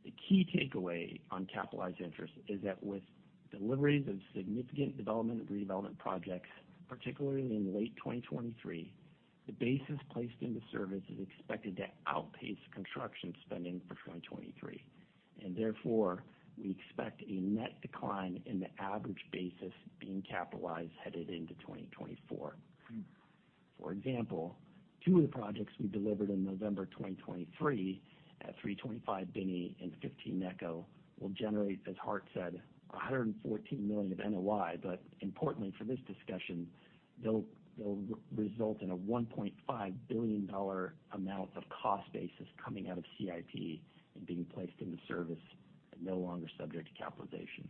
The key takeaway on capitalized interest is that with deliveries of significant development and redevelopment projects, particularly in late 2023, the basis placed into service is expected to outpace construction spending for 2023, and therefore, we expect a net decline in the average basis being capitalized headed into 2024. For example, two of the projects we delivered in November 2023 at 325 Binney and 15 Necco will generate, as Hart said, $114 million of NOI. But importantly for this discussion, they'll result in a $1.5 billion amount of cost basis coming out of CIP and being placed into service and no longer subject to capitalization.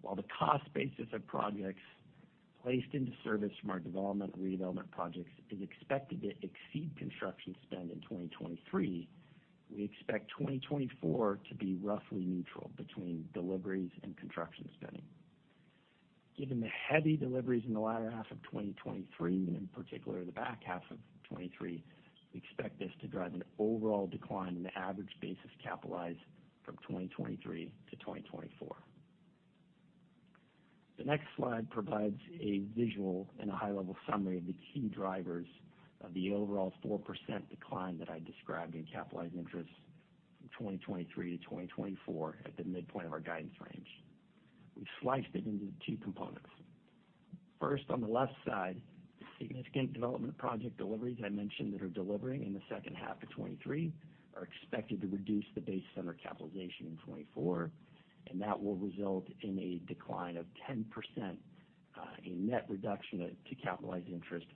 While the cost basis of projects placed into service from our development and redevelopment projects is expected to exceed construction spend in 2023, we expect 2024 to be roughly neutral between deliveries and construction spending. Given the heavy deliveries in the latter half of 2023, and in particular, the back half of 2023, we expect this to drive an overall decline in the average basis capitalized from 2023 to 2024 at the midpoint of our guidance range. The next slide provides a visual and a high-level summary of the key drivers of the overall 4% decline that I described in capitalized interest from 2023 to 2024 at the midpoint of our guidance range. We sliced it into two components. First, on the left side, the significant development project deliveries I mentioned that are delivering in the second half of 2023 are expected to reduce the base summer capitalization in 2024, and that will result in a decline of 10%, a net reduction to capitalized interest,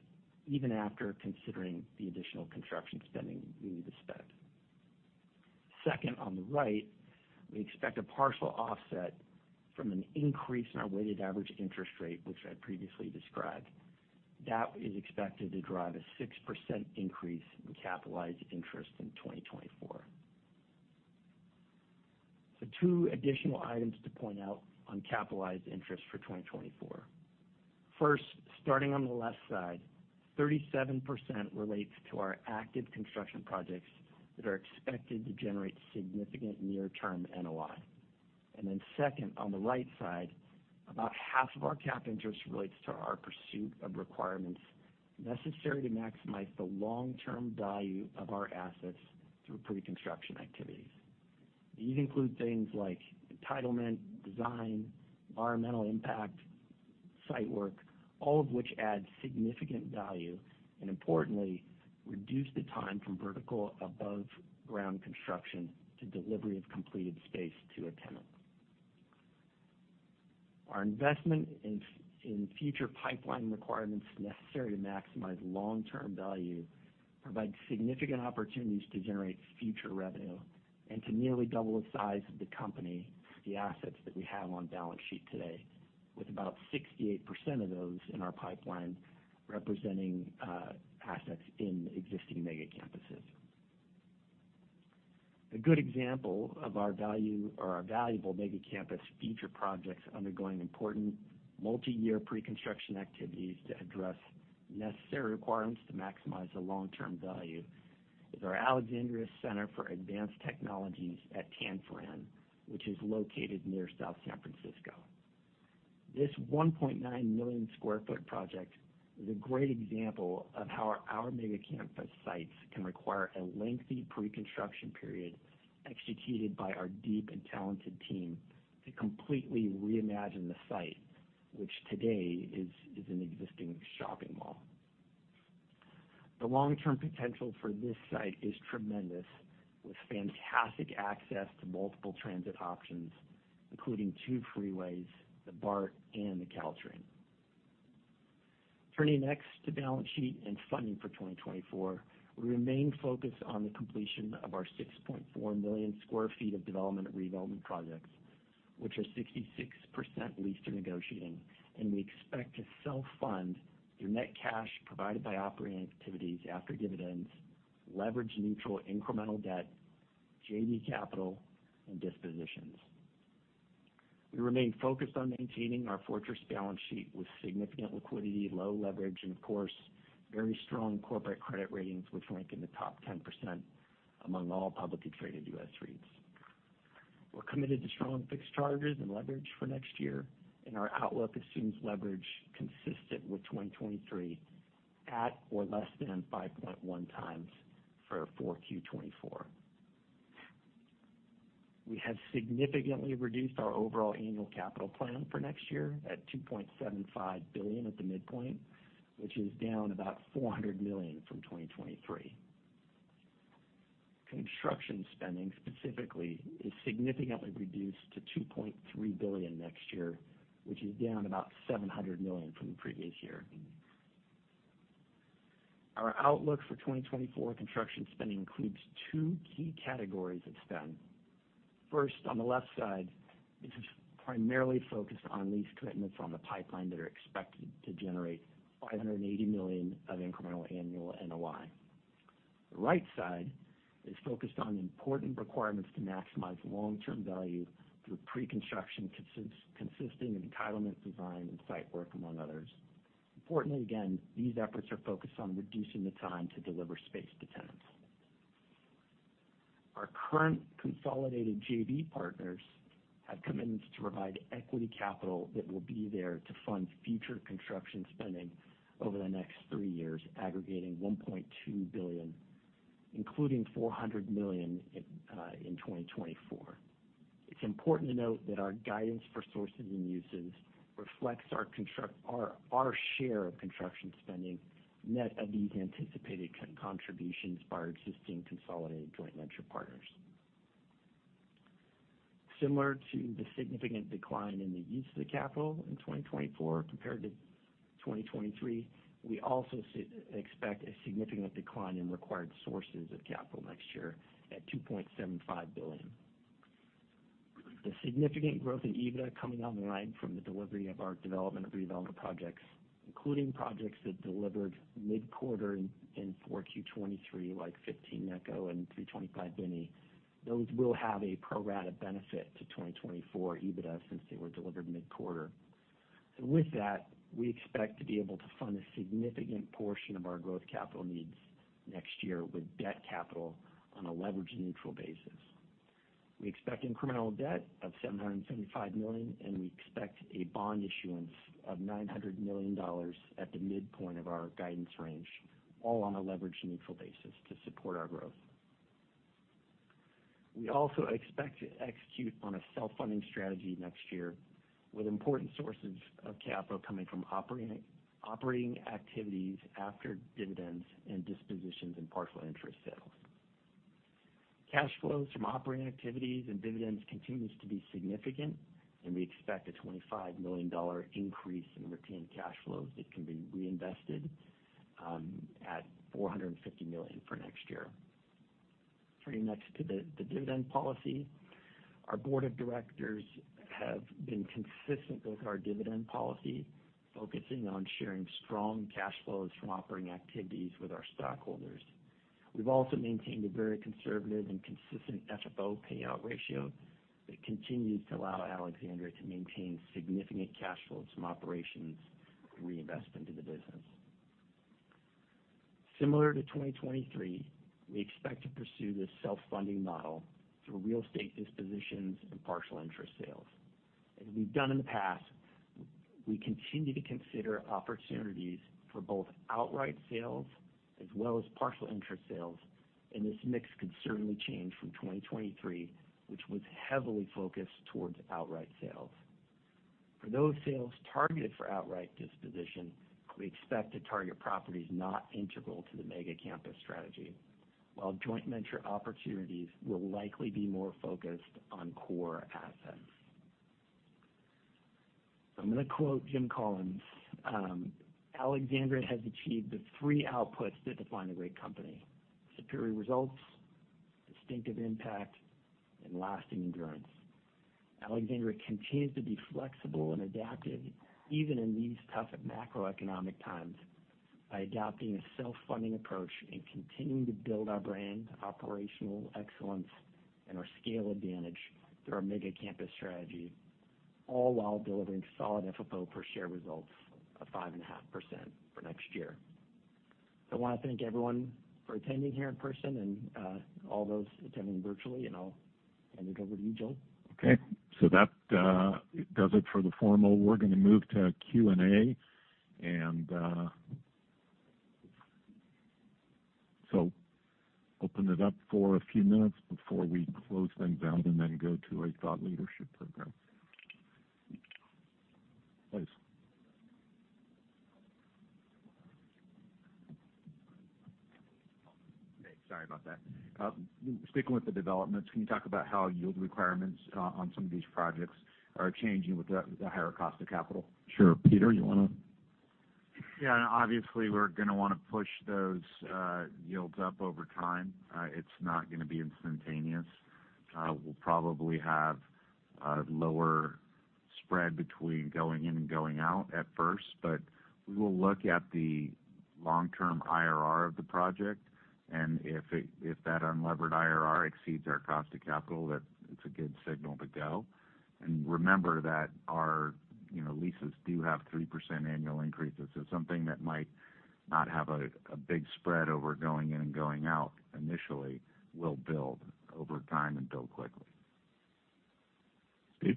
even after considering the additional construction spending we need to spend. Second, on the right, we expect a partial offset from an increase in our weighted average interest rate, which I previously described. That is expected to drive a 6% increase in capitalized interest in 2024. So two additional items to point out on capitalized interest for 2024. First, starting on the left side, 37% relates to our active construction projects that are expected to generate significant near-term NOI. And then second, on the right side, about half of our cap interest relates to our pursuit of requirements necessary to maximize the long-term value of our assets through pre-construction activities. These include things like entitlement, design, environmental impact, site work, all of which add significant value, and importantly, reduce the time from vertical above ground construction to delivery of completed space to a tenant. Our investment in in future pipeline requirements necessary to maximize long-term value, provide significant opportunities to generate future revenue and to nearly double the size of the company, the assets that we have on balance sheet today, with about 68% of those in our pipeline representing assets in existing mega campuses. A good example of our value or our valuable mega campus future projects undergoing important multi-year preconstruction activities to address necessary requirements to maximize the long-term value is our Alexandria Center for Advanced Technologies at Tanforan, which is located near South San Francisco. This 1.9 million sq ft project is a great example of how our mega campus sites can require a lengthy preconstruction period, executed by our deep and talented team, to completely reimagine the site, which today is an existing shopping mall. The long-term potential for this site is tremendous, with fantastic access to multiple transit options, including two freeways, the BART, and the Caltrain. Turning next to balance sheet and funding for 2024, we remain focused on the completion of our 6.4 million sq ft of development and redevelopment projects, which are 66% leased or negotiating, and we expect to self-fund through net cash provided by operating activities after dividends, leverage neutral incremental debt, JV capital, and dispositions. We remain focused on maintaining our fortress balance sheet with significant liquidity, low leverage, and of course, very strong corporate credit ratings, which rank in the top 10% among all publicly traded U.S. REITs. We're committed to strong fixed charges and leverage for next year, and our outlook assumes leverage consistent with 2023, at or less than 5.1x for 4Q 2024. We have significantly reduced our overall annual capital plan for next year at $2.75 billion at the midpoint, which is down about $400 million from 2023. Construction spending specifically, is significantly reduced to $2.3 billion next year, which is down about $700 million from the previous year. Our outlook for 2024 construction spending includes two key categories of spend. First, on the left side, this is primarily focused on lease commitments on the pipeline that are expected to generate $580 million of incremental annual NOI. The right side is focused on important requirements to maximize long-term value through pre-construction consisting of entitlement design and site work, among others. Importantly, again, these efforts are focused on reducing the time to deliver space to tenants. Our current consolidated JV partners have commitments to provide equity capital that will be there to fund future construction spending over the next three years, aggregating $1.2 billion, including $400 million in 2024. It's important to note that our guidance for sources and uses reflects our share of construction spending, net of these anticipated contributions by our existing consolidated joint venture partners. Similar to the significant decline in the use of the capital in 2024 compared to 2023, we also expect a significant decline in required sources of capital next year at $2.75 billion. The significant growth in EBITDA coming online from the delivery of our development and redevelopment projects, including projects that delivered mid-quarter in 4Q 2023, like 15 Necco and 325 Binney. Those will have a pro rata benefit to 2024 EBITDA since they were delivered mid-quarter. So with that, we expect to be able to fund a significant portion of our growth capital needs next year with debt capital on a leverage-neutral basis. We expect incremental debt of $775 million, and we expect a bond issuance of $900 million at the midpoint of our guidance range, all on a leverage-neutral basis to support our growth. We also expect to execute on a self-funding strategy next year, with important sources of capital coming from operating, operating activities after dividends and dispositions and partial interest sales. Cash flows from operating activities and dividends continues to be significant, and we expect a $25 million increase in retained cash flows that can be reinvested, at $450 million for next year. Turning next to the dividend policy. Our board of directors have been consistent with our dividend policy, focusing on sharing strong cash flows from operating activities with our stockholders. We've also maintained a very conservative and consistent FFO payout ratio that continues to allow Alexandria to maintain significant cash flows from operations for reinvestment in the business. Similar to 2023, we expect to pursue this self-funding model through real estate dispositions and partial interest sales. As we've done in the past, we continue to consider opportunities for both outright sales as well as partial interest sales, and this mix could certainly change from 2023, which was heavily focused towards outright sales. For those sales targeted for outright disposition, we expect to target properties not integral to the mega campus strategy, while joint venture opportunities will likely be more focused on core assets. I'm going to quote Jim Collins, "Alexandria has achieved the three outputs that define a great company: superior results, distinctive impact, and lasting endurance." Alexandria continues to be flexible and adaptive, even in these tough macroeconomic times, by adopting a self-funding approach and continuing to build our brand, operational excellence, and our scale advantage through our mega campus strategy, all while delivering solid FFO per share results of 5.5% for next year. I want to thank everyone for attending here in person and, all those attending virtually, and I'll hand it over to you, Joel.Okay, so that does it for the formal. We're going to move to Q&A. And, so open it up for a few minutes before we close things down and then go to a thought leadership program. Please. Hey, sorry about that. Sticking with the developments, can you talk about how yield requirements on some of these projects are changing with the higher cost of capital? Sure. Peter, you want to? Yeah, and obviously, we're going to want to push those yields up over time. It's not going to be instantaneous. We'll probably have a lower spread between going in and going out at first, but we will look at the long-term IRR of the project, and if it—if that unlevered IRR exceeds our cost of capital, that it's a good signal to go. And remember that our, you know, leases do have 3% annual increases. So something that might not have a big spread over going in and going out initially, will build over time and go quickly. Steve?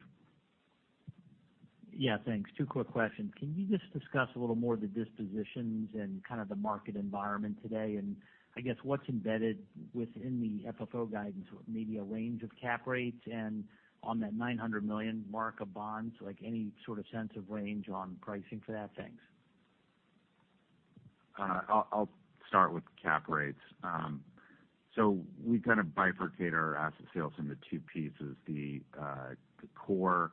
Yeah, thanks. Two quick questions. Can you just discuss a little more the dispositions and kind of the market environment today? And I guess, what's embedded within the FFO guidance, maybe a range of cap rates? And on that $900 million mark of bonds, like, any sort of sense of range on pricing for that? Thanks. I'll start with cap rates. So we kind of bifurcate our asset sales into two pieces, the core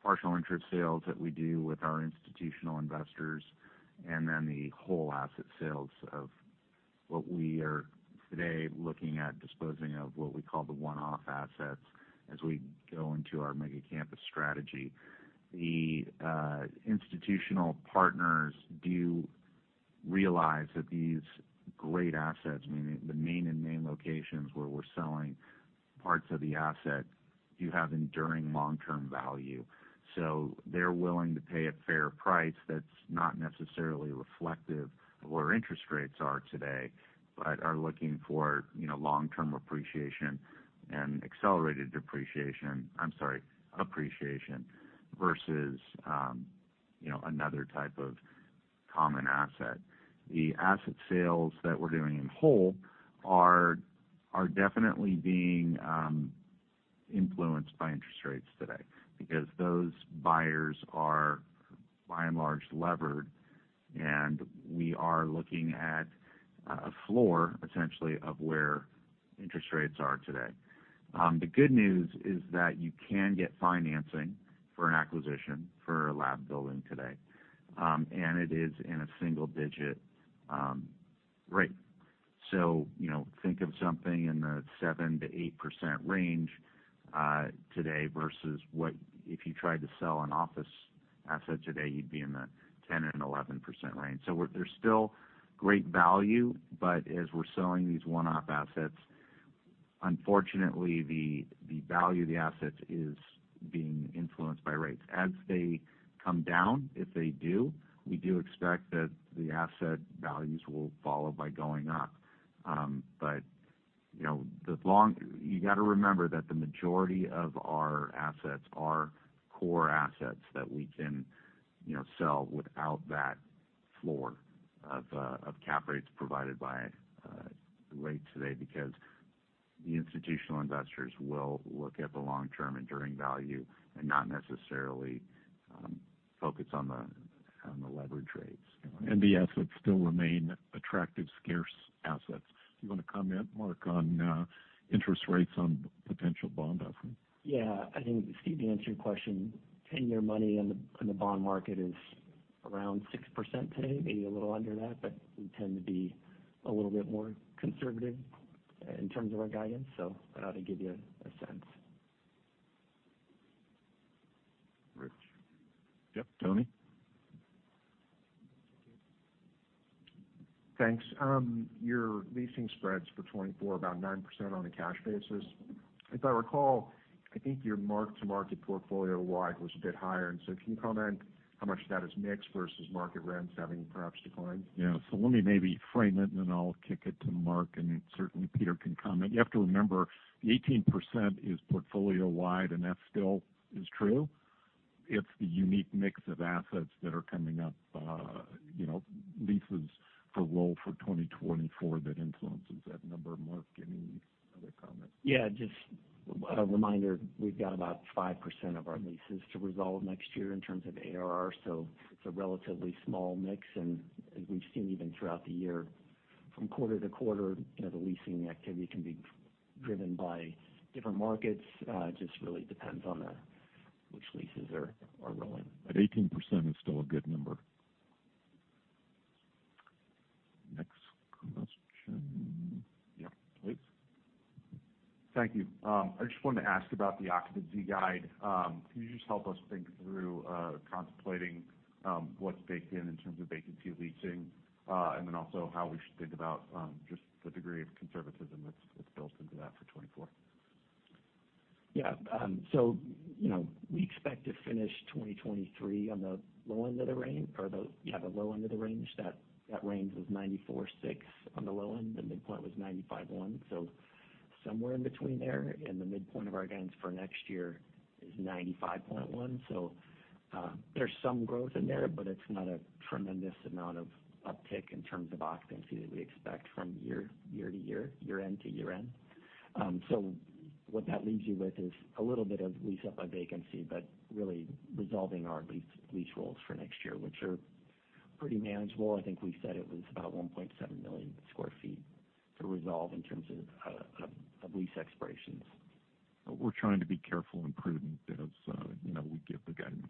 partial interest sales that we do with our institutional investors, and then the whole asset sales of what we are today looking at disposing of what we call the one-off assets as we go into our mega campus strategy. The institutional partners do realize that these great assets, meaning the main and main locations where we're selling parts of the asset, do have enduring long-term value. So they're willing to pay a fair price that's not necessarily reflective of where interest rates are today, but are looking for, you know, long-term appreciation and accelerated depreciation, I'm sorry, appreciation versus, you know, another type of common asset. The asset sales that we're doing in whole are definitely being influenced by interest rates today because those buyers are, by and large, levered, and we are looking at a floor essentially of where interest rates are today. The good news is that you can get financing for an acquisition for a lab building today, and it is in a single-digit rate. So, you know, think of something in the 7%-8% range today versus what if you tried to sell an office asset today, you'd be in the 10%-11% range. So we're, there's still great value, but as we're selling these one-off assets, unfortunately, the value of the assets is being influenced by rates. As they come down, if they do, we do expect that the asset values will follow by going up. But, you know, you got to remember that the majority of our assets are core assets that we can, you know, sell without that floor of cap rates provided by the rate today, because the institutional investors will look at the long-term enduring value and not necessarily focus on the leverage rates. The assets still remain attractive, scarce assets. You want to comment, Marc, on interest rates on potential bond offerings? Yeah. I think Steve, to answer your question, ten-year money in the bond market is around 6% today, maybe a little under that, but we tend to be a little bit more conservative in terms of our guidance, so that ought to give you a sense. Rich? Yep, Tony. Thanks. Your leasing spreads for 2024, about 9% on a cash basis. If I recall, I think your mark-to-market portfolio-wide was a bit higher. So can you comment how much of that is mix versus market rents having perhaps declined? Yeah. So let me maybe frame it, and then I'll kick it to Marc, and certainly Peter can comment. You have to remember, the 18% is portfolio wide, and that still is true. It's the unique mix of assets that are coming up, you know, leases to roll for 2024 that influences that number. Marc, any other comments? Yeah, just a reminder, we've got about 5% of our leases to resolve next year in terms of ARR, so it's a relatively small mix. And as we've seen even throughout the year, from quarter to quarter, you know, the leasing activity can be driven by different markets. It just really depends on which leases are rolling. But 18% is still a good number. Next question. Yep, please. Thank you. I just wanted to ask about the occupancy guide. Can you just help us think through contemplating what's baked in in terms of vacancy leasing, and then also how we should think about just the degree of conservatism that's built into that for 2024? Yeah. So, you know, we expect to finish 2023 on the low end of the range, or the low end of the range. That range was 94.6 on the low end. The midpoint was 95.1, so somewhere in between there, and the midpoint of our guidance for next year is 95.1. So, there's some growth in there, but it's not a tremendous amount of uptick in terms of occupancy that we expect from year to year, year-end to year-end. So what that leaves you with is a little bit of lease-up by vacancy, but really resolving our lease rolls for next year, which are pretty manageable. I think we said it was about 1.7 million sq ft to resolve in terms of lease expirations. But we're trying to be careful and prudent as, you know, we give the guidance.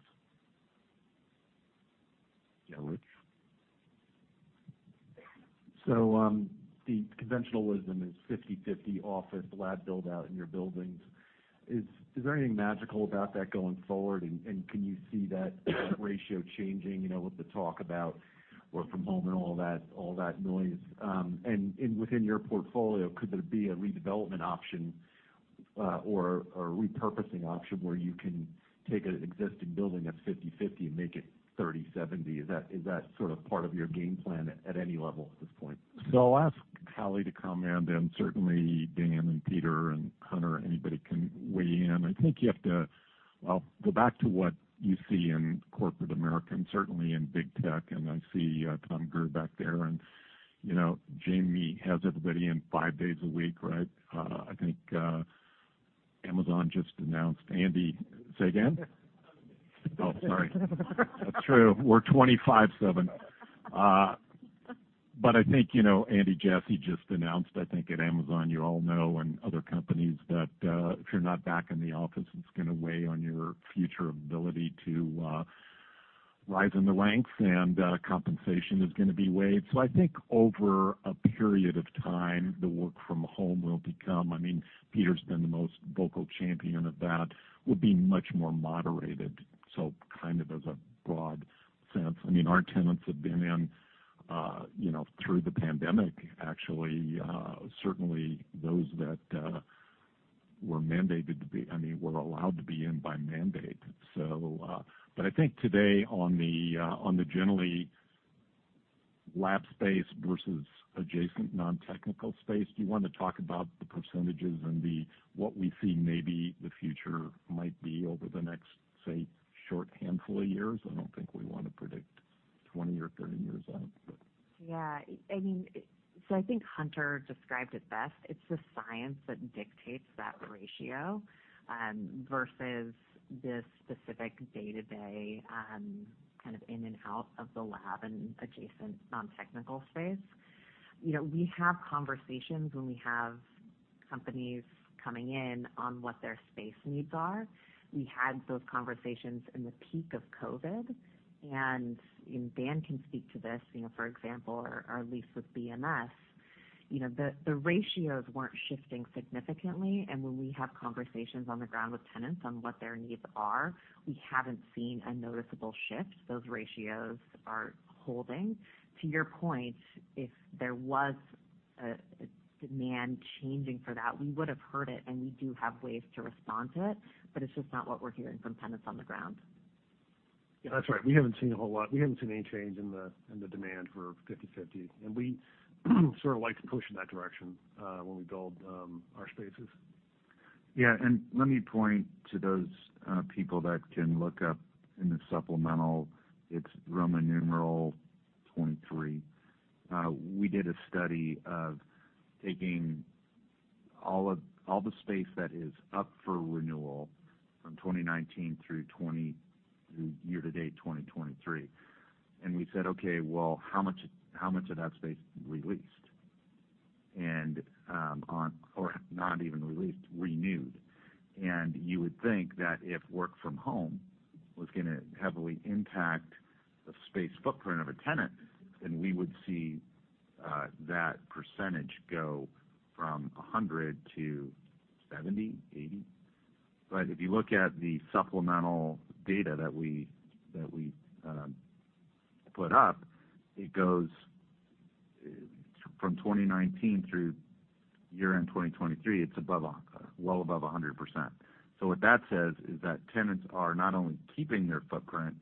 Yeah, Rich. So, the conventional wisdom is 50/50 office to lab build out in your buildings. Is there anything magical about that going forward, and can you see that ratio changing, you know, with the talk about work from home and all that, all that noise? And within your portfolio, could there be a redevelopment option, or repurposing option where you can take an existing building that's 50/50 and make it 30/70? Is that sort of part of your game plan at any level at this point? So I'll ask Hallie to comment, and certainly Dan and Peter and Hunter, anybody can weigh in. I think you have to, well, go back to what you see in corporate America, and certainly in Big Tech, and I see Tom Grier back there, and, you know, Jamie has everybody in five days a week, right? I think Amazon just announced, Andy... Say again? Oh, sorry. That's true. We're 25/7. But I think, you know, Andy Jassy just announced, I think, at Amazon, you all know, and other companies, that if you're not back in the office, it's going to weigh on your future ability to rise in the ranks and compensation is going to be weighed. So I think over a period of time, the work from home will become, I mean, Peter's been the most vocal champion of that, will be much more moderated. So kind of as a broad sense, I mean, our tenants have been in, you know, through the pandemic, actually, certainly those that were mandated to be—I mean, were allowed to be in by mandate. So, but I think today on the generally lab space versus adjacent non-technical space, do you want to talk about the percentages and the what we see maybe the future might be over the next, say, short handful of years? I don't think we want to predict 20 or 30 years out, but. Yeah, I mean, so I think Hunter described it best. It's the science that dictates that ratio versus this specific day-to-day kind of in and out of the lab and adjacent non-technical space. You know, we have conversations when we have companies coming in on what their space needs are. We had those conversations in the peak of COVID, and Dan can speak to this, you know, for example, our lease with BMS. You know, the ratios weren't shifting significantly, and when we have conversations on the ground with tenants on what their needs are, we haven't seen a noticeable shift. Those ratios are holding. To your point, if there was a demand changing for that, we would have heard it, and we do have ways to respond to it, but it's just not what we're hearing from tenants on the ground. Yeah, that's right. We haven't seen a whole lot. We haven't seen any change in the demand for 50/50, and we sort of like to push in that direction when we build our spaces. Yeah, and let me point to those people that can look up in the supplemental. It's Roman numeral 23. We did a study of taking all of all the space that is up for renewal from 2019 through 20, through year to date, 2023. And we said, okay, well, how much of that space re-leased? And on or not even re-leased, renewed. And you would think that if work from home was going to heavily impact the space footprint of a tenant, then we would see that percentage go from 100 to 70, 80. But if you look at the supplemental data that we put up, it goes from 2019 through year-end 2023, it's well above 100%. What that says is that tenants are not only keeping their footprint,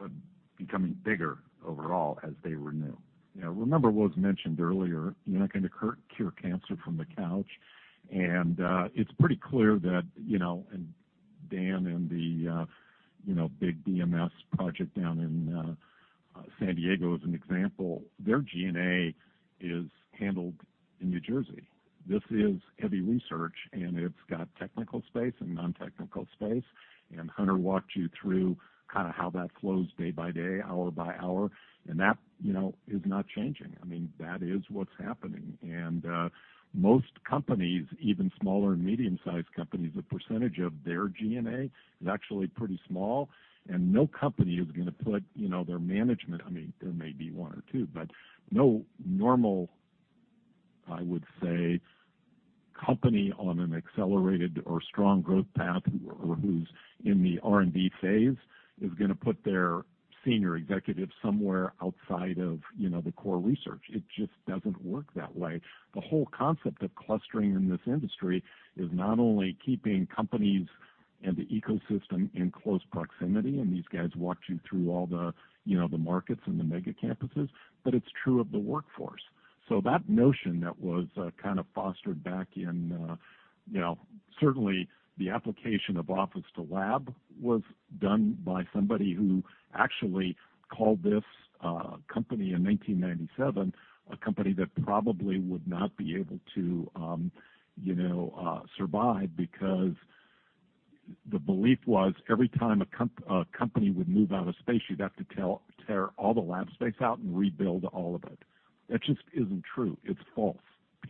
but becoming bigger overall as they renew. Yeah, remember what was mentioned earlier, you're not going to cure cancer from the couch. And, it's pretty clear that, you know, and Dan and the, you know, big BMS project down in, San Diego, as an example, their G&A is handled in New Jersey. This is heavy research, and it's got technical space and non-technical space. And Hunter walked you through kind of how that flows day by day, hour by hour, and that, you know, is not changing. I mean, that is what's happening. Most companies, even smaller and medium-sized companies, the percentage of their G&A is actually pretty small, and no company is going to put, you know, their management—I mean, there may be one or two, but no normal, I would say, company on an accelerated or strong growth path or who's in the R&D phase, is going to put their senior executives somewhere outside of, you know, the core research. It just doesn't work that way. The whole concept of clustering in this industry is not only keeping companies and the ecosystem in close proximity, and these guys walked you through all the, you know, the markets and the mega campuses, but it's true of the workforce. So that notion that was kind of fostered back in you know certainly the application of office to lab was done by somebody who actually called this company in 1997 a company that probably would not be able to you know survive because the belief was every time a company would move out of space you'd have to tear all the lab space out and rebuild all of it. That just isn't true. It's false.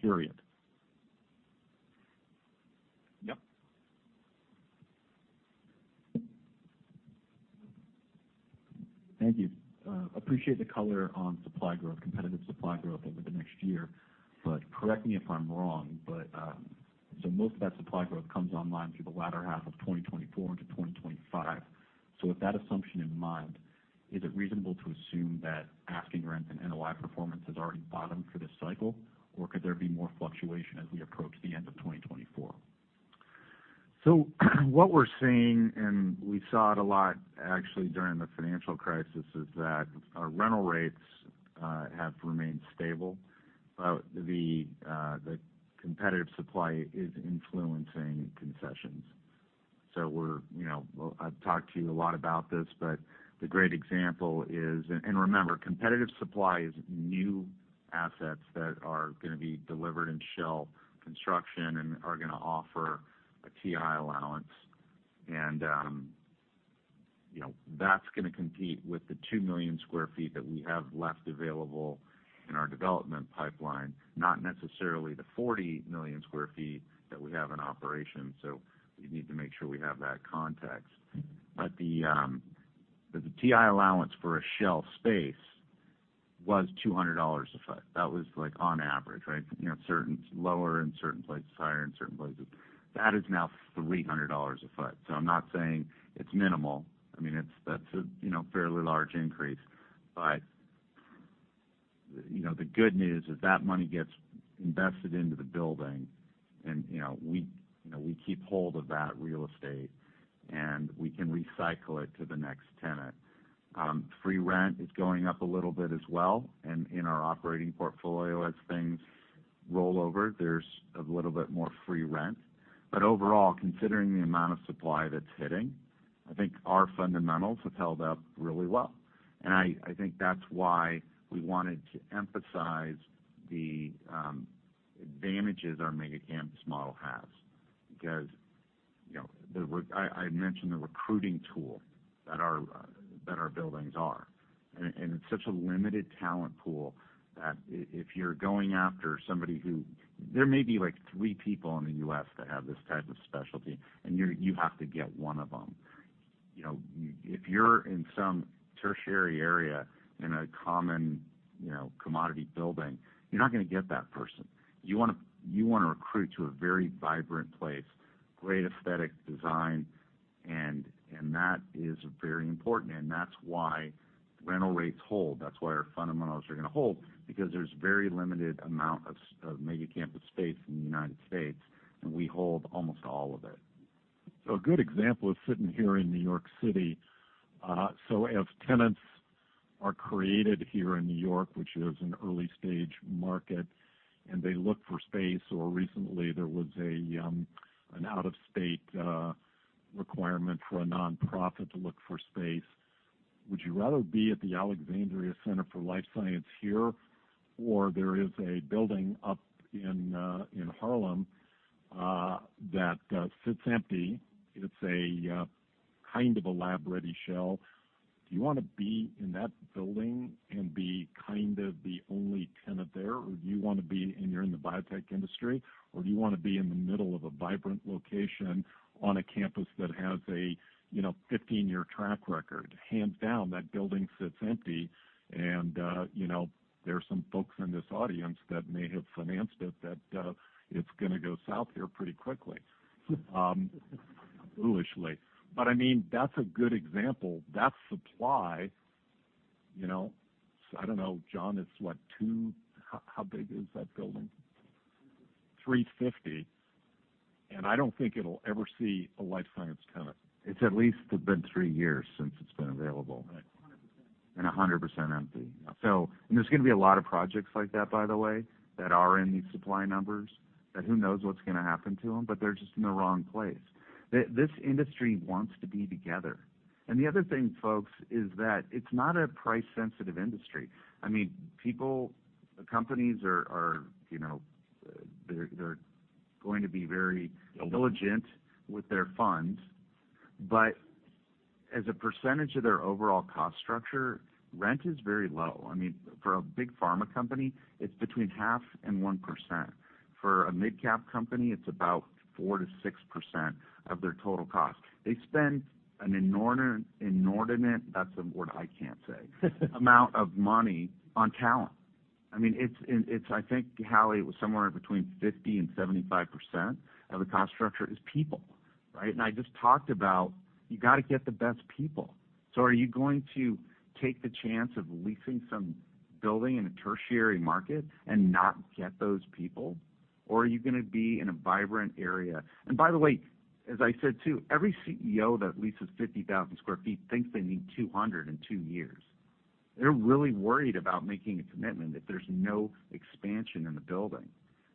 Period. Yep. Thank you. Appreciate the color on supply growth, competitive supply growth over the next year. But correct me if I'm wrong, but, so most of that supply growth comes online through the latter half of 2024 into 2025. So with that assumption in mind, is it reasonable to assume that asking rent and NOI performance has already bottomed for this cycle, or could there be more fluctuation as we approach the end of 2024? So what we're seeing, and we saw it a lot actually during the financial crisis, is that our rental rates have remained stable. The competitive supply is influencing concessions. So we're, you know, I've talked to you a lot about this, but the great example is... And remember, competitive supply is new assets that are going to be delivered in shell construction and are going to offer a TI allowance. And you know, that's going to compete with the 2 million sq ft that we have left available in our development pipeline, not necessarily the 40 million sq ft that we have in operation. So we need to make sure we have that context. But the TI allowance for a shell space-... was $200 a foot. That was, like, on average, right? You know, certain lower, in certain places, higher in certain places. That is now $300 a foot. So I'm not saying it's minimal. I mean, it's, that's a, you know, fairly large increase. But, you know, the good news is that money gets invested into the building and, you know, we, you know, we keep hold of that real estate, and we can recycle it to the next tenant. Free rent is going up a little bit as well. And in our operating portfolio, as things roll over, there's a little bit more free rent. But overall, considering the amount of supply that's hitting, I think our fundamentals have held up really well. I think that's why we wanted to emphasize the advantages our mega campus model has, because, you know, I mentioned the recruiting tool that our buildings are. And it's such a limited talent pool that if you're going after somebody who. There may be, like, three people in the U.S. that have this type of specialty, and you have to get one of them. You know, if you're in some tertiary area in a common, you know, commodity building, you're not gonna get that person. You wanna, you wanna recruit to a very vibrant place, great aesthetic design, and that is very important. And that's why rental rates hold. That's why our fundamentals are gonna hold, because there's very limited amount of mega campus space in the United States, and we hold almost all of it. So a good example is sitting here in New York City. So as tenants are created here in New York, which is an early stage market, and they look for space, or recently, there was an out-of-state requirement for a nonprofit to look for space. Would you rather be at the Alexandria Center for Life Science here? Or there is a building up in Harlem that sits empty. It's kind of a lab-ready shell. Do you wanna be in that building and be kind of the only tenant there, or do you wanna be, and you're in the biotech industry, or do you wanna be in the middle of a vibrant location on a campus that has a, you know, 15-year track record? Hands down, that building sits empty, and, you know, there are some folks in this audience that may have financed it, it's gonna go south there pretty quickly, foolishly. But I mean, that's a good example. That's supply, you know? I don't know, John, it's what, two... How big is that building? 350, and I don't think it'll ever see a life science tenant. It's at least been three years since it's been available. Right. And 100% empty. So, and there's gonna be a lot of projects like that, by the way, that are in these supply numbers, that who knows what's gonna happen to them, but they're just in the wrong place. This industry wants to be together. And the other thing, folks, is that it's not a price-sensitive industry. I mean, people, the companies are, are, you know, they're, they're going to be very diligent with their funds. But as a percentage of their overall cost structure, rent is very low. I mean, for a big pharma company, it's between 0.5% and 1%. For a mid-cap company, it's about 4%-6% of their total cost. They spend an inordinate, inordinate, that's a word I can't say, amount of money on talent. I mean, it's, I think, Hallie, it was somewhere between 50%-75% of the cost structure is people, right? And I just talked about, you gotta get the best people. So are you going to take the chance of leasing some building in a tertiary market and not get those people? Or are you gonna be in a vibrant area? And by the way, as I said, too, every CEO that leases 50,000 sq ft thinks they need 200 in two years. They're really worried about making a commitment, if there's no expansion in the building.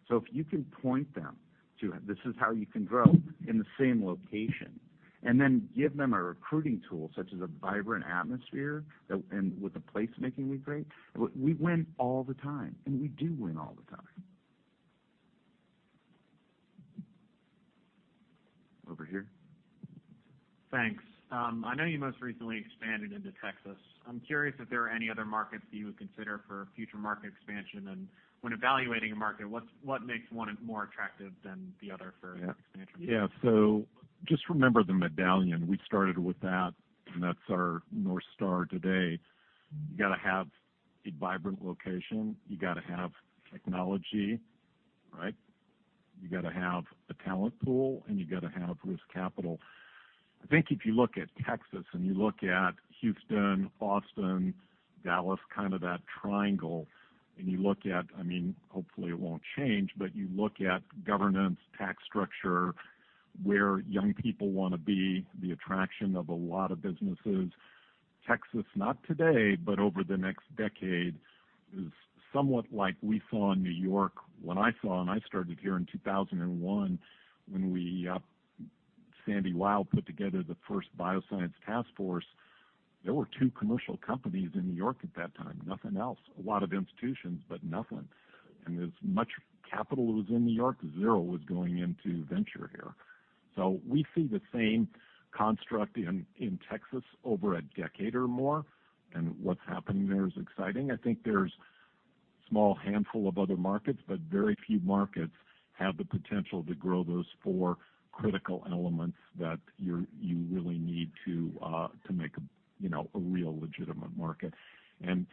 So if you can point them to, "This is how you can grow in the same location," and then give them a recruiting tool, such as a vibrant atmosphere, and with the placemaking we create, we win all the time, and we do win all the time. Over here. Thanks. I know you most recently expanded into Texas. I'm curious if there are any other markets that you would consider for future market expansion? And when evaluating a market, what makes one more attractive than the other for expansion? Yeah. So just remember the Medallion. We started with that, and that's our North Star today. You gotta have a vibrant location, you gotta have technology, right? You gotta have a talent pool, and you gotta have risk capital. I think if you look at Texas, and you look at Houston, Austin, Dallas, kind of that triangle, and you look at... I mean, hopefully, it won't change, but you look at governance, tax structure, where young people wanna be, the attraction of a lot of businesses. Texas, not today, but over the next decade, is somewhat like we saw in New York, what I saw, and I started here in 2001, when we, Sandy Weill put together the first bioscience task force. There were two commercial companies in New York at that time, nothing else. A lot of institutions, but nothing. As much capital that was in New York, zero was going into venture here. So we see the same construct in Texas over a decade or more, and what's happening there is exciting. I think there's a small handful of other markets, but very few markets have the potential to grow those four critical elements that you really need to make a, you know, a real legitimate market. And,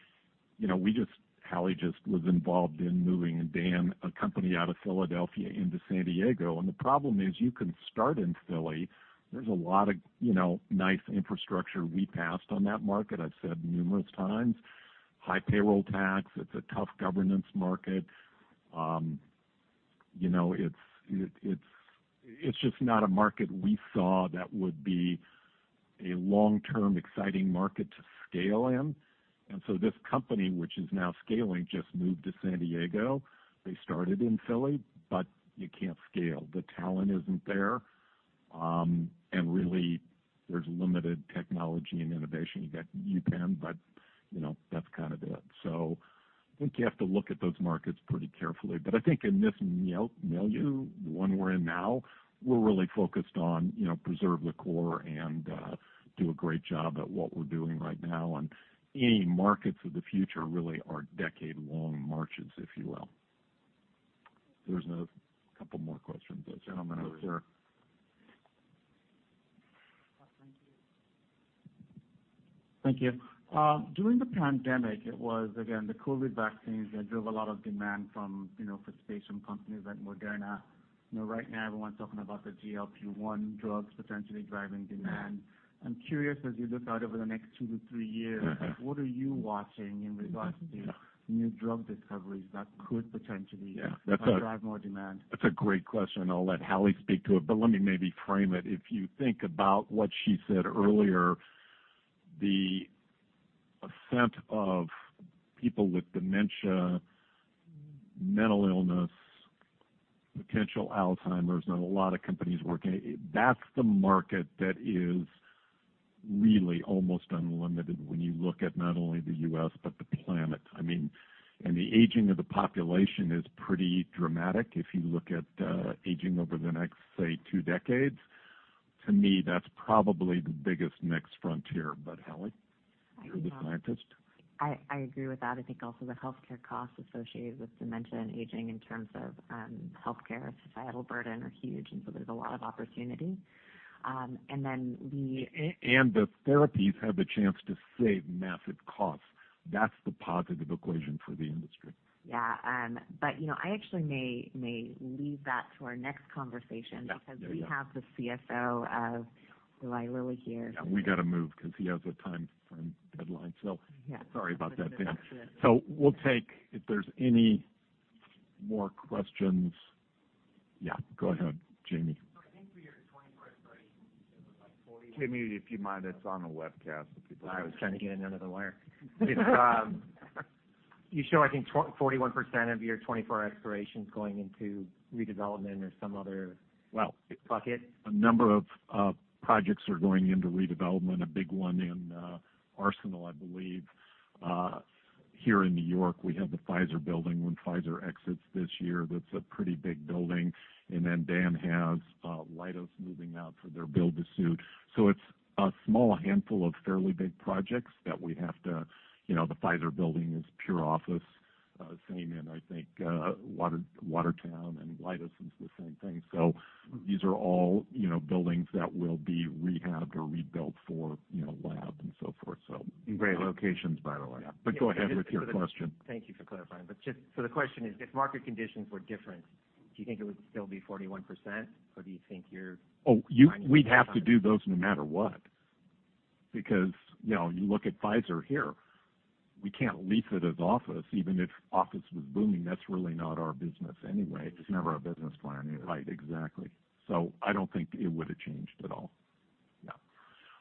you know, we just Hallie just was involved in moving Dan, a company out of Philadelphia into San Diego. And the problem is, you can start in Philly. There's a lot of, you know, nice infrastructure. We passed on that market, I've said numerous times. High payroll tax, it's a tough governance market. You know, it's just not a market we saw that would be a long-term, exciting market to scale in. And so this company, which is now scaling, just moved to San Diego. They started in Philly, but you can't scale. The talent isn't there, and really, there's limited technology and innovation. You got UPenn, but, you know, that's kind of it. So I think you have to look at those markets pretty carefully. But I think in this milieu, the one we're in now, we're really focused on, you know, preserve the core and do a great job at what we're doing right now. And any markets of the future really are decade-long marches, if you will. There's a couple more questions. The gentleman over there. Thank you. During the pandemic, it was, again, the COVID vaccines that drove a lot of demand from, you know, for patient companies like Moderna. You know, right now, everyone's talking about the GLP-1 drugs potentially driving demand. I'm curious, as you look out over the next two to three years, what are you watching in regards to new drug discoveries that could potentially drive more demand? That's a great question. I'll let Hallie speak to it, but let me maybe frame it. If you think about what she said earlier, the ascent of people with dementia, mental illness, potential Alzheimer's, and a lot of companies working, that's the market that is really almost unlimited when you look at not only the U.S., but the planet. I mean, and the aging of the population is pretty dramatic if you look at, aging over the next, say, two decades. To me, that's probably the biggest next frontier. But Hallie, you're the scientist. I, I agree with that. I think also the healthcare costs associated with dementia and aging in terms of, healthcare, societal burden are huge, and so there's a lot of opportunity. And then the- The therapies have a chance to save massive costs. That's the positive equation for the industry. Yeah, but, you know, I actually may leave that to our next conversation- Yeah, there you go. because we have the CFO of Eli Lilly here. Yeah, we got to move because he has a time deadline. So- Yeah. Sorry about that, Dan. So we'll take if there's any more questions. Yeah, go ahead, Jamie. So I think for your 2024. Jamie, if you mind, it's on the webcast, so people- I was trying to get it under the wire. You show, I think, 21% of your 24 expirations going into redevelopment or some other, well, bucket. A number of projects are going into redevelopment, a big one in Arsenal, I believe. Here in New York, we have the Pfizer building. When Pfizer exits this year, that's a pretty big building. And then Dan has Leidos moving out for their build-to-suit. So it's a small handful of fairly big projects that we have to... You know, the Pfizer building is pure office. Same in, I think, Watertown and Leidos is the same thing. So these are all, you know, buildings that will be rehabbed or rebuilt for, you know, labs and so forth so. Great locations, by the way. Yeah. But go ahead with your question. Thank you for clarifying. But just so the question is, if market conditions were different, do you think it would still be 41%, or do you think you're- Oh, we'd have to do those no matter what. Because, you know, you look at Pfizer here, we can't lease it as office, even if office was booming. That's really not our business anyway. It's never our business plan, either. Right. Exactly. So I don't think it would have changed at all. Yeah.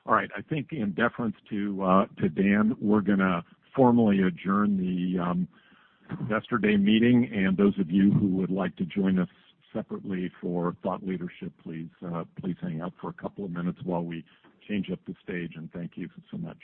All right. I think in deference to to Dan, we're going to formally adjourn the Investor Day meeting. And those of you who would like to join us separately for thought leadership, please, please hang out for a couple of minutes while we change up the stage, and thank you so much.